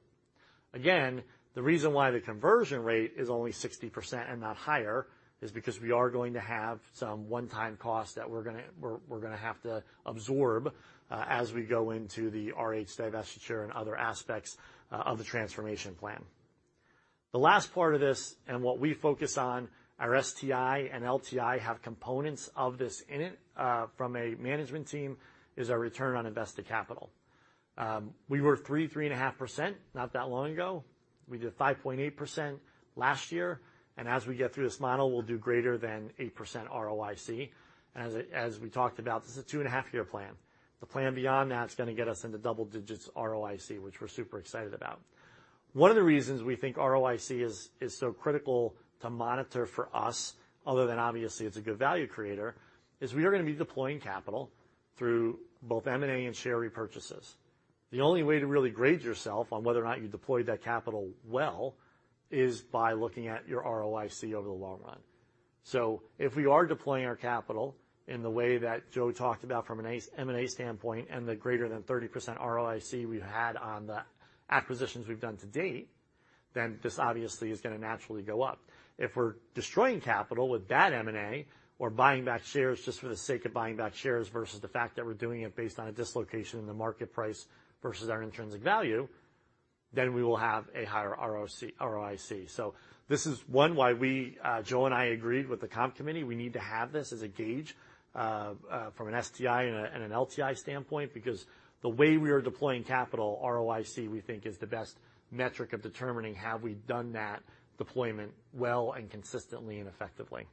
The reason why the conversion rate is only 60% and not higher is because we are going to have some one-time costs that we're gonna have to absorb as we go into the RH divestiture and other aspects of the transformation plan. The last part of this, and what we focus on, our STI and LTI have components of this in it from a management team, is our return on invested capital. We were 3.5% not that long ago. We did 5.8% last year, and as we get through this model, we'll do greater than 8% ROIC. As we talked about, this is a two-and-a-half-year plan. The plan beyond that is gonna get us into double-digits ROIC, which we're super excited about. One of the reasons we think ROIC is so critical to monitor for us, other than obviously it's a good value creator, is we are gonna be deploying capital through both M&A and share repurchases. The only way to really grade yourself on whether or not you deployed that capital well is by looking at your ROIC over the long run. If we are deploying our capital in the way that Joe talked about from an M&A standpoint, and the greater than 30% ROIC we've had on the acquisitions we've done to date, this obviously is gonna naturally go up. If we're destroying capital with bad M&A or buying back shares just for the sake of buying back shares versus the fact that we're doing it based on a dislocation in the market price versus our intrinsic value, then we will have a higher ROIC. This is, one, why we, Joe and I agreed with the comp committee, we need to have this as a gauge from an STI and an LTI standpoint, because the way we are deploying capital, ROIC, we think, is the best metric of determining have we done that deployment well and consistently and effectively.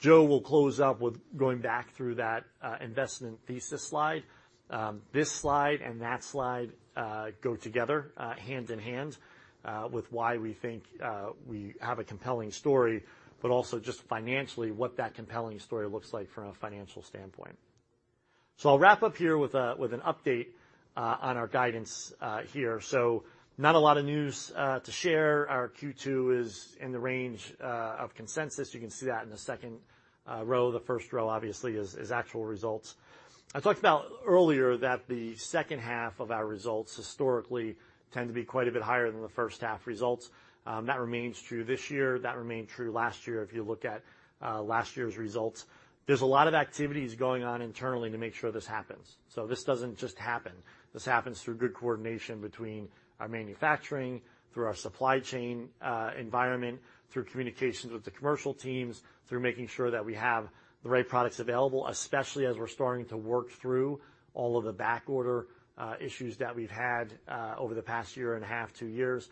Joe will close out with going back through that investment thesis slide. This slide and that slide go together hand in hand with why we think we have a compelling story, but also just financially, what that compelling story looks like from a financial standpoint. I'll wrap up here with an update on our guidance here. Not a lot of news to share. Our Q2 is in the range of consensus. You can see that in the second row. The first row, obviously, is actual results. I talked about earlier that the second half of our results historically tend to be quite a bit higher than the first half results. That remains true this year. That remained true last year if you look at last year's results. There's a lot of activities going on internally to make sure this happens. This doesn't just happen. This happens through good coordination between our manufacturing, through our supply chain environment, through communications with the commercial teams, through making sure that we have the right products available, especially as we're starting to work through all of the back order issues that we've had over the past year and a half, two years.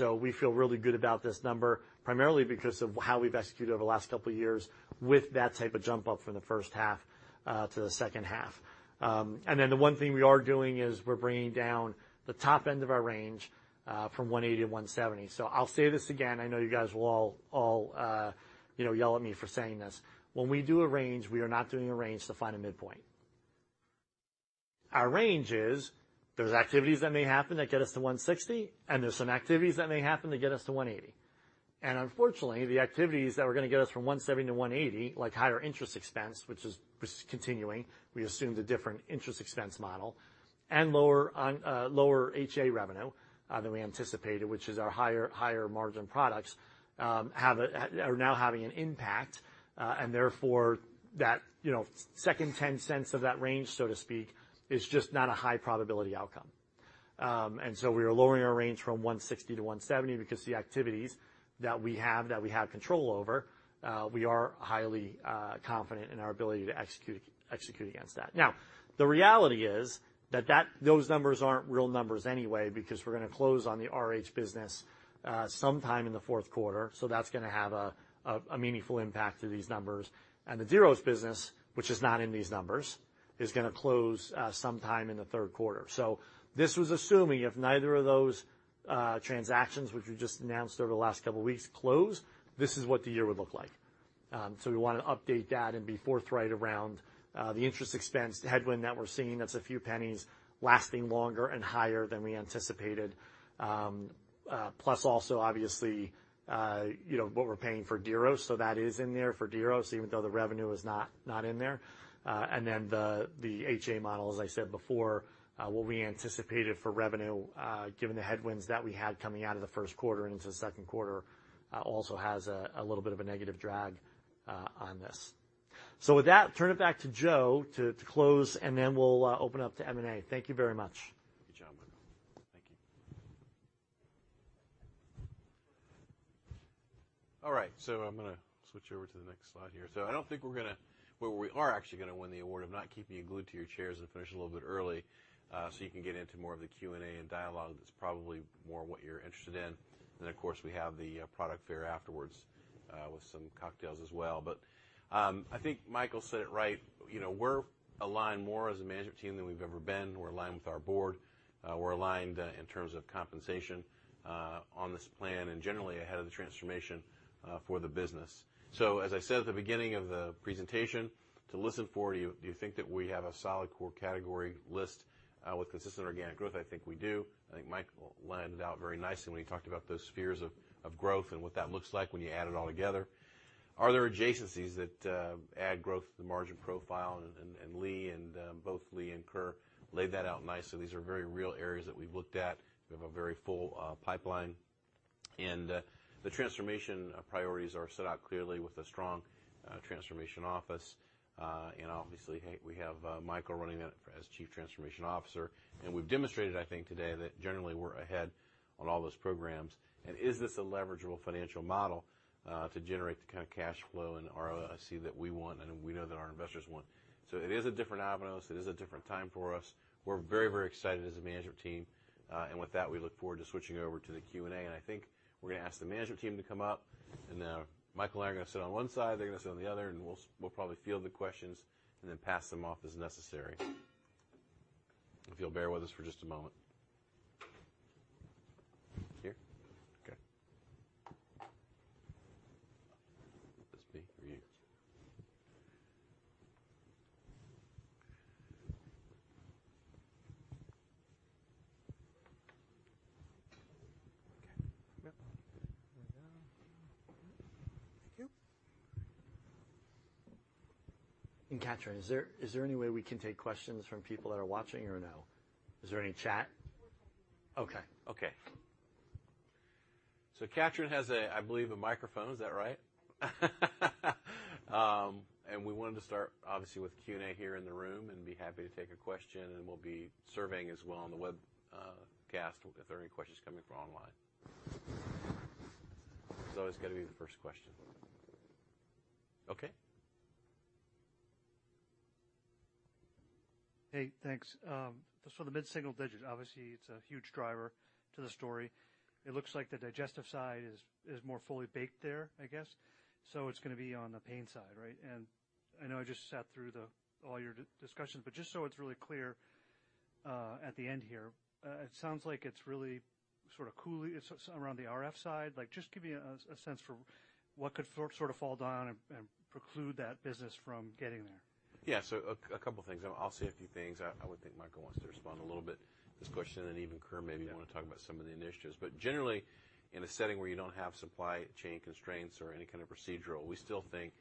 We feel really good about this number, primarily because of how we've executed over the last couple of years with that type of jump up from the first half to the second half. The one thing we are doing is we're bringing down the top end of our range from $1.80 to $1.70. I'll say this again. I know you guys will all, you know, yell at me for saying this. When we do a range, we are not doing a range to find a midpoint. Our range is, there's activities that may happen that get us to $1.60, and there's some activities that may happen that get us to $1.80. Unfortunately, the activities that were gonna get us from $1.70 to $1.80, like higher interest expense, which is continuing, we assumed a different interest expense model, and lower HA revenue than we anticipated, which is our higher margin products are now having an impact. Therefore, that, you know, second $0.10 of that range, so to speak, is just not a high probability outcome. We are lowering our range from $1.60-$1.70 because the activities that we have, that we have control over, we are highly confident in our ability to execute against that. Now, the reality is, that those numbers aren't real numbers anyway, because we're gonna close on the RH business sometime in the fourth quarter, so that's gonna have a meaningful impact to these numbers. The Diros business, which is not in these numbers, is gonna close sometime in the third quarter. This was assuming if neither of those transactions, which we just announced over the last couple of weeks, close, this is what the year would look like. We want to update that and be forthright around the interest expense headwind that we're seeing. That's a few pennies lasting longer and higher than we anticipated. Plus also, obviously, you know, what we're paying for Diros, so that is in there for Diros, even though the revenue is not in there. And then the HA model, as I said before, what we anticipated for revenue, given the headwinds that we had coming out of the first quarter and into the second quarter also has a little bit of a negative drag on this. So with that, turn it back to Joe to close, and then we'll open up to M&A. Thank you very much. Good job, Michael. Thank you. All right, I'm gonna switch over to the next slide here. I don't think we're gonna Well, we are actually gonna win the award of not keeping you glued to your chairs and finish a little bit early, so you can get into more of the Q&A and dialogue. That's probably more what you're interested in. Of course, we have the product fair afterwards with some cocktails as well. I think Michael said it right. You know, we're aligned more as a management team than we've ever been. We're aligned with our board. We're aligned in terms of compensation on this plan and generally ahead of the transformation for the business. As I said at the beginning of the presentation, to listen for, do you think that we have a solid core category list with consistent organic growth? I think we do. I think Michael lined it out very nicely when he talked about those spheres of growth and what that looks like when you add it all together. Are there adjacencies that add growth to the margin profile? Both Lee and Kerr laid that out nicely. These are very real areas that we've looked at. We have a very full pipeline. The transformation priorities are set out clearly with a strong transformation office. Obviously, hey, we have Michael running it as Chief Transformation Officer, and we've demonstrated, I think, today that generally we're ahead on all those programs. Is this a leveragable financial model to generate the kind of cash flow and ROIC that we want and we know that our investors want? It is a different Avanos. It is a different time for us. We're very excited as a management team. With that, we look forward to switching over to the Q&A, and I think we're gonna ask the management team to come up, and Michael and I are gonna sit on one side, they're gonna sit on the other, and we'll probably field the questions and then pass them off as necessary. If you'll bear with us for just a moment. Here? Okay. This me or you? Okay. Yep. Thank you. Katrine, is there any way we can take questions from people that are watching or no? Is there any chat? Okay. Okay. Katrine has a, I believe, a microphone. Is that right? We wanted to start, obviously, with Q&A here in the room and be happy to take a question, and we'll be surveying as well on the webcast, if there are any questions coming from online. There's always got to be the first question. Okay. Thanks. Just on the mid-single-digit, obviously, it's a huge driver to the story. It looks like the digestive side is more fully baked there, I guess. It's gonna be on the pain side, right? I know I just sat through all your discussions, but just so it's really clear, at the end here, it sounds like it's really sort of COOLIEF around the RF side. Like, just give me a sense for what could sort of fall down and preclude that business from getting there. couple of things. I'll say a few things. I would think Michael wants to respond a little bit to this question, and even Kerr, maybe you want to talk about some of the initiatives. Generally, in a setting where you don't have supply chain constraints or any kind of procedural, we still think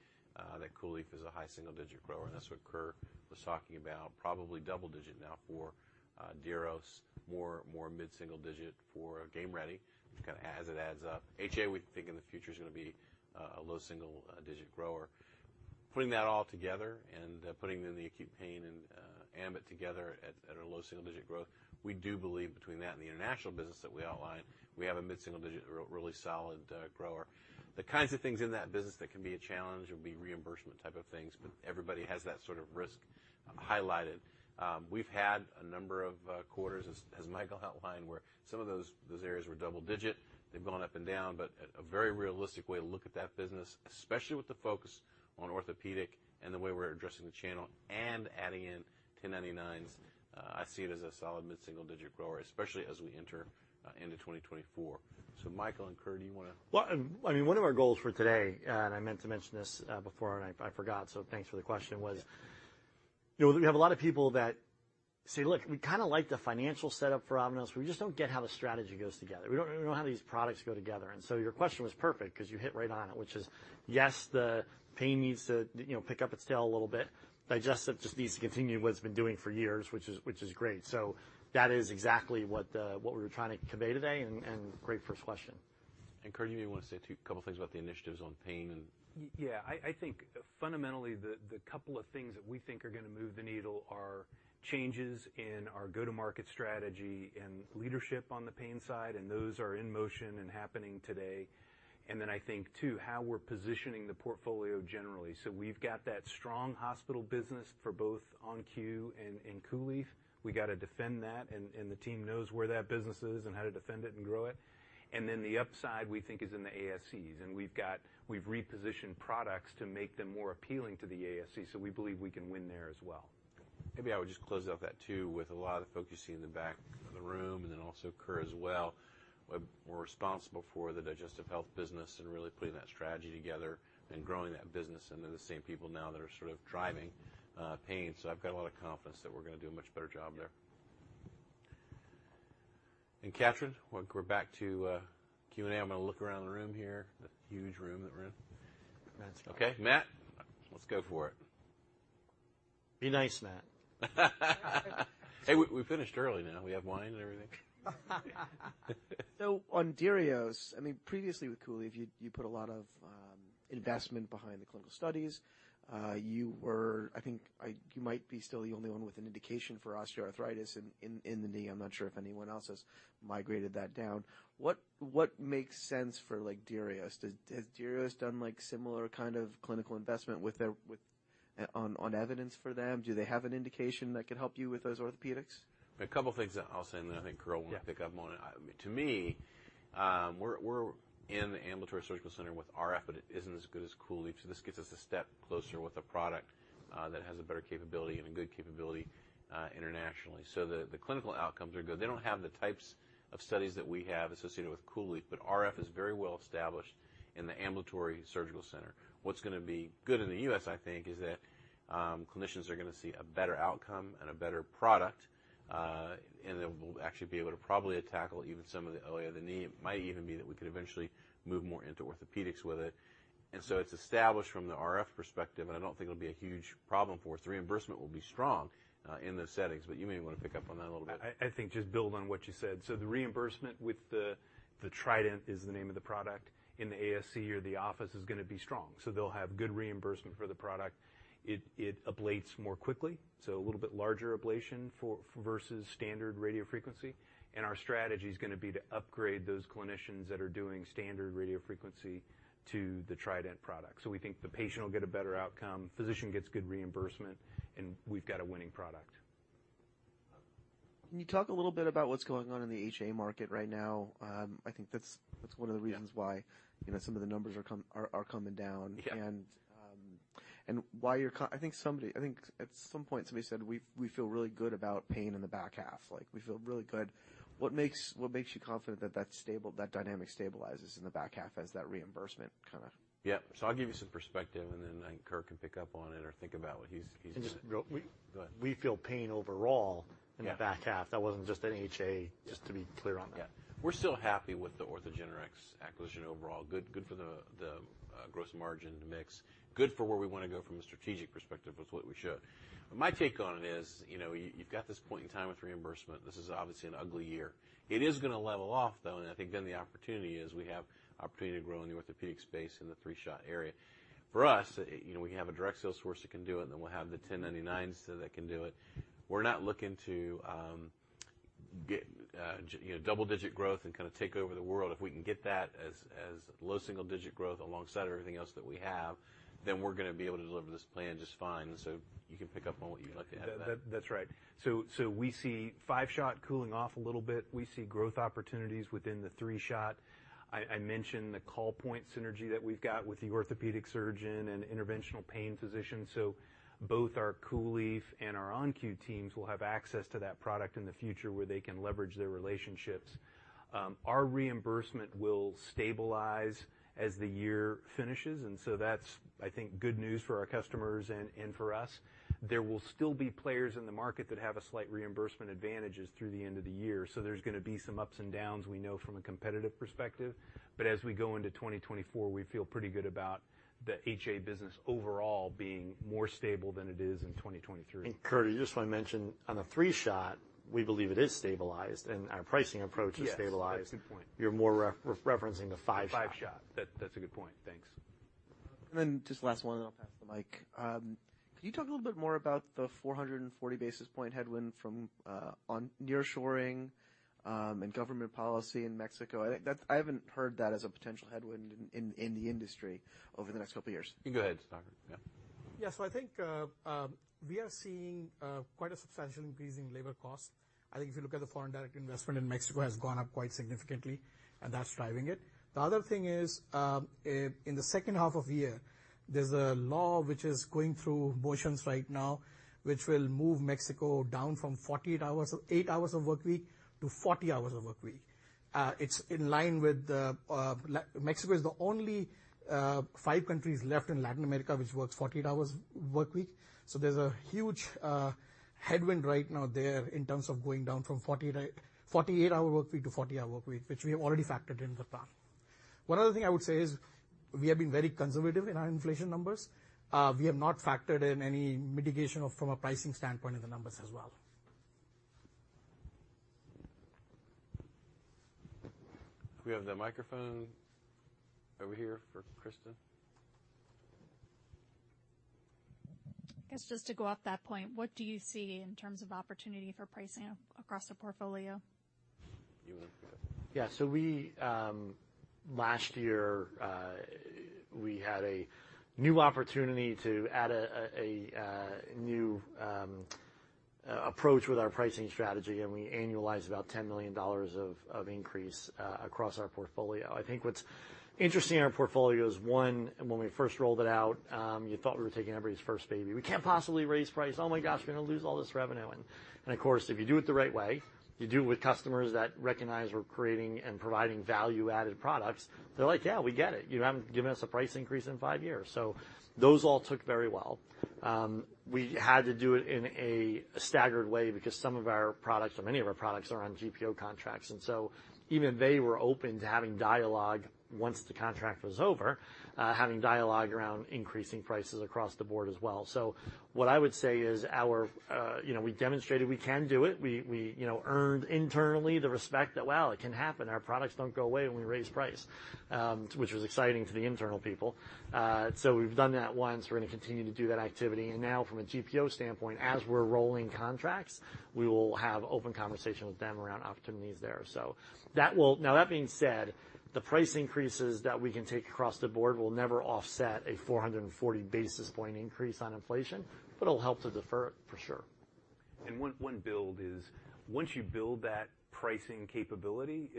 that COOLIEF is a high-single-digit grower, and that's what Kerr was talking about, probably double-digit now for Diros, mid-single-digit for Game Ready, kind of as it adds up. HA, we think in the future, is gonna be a low-single-digit grower. Putting that all together, putting in the acute pain and ambIT together at a low single-digit growth, we do believe between that and the international business that we outlined, we have a mid-single-digit, really solid grower. The kinds of things in that business that can be a challenge would be reimbursement-type of things, everybody has that sort of risk highlighted. We've had a number of quarters, as Michael outlined, where some of those areas were double-digit. They've gone up and down, a very realistic way to look at that business, especially with the focus on orthopedic and the way we're addressing the channel and adding in 1099s, I see it as a solid mid-single-digit grower, especially as we enter into 2024. Michael and Kerr, do you wanna? Well, I mean, one of our goals for today, and I meant to mention this, before, I forgot. Thanks for the question. Yeah You know, we have a lot of people that say, "Look, we kind of like the financial setup for Avanos. We just don't get how the strategy goes together. We don't know how these products go together." Your question was perfect because you hit right on it, which is, yes, the pain needs to, you know, pick up its tail a little bit. Digestive just needs to continue what it's been doing for years, which is, which is great. That is exactly what we were trying to convey today, and great first question. Kerr, you may want to say a couple of things about the initiatives on pain. yeah, I think fundamentally, the couple of things that we think are going to move the needle are changes in our go-to-market strategy and leadership on the pain side, and those are in motion and happening today. I think, too, how we're positioning the portfolio generally. We've got that strong hospital business for both ON-Q and COOLIEF. We got to defend that, and the team knows where that business is and how to defend it and grow it. The upside, we think, is in the ASCs, and we've repositioned products to make them more appealing to the ASCs, so we believe we can win there as well. I would just close out that, too, with a lot of the folks you see in the back of the room and then also Kerr as well, were more responsible for the digestive health business and really putting that strategy together and growing that business, and they're the same people now that are sort of driving pain. I've got a lot of confidence that we're going to do a much better job there. Katrine, we're back to Q&A. I'm going to look around the room here, a huge room, that room. Matt. Matt, let's go for it. Be nice, Matt. Hey, we finished early now. We have wine and everything. On Diros, I mean, previously with COOLIEF, you put a lot of investment behind the clinical studies. You might be still the only one with an indication for osteoarthritis in the knee. I'm not sure if anyone else has migrated that down. What makes sense for, like, Diros? Has Diros done, like, similar kind of clinical investment with their on evidence for them? Do they have an indication that could help you with those orthopedics? A couple of things I'll say, and then I think Kerr will pick up on it. Yeah. To me, we're in the ambulatory surgical center with RF, but it isn't as good as COOLIEF, so this gets us a step closer with a product that has a better capability and a good capability internationally. The clinical outcomes are good. They don't have the types of studies that we have associated with COOLIEF, but RF is very well established in the ambulatory surgical center. What's going to be good in the U.S., I think, is that clinicians are going to see a better outcome and a better product, and they will actually be able to probably tackle even some of the OA of the knee. It might even be that we could eventually move more into orthopedics with it. It's established from the RF perspective, and I don't think it'll be a huge problem for us. The reimbursement will be strong, in those settings, but you may want to pick up on that a little bit. I think just build on what you said. The reimbursement with the Trident is the name of the product, in the ASC or the office is going to be strong. They'll have good reimbursement for the product. It ablates more quickly, a little bit larger ablation versus standard radiofrequency. Our strategy is going to be to upgrade those clinicians that are doing standard radiofrequency to the Trident product. We think the patient will get a better outcome, physician gets good reimbursement, and we've got a winning product. Can you talk a little bit about what's going on in the HA market right now? I think that's one of the reasons. Yeah... why, you know, some of the numbers are coming down. Yeah. and why you're I think somebody, I think at some point, somebody said, "We, we feel really good about pain in the back half," like we feel really good. What makes you confident that that's stable, that dynamic stabilizes in the back half as that reimbursement kind of? Yeah. I'll give you some perspective, and then, I think Kerr can pick up on it or think about what he's. And just real- Go ahead. We feel pain overall. Yeah... in the back half. That wasn't just an HA, Yeah. Just to be clear on that. Yeah. We're still happy with the OrthogenRx acquisition overall. Good for the gross margin mix, good for where we want to go from a strategic perspective with what we showed. My take on it is, you know, you've got this point in time with reimbursement. This is obviously an ugly year. It is going to level off, though, I think then the opportunity is we have opportunity to grow in the orthopedic space in the Three-Shot area. For us, you know, we have a direct sales force that can do it, then we'll have the 1099s so they can do it. We're not looking to get, you know, double-digit growth and kind of take over the world. If we can get that as low single-digit growth alongside everything else that we have, then we're going to be able to deliver this plan just fine. You can pick up on what you'd like to add to that. That's right. We see Five-Shot cooling off a little bit. We see growth opportunities within the Three-Shot. I mentioned the call point synergy that we've got with the orthopedic surgeon and interventional pain physician, so both our COOLIEF and our ON-Q teams will have access to that product in the future, where they can leverage their relationships. Our reimbursement will stabilize as the year finishes, and so that's, I think, good news for our customers and for us. There will still be players in the market that have a slight reimbursement advantages through the end of the year, so there's going to be some ups and downs, we know, from a competitive perspective. As we go into 2024, we feel pretty good about the HA business overall being more stable than it is in 2023. Kerr, I just want to mention, on a Three-Shot, we believe it is stabilized and our pricing approach- Yes is stabilized. That's a good point. You're more referencing the Five-Shot. The Five-Shot. That's a good point. Thanks. Just last one, and I'll pass the mic. Can you talk a little bit more 440 basis points headwind from on nearshoring and government policy in Mexico? I haven't heard that as a potential headwind in the industry over the next couple of years. You go ahead, Sudhakar. Yeah. Yeah, I think we are seeing quite a substantial increase in labor costs. I think if you look at the foreign direct investment in Mexico has gone up quite significantly, and that's driving it. The other thing is, in the second half of the year, there's a law which is going through motions right now, which will move Mexico down from 48-hour workweek to 40-hour workweek. It's in line with the... Mexico is the only five countries left in Latin America, which works 48-hour workweek. There's a huge headwind right now there in terms of going down from 48-hour workweek to 40-hour workweek, which we have already factored in the plan. ...One other thing I would say is we have been very conservative in our inflation numbers. We have not factored in any mitigation of, from a pricing standpoint, in the numbers as well. We have the microphone over here for Kristen. I guess just to go off that point, what do you see in terms of opportunity for pricing across the portfolio? You want to? Yeah. We, last year, we had a new opportunity to add a new approach with our pricing strategy, and we annualized about $10 million of increase across our portfolio. I think what's interesting in our portfolio is, one, when we first rolled it out, you thought we were taking everybody's first baby. "We can't possibly raise price. Oh, my gosh, we're gonna lose all this revenue!" Of course, if you do it the right way, you do it with customers that recognize we're creating and providing value-added products, they're like: "Yeah, we get it. You haven't given us a price increase in five years." Those all took very well. We had to do it in a staggered way because some of our products or many of our products are on GPO contracts. Even they were open to having dialogue once the contract was over, having dialogue around increasing prices across the board as well. What I would say is our, you know, we demonstrated we can do it. We, you know, earned internally the respect that, wow, it can happen. Our products don't go away when we raise price, which was exciting to the internal people. We've done that once. We're gonna continue to do that activity. Now from a GPO standpoint, as we're rolling contracts, we will have open conversation with them around opportunities there. That being said, the price increases that we can take across the board will never 440 basis points increase on inflation, but it'll help to defer it for sure. One build is once you build that pricing capability,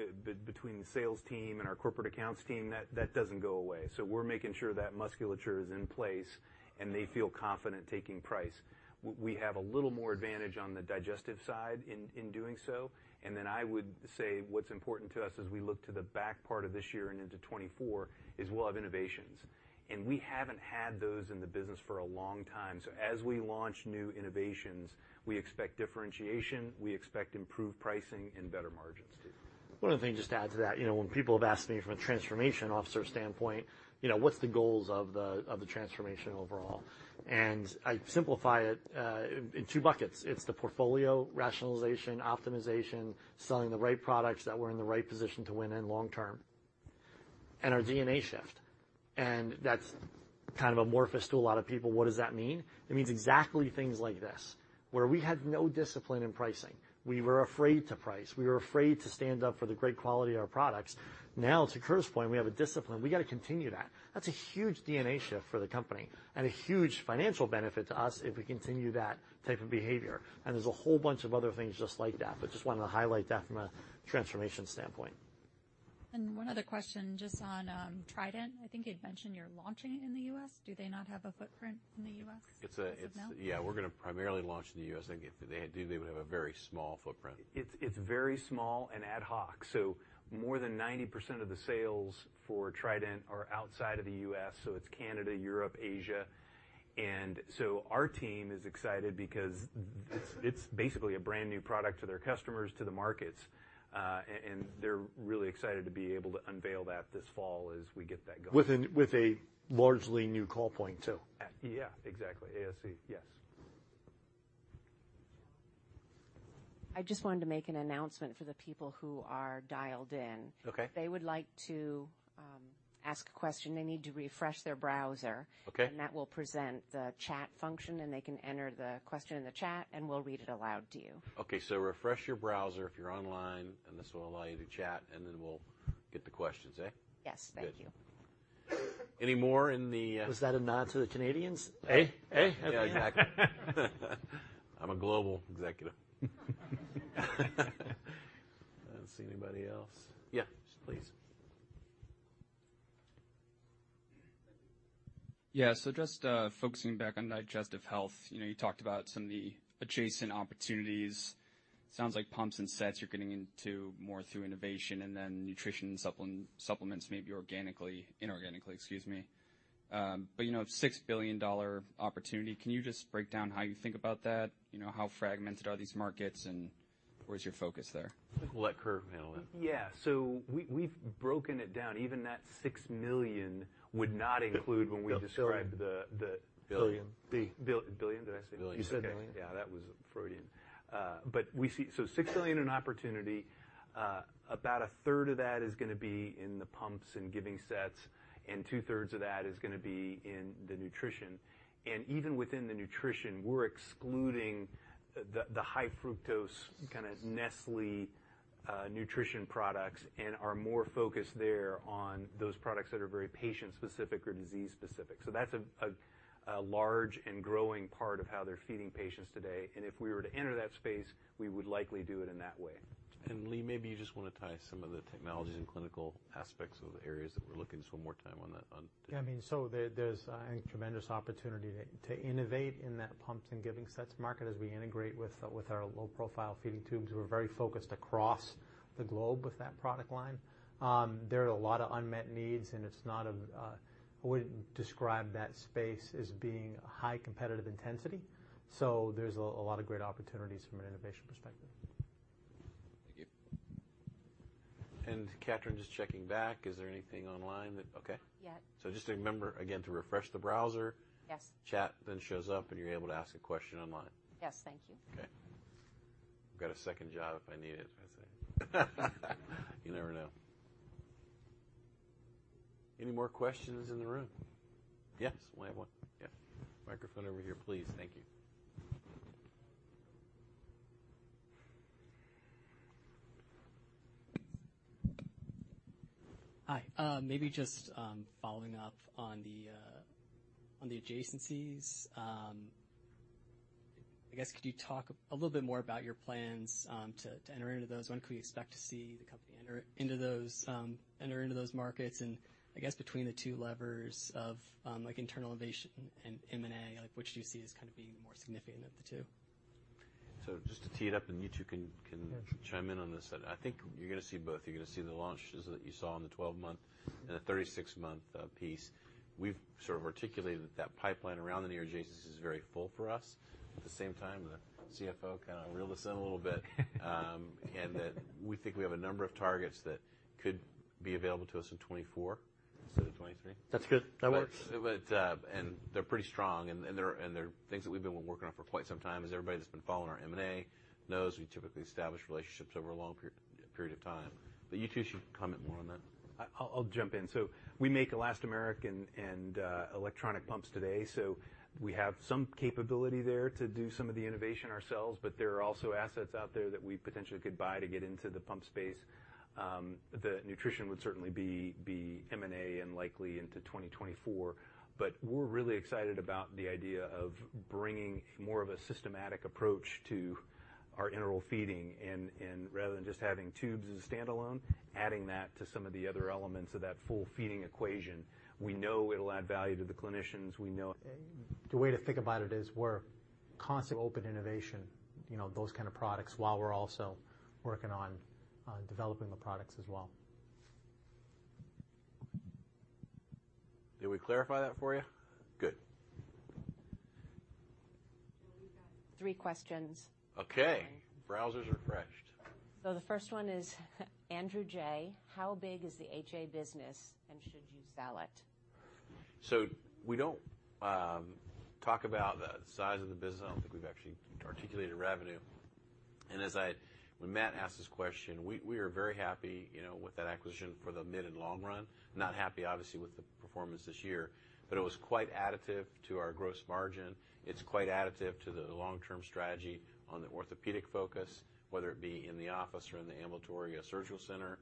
between the sales team and our corporate accounts team, that doesn't go away. We're making sure that musculature is in place, and they feel confident taking price. We have a little more advantage on the digestive side in doing so. Then I would say what's important to us as we look to the back part of this year and into 2024 is we'll have innovations, and we haven't had those in the business for a long time. As we launch new innovations, we expect differentiation, we expect improved pricing and better margins, too. One other thing just to add to that. You know, when people have asked me from a transformation officer standpoint, you know, "What's the goals of the transformation overall?" I simplify it in two buckets. It's the portfolio rationalization, optimization, selling the right products that we're in the right position to win in long term, and our DNA shift, and that's kind of amorphous to a lot of people. What does that mean? It means exactly things like this, where we had no discipline in pricing. We were afraid to price. We were afraid to stand up for the great quality of our products. Now, to Kerr's point, we have a discipline. We got to continue that. That's a huge DNA shift for the company and a huge financial benefit to us if we continue that type of behavior, and there's a whole bunch of other things just like that, but just wanted to highlight that from a transformation standpoint. One other question, just on Trident. I think you'd mentioned you're launching it in the U.S. Do they not have a footprint in the U.S.? It's a. No? Yeah, we're gonna primarily launch in the U.S., I think. They would have a very small footprint. It's very small and ad hoc, so more than 90% of the sales for Trident are outside of the U.S., so it's Canada, Europe, Asia. Our team is excited because it's basically a brand-new product to their customers, to the markets, and they're really excited to be able to unveil that this fall as we get that going. With a largely new call point, too. Yeah, exactly. ASC, yes. I just wanted to make an announcement for the people who are dialed in. Okay. If they would like to ask a question, they need to refresh their browser. Okay. That will present the chat function, and they can enter the question in the chat, and we'll read it aloud to you. Okay, refresh your browser if you're online, and this will allow you to chat, and then we'll get the questions, eh? Yes, thank you. Any more in the... Was that a nod to the Canadians? Eh, eh? Yeah, exactly. I'm a global executive. I don't see anybody else. Yeah, please. Yeah. Just focusing back on digestive health, you know, you talked about some of the adjacent opportunities. Sounds like pumps and sets you're getting into more through innovation and then nutrition supplements, maybe organically, inorganically, excuse me. You know, a $6 billion opportunity, can you just break down how you think about that? You know, how fragmented are these markets, and where's your focus there? I think we'll let Kerr handle it. Yeah. We've broken it down. Even that $6 million would not include when we describe the. Billion. Billion? Did I say- You said million. Yeah, that was Freudian. We see $6 billion in opportunity, about 1/3 of that is gonna be in the pumps and giving sets, and 2/3 of that is gonna be in the nutrition. Even within the nutrition, we're excluding the high-fructose, kind of Nestlé nutrition products and are more focused there on those products that are very patient-specific or disease-specific. That's a large and growing part of how they're feeding patients today. If we were to enter that space, we would likely do it in that way. Lee, maybe you just want to tie some of the technologies and clinical aspects of the areas that we're looking to spend more time on that, on. I mean, there's a tremendous opportunity to innovate in that pumps and giving sets market as we integrate with our low-profile feeding tubes. We're very focused across the globe with that product line. There are a lot of unmet needs, and I wouldn't describe that space as being high competitive intensity, so there's a lot of great opportunities from an innovation perspective. Thank you. Katrine, just checking back, is there anything online okay? Yeah. Just remember, again, to refresh the browser. Yes. Chat shows up, and you're able to ask a question online. Yes, thank you. Okay. I've got a second job if I need it, I'd say. You never know. Any more questions in the room? Yes, we have one. Microphone over here, please. Thank you. Hi, maybe just following up on the adjacencies. I guess, could you talk a little bit more about your plans to enter into those? When could we expect to see the company enter into those, enter into those markets? I guess between the two levers of, like, internal innovation and M&A, like, which do you see as kind of being more significant of the two? Just to tee it up, and you two can chime in on this. I think you're going to see both. You're going to see the launches that you saw in the 12-month and the 36-month piece. We've sort of articulated that that pipeline around the near adjacencies is very full for us. At the same time, the CFO kind of reeled us in a little bit. That we think we have a number of targets that could be available to us in 2024 instead of 2023. That's good. That works. And they're pretty strong, and they're things that we've been working on for quite some time. As everybody that's been following our M&A knows, we typically establish relationships over a long period of time. You two should comment more on that. I'll jump in. We make elastomeric and electronic pumps today, so we have some capability there to do some of the innovation ourselves, but there are also assets out there that we potentially could buy to get into the pump space. The nutrition would certainly be M&A and likely into 2024. We're really excited about the idea of bringing more of a systematic approach to our enteral feeding rather than just having tubes as a standalone, adding that to some of the other elements of that full feeding equation. We know it'll add value to the clinicians. The way to think about it is we're constantly open innovation, you know, those kind of products, while we're also working on developing the products as well. Did we clarify that for you? Good. three questions. Okay. Browsers are refreshed. The first one is Andrew J. How big is the HA business, and should you sell it? We don't talk about the size of the business. I don't think we've actually articulated revenue. As when Matt asked this question, we are very happy, you know, with that acquisition for the mid and long run. Not happy, obviously, with the performance this year, but it was quite additive to our gross margin. It's quite additive to the long-term strategy on the orthopedic focus, whether it be in the office or in the ambulatory or surgical center.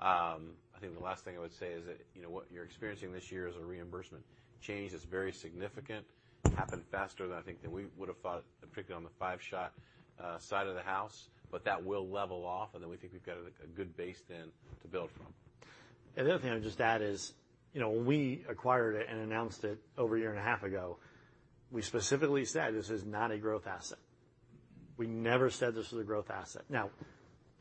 I think the last thing I would say is that, you know, what you're experiencing this year is a reimbursement change that's very significant. Happened faster than I think than we would have thought, particularly on the Five-Shot side of the house, but that will level off, and then we think we've got a good base then to build from. The other thing I'd just add is, you know, when we acquired it and announced it over a year and a half ago, we specifically said, this is not a growth asset. We never said this was a growth asset.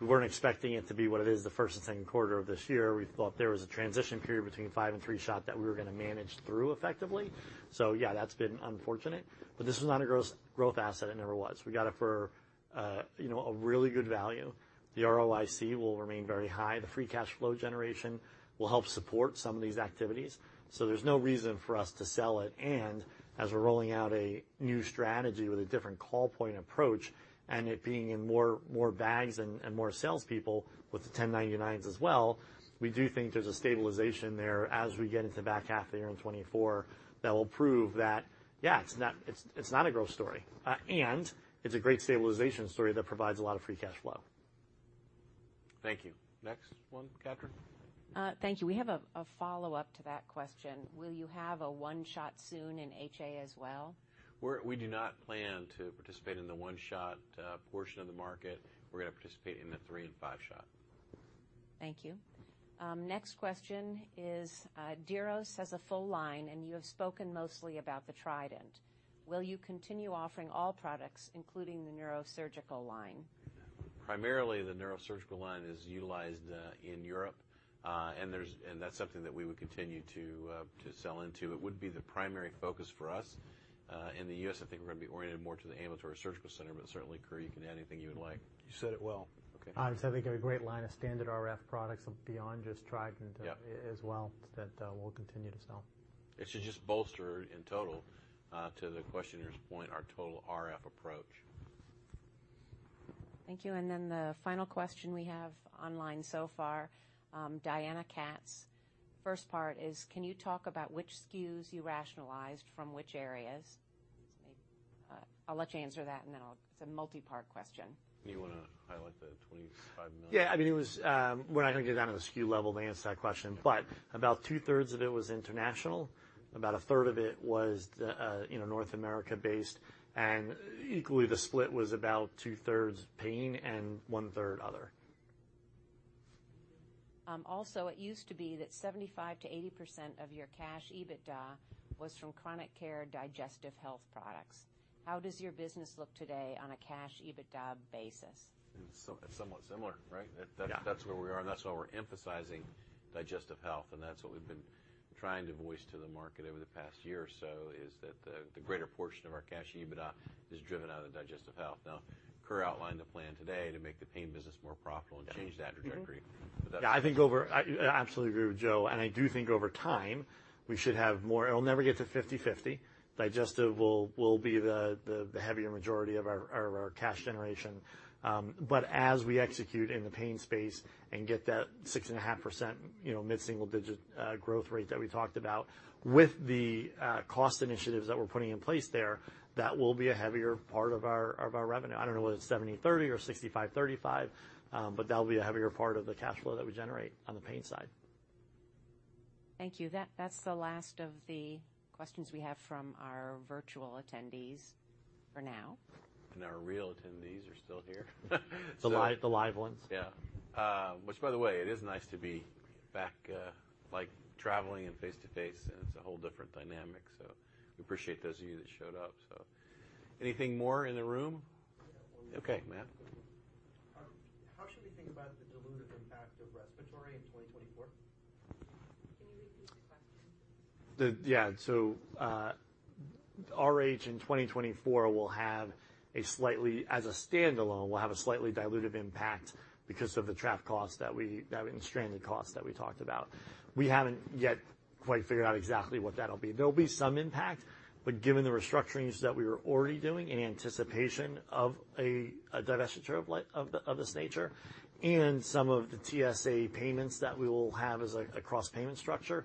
We weren't expecting it to be what it is the first and second quarter of this year. We thought there was a transition period between Five-Shot and Three-Shot that we were going to manage through effectively. Yeah, that's been unfortunate, but this was not a gross growth asset. It never was. We got it for, you know, a really good value. The ROIC will remain very high. The free cash flow generation will help support some of these activities, so there's no reason for us to sell it. As we're rolling out a new strategy with a different call point approach, and it being in more bags and more salespeople with the 1099s as well, we do think there's a stabilization there as we get into the back half of the year in 2024 that will prove that, yeah, it's not a growth story, and it's a great stabilization story that provides a lot of free cash flow. Thank you. Next one, Katrine? Thank you. We have a follow-up to that question. Will you have a One-Shot soon in HA as well? We do not plan to participate in the One-Shot, portion of the market. We're going to participate in the Three-Shot and Five-Shot. Thank you. Next question is, Diros has a full line, and you have spoken mostly about the Trident. Will you continue offering all products, including the neurosurgical line? Primarily, the neurosurgical line is utilized in Europe, and that's something that we would continue to sell into. It wouldn't be the primary focus for us. In the U.S., I think we're going to be oriented more to the ambulatory surgical center, but certainly, Kareem, you can add anything you would like. You said it well. Okay. Obviously, we've got a great line of standard RF products beyond just Trident. Yeah as well, that, we'll continue to sell. It should just bolster in total, to the questioner's point, our total RF approach. Thank you. The final question we have online so far, Diana Katz. First part is, can you talk about which SKUs you rationalized from which areas? I'll let you answer that. It's a multi-part question. Do you want to highlight the $25 million? Yeah, I mean, it was, we're not going to get down to the SKU level to answer that question, but about 2/3 of it was international, about 1/3 of it was the, you know, North America-based, and equally, the split was about 2/3 pain and one-third other.... it used to be that 75%-80% of your cash EBITDA was from chronic care digestive health products. How does your business look today on a cash EBITDA basis? It's somewhat similar, right? Yeah. That's where we are, and that's why we're emphasizing digestive health, and that's what we've been trying to voice to the market over the past year or so, is that the greater portion of our cash EBITDA is driven out of digestive health. Now, Kerr outlined the plan today to make the pain business more profitable and change that trajectory. Yeah, I think I absolutely agree with Joe, and I do think over time, we should have more... It'll never get to 50/50. Digestive will be the heavier majority of our cash generation. As we execute in the pain space and get that 6.5%, you know, mid-single-digit growth rate that we talked about, with the cost initiatives that we're putting in place there, that will be a heavier part of our revenue. I don't know whether it's 70/30 or 65/35, but that'll be a heavier part of the cash flow that we generate on the pain side. Thank you. That's the last of the questions we have from our virtual attendees for now. Our real attendees are still here. The live ones. Yeah. Which, by the way, it is nice to be back, like, traveling and face-to-face, and it's a whole different dynamic. We appreciate those of you that showed up. Anything more in the room? Okay, Matt. How should we think about the dilutive impact of respiratory in 2024? Can you repeat the question? Yeah. RH in 2024 will have a slightly, as a standalone, will have a slightly dilutive impact because of the traffic costs that and the stranded costs that we talked about. We haven't yet quite figured out exactly what that'll be. There'll be some impact, but given the restructurings that we were already doing in anticipation of a divestiture of this nature, and some of the TSA payments that we will have as a cross-payment structure,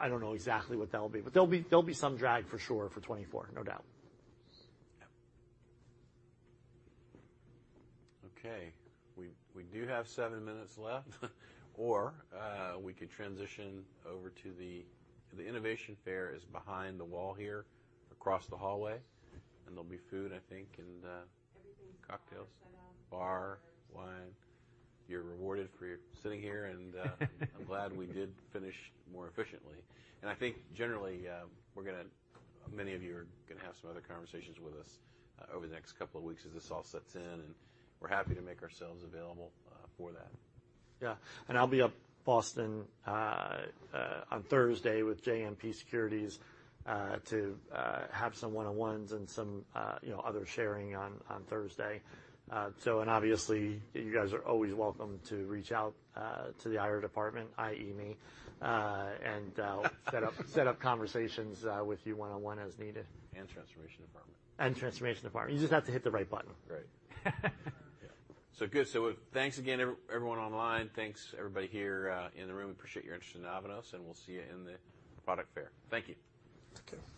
I don't know exactly what that'll be, but there'll be some drag for sure for 2024, no doubt. Yeah. Okay. We do have 7 minutes left, or we could transition over. The innovation fair is behind the wall here, across the hallway, and there'll be food, I think, and cocktails. Bar, wine. You're rewarded for your sitting here. I'm glad we did finish more efficiently. I think generally, many of you are gonna have some other conversations with us, over the next couple of weeks as this all sets in. We're happy to make ourselves available, for that. Yeah. I'll be up Boston on Thursday with JMP Securities to have some one-on-ones and some, you know, other sharing on Thursday. Obviously, you guys are always welcome to reach out to the IR department, i.e., me, and set up conversations with you one-on-one as needed. transformation department. Transformation department. You just have to hit the right button. Right. Yeah. Good. Thanks again, everyone online. Thanks, everybody here, in the room. We appreciate your interest in Avanos, and we'll see you in the product fair. Thank you. Thank you.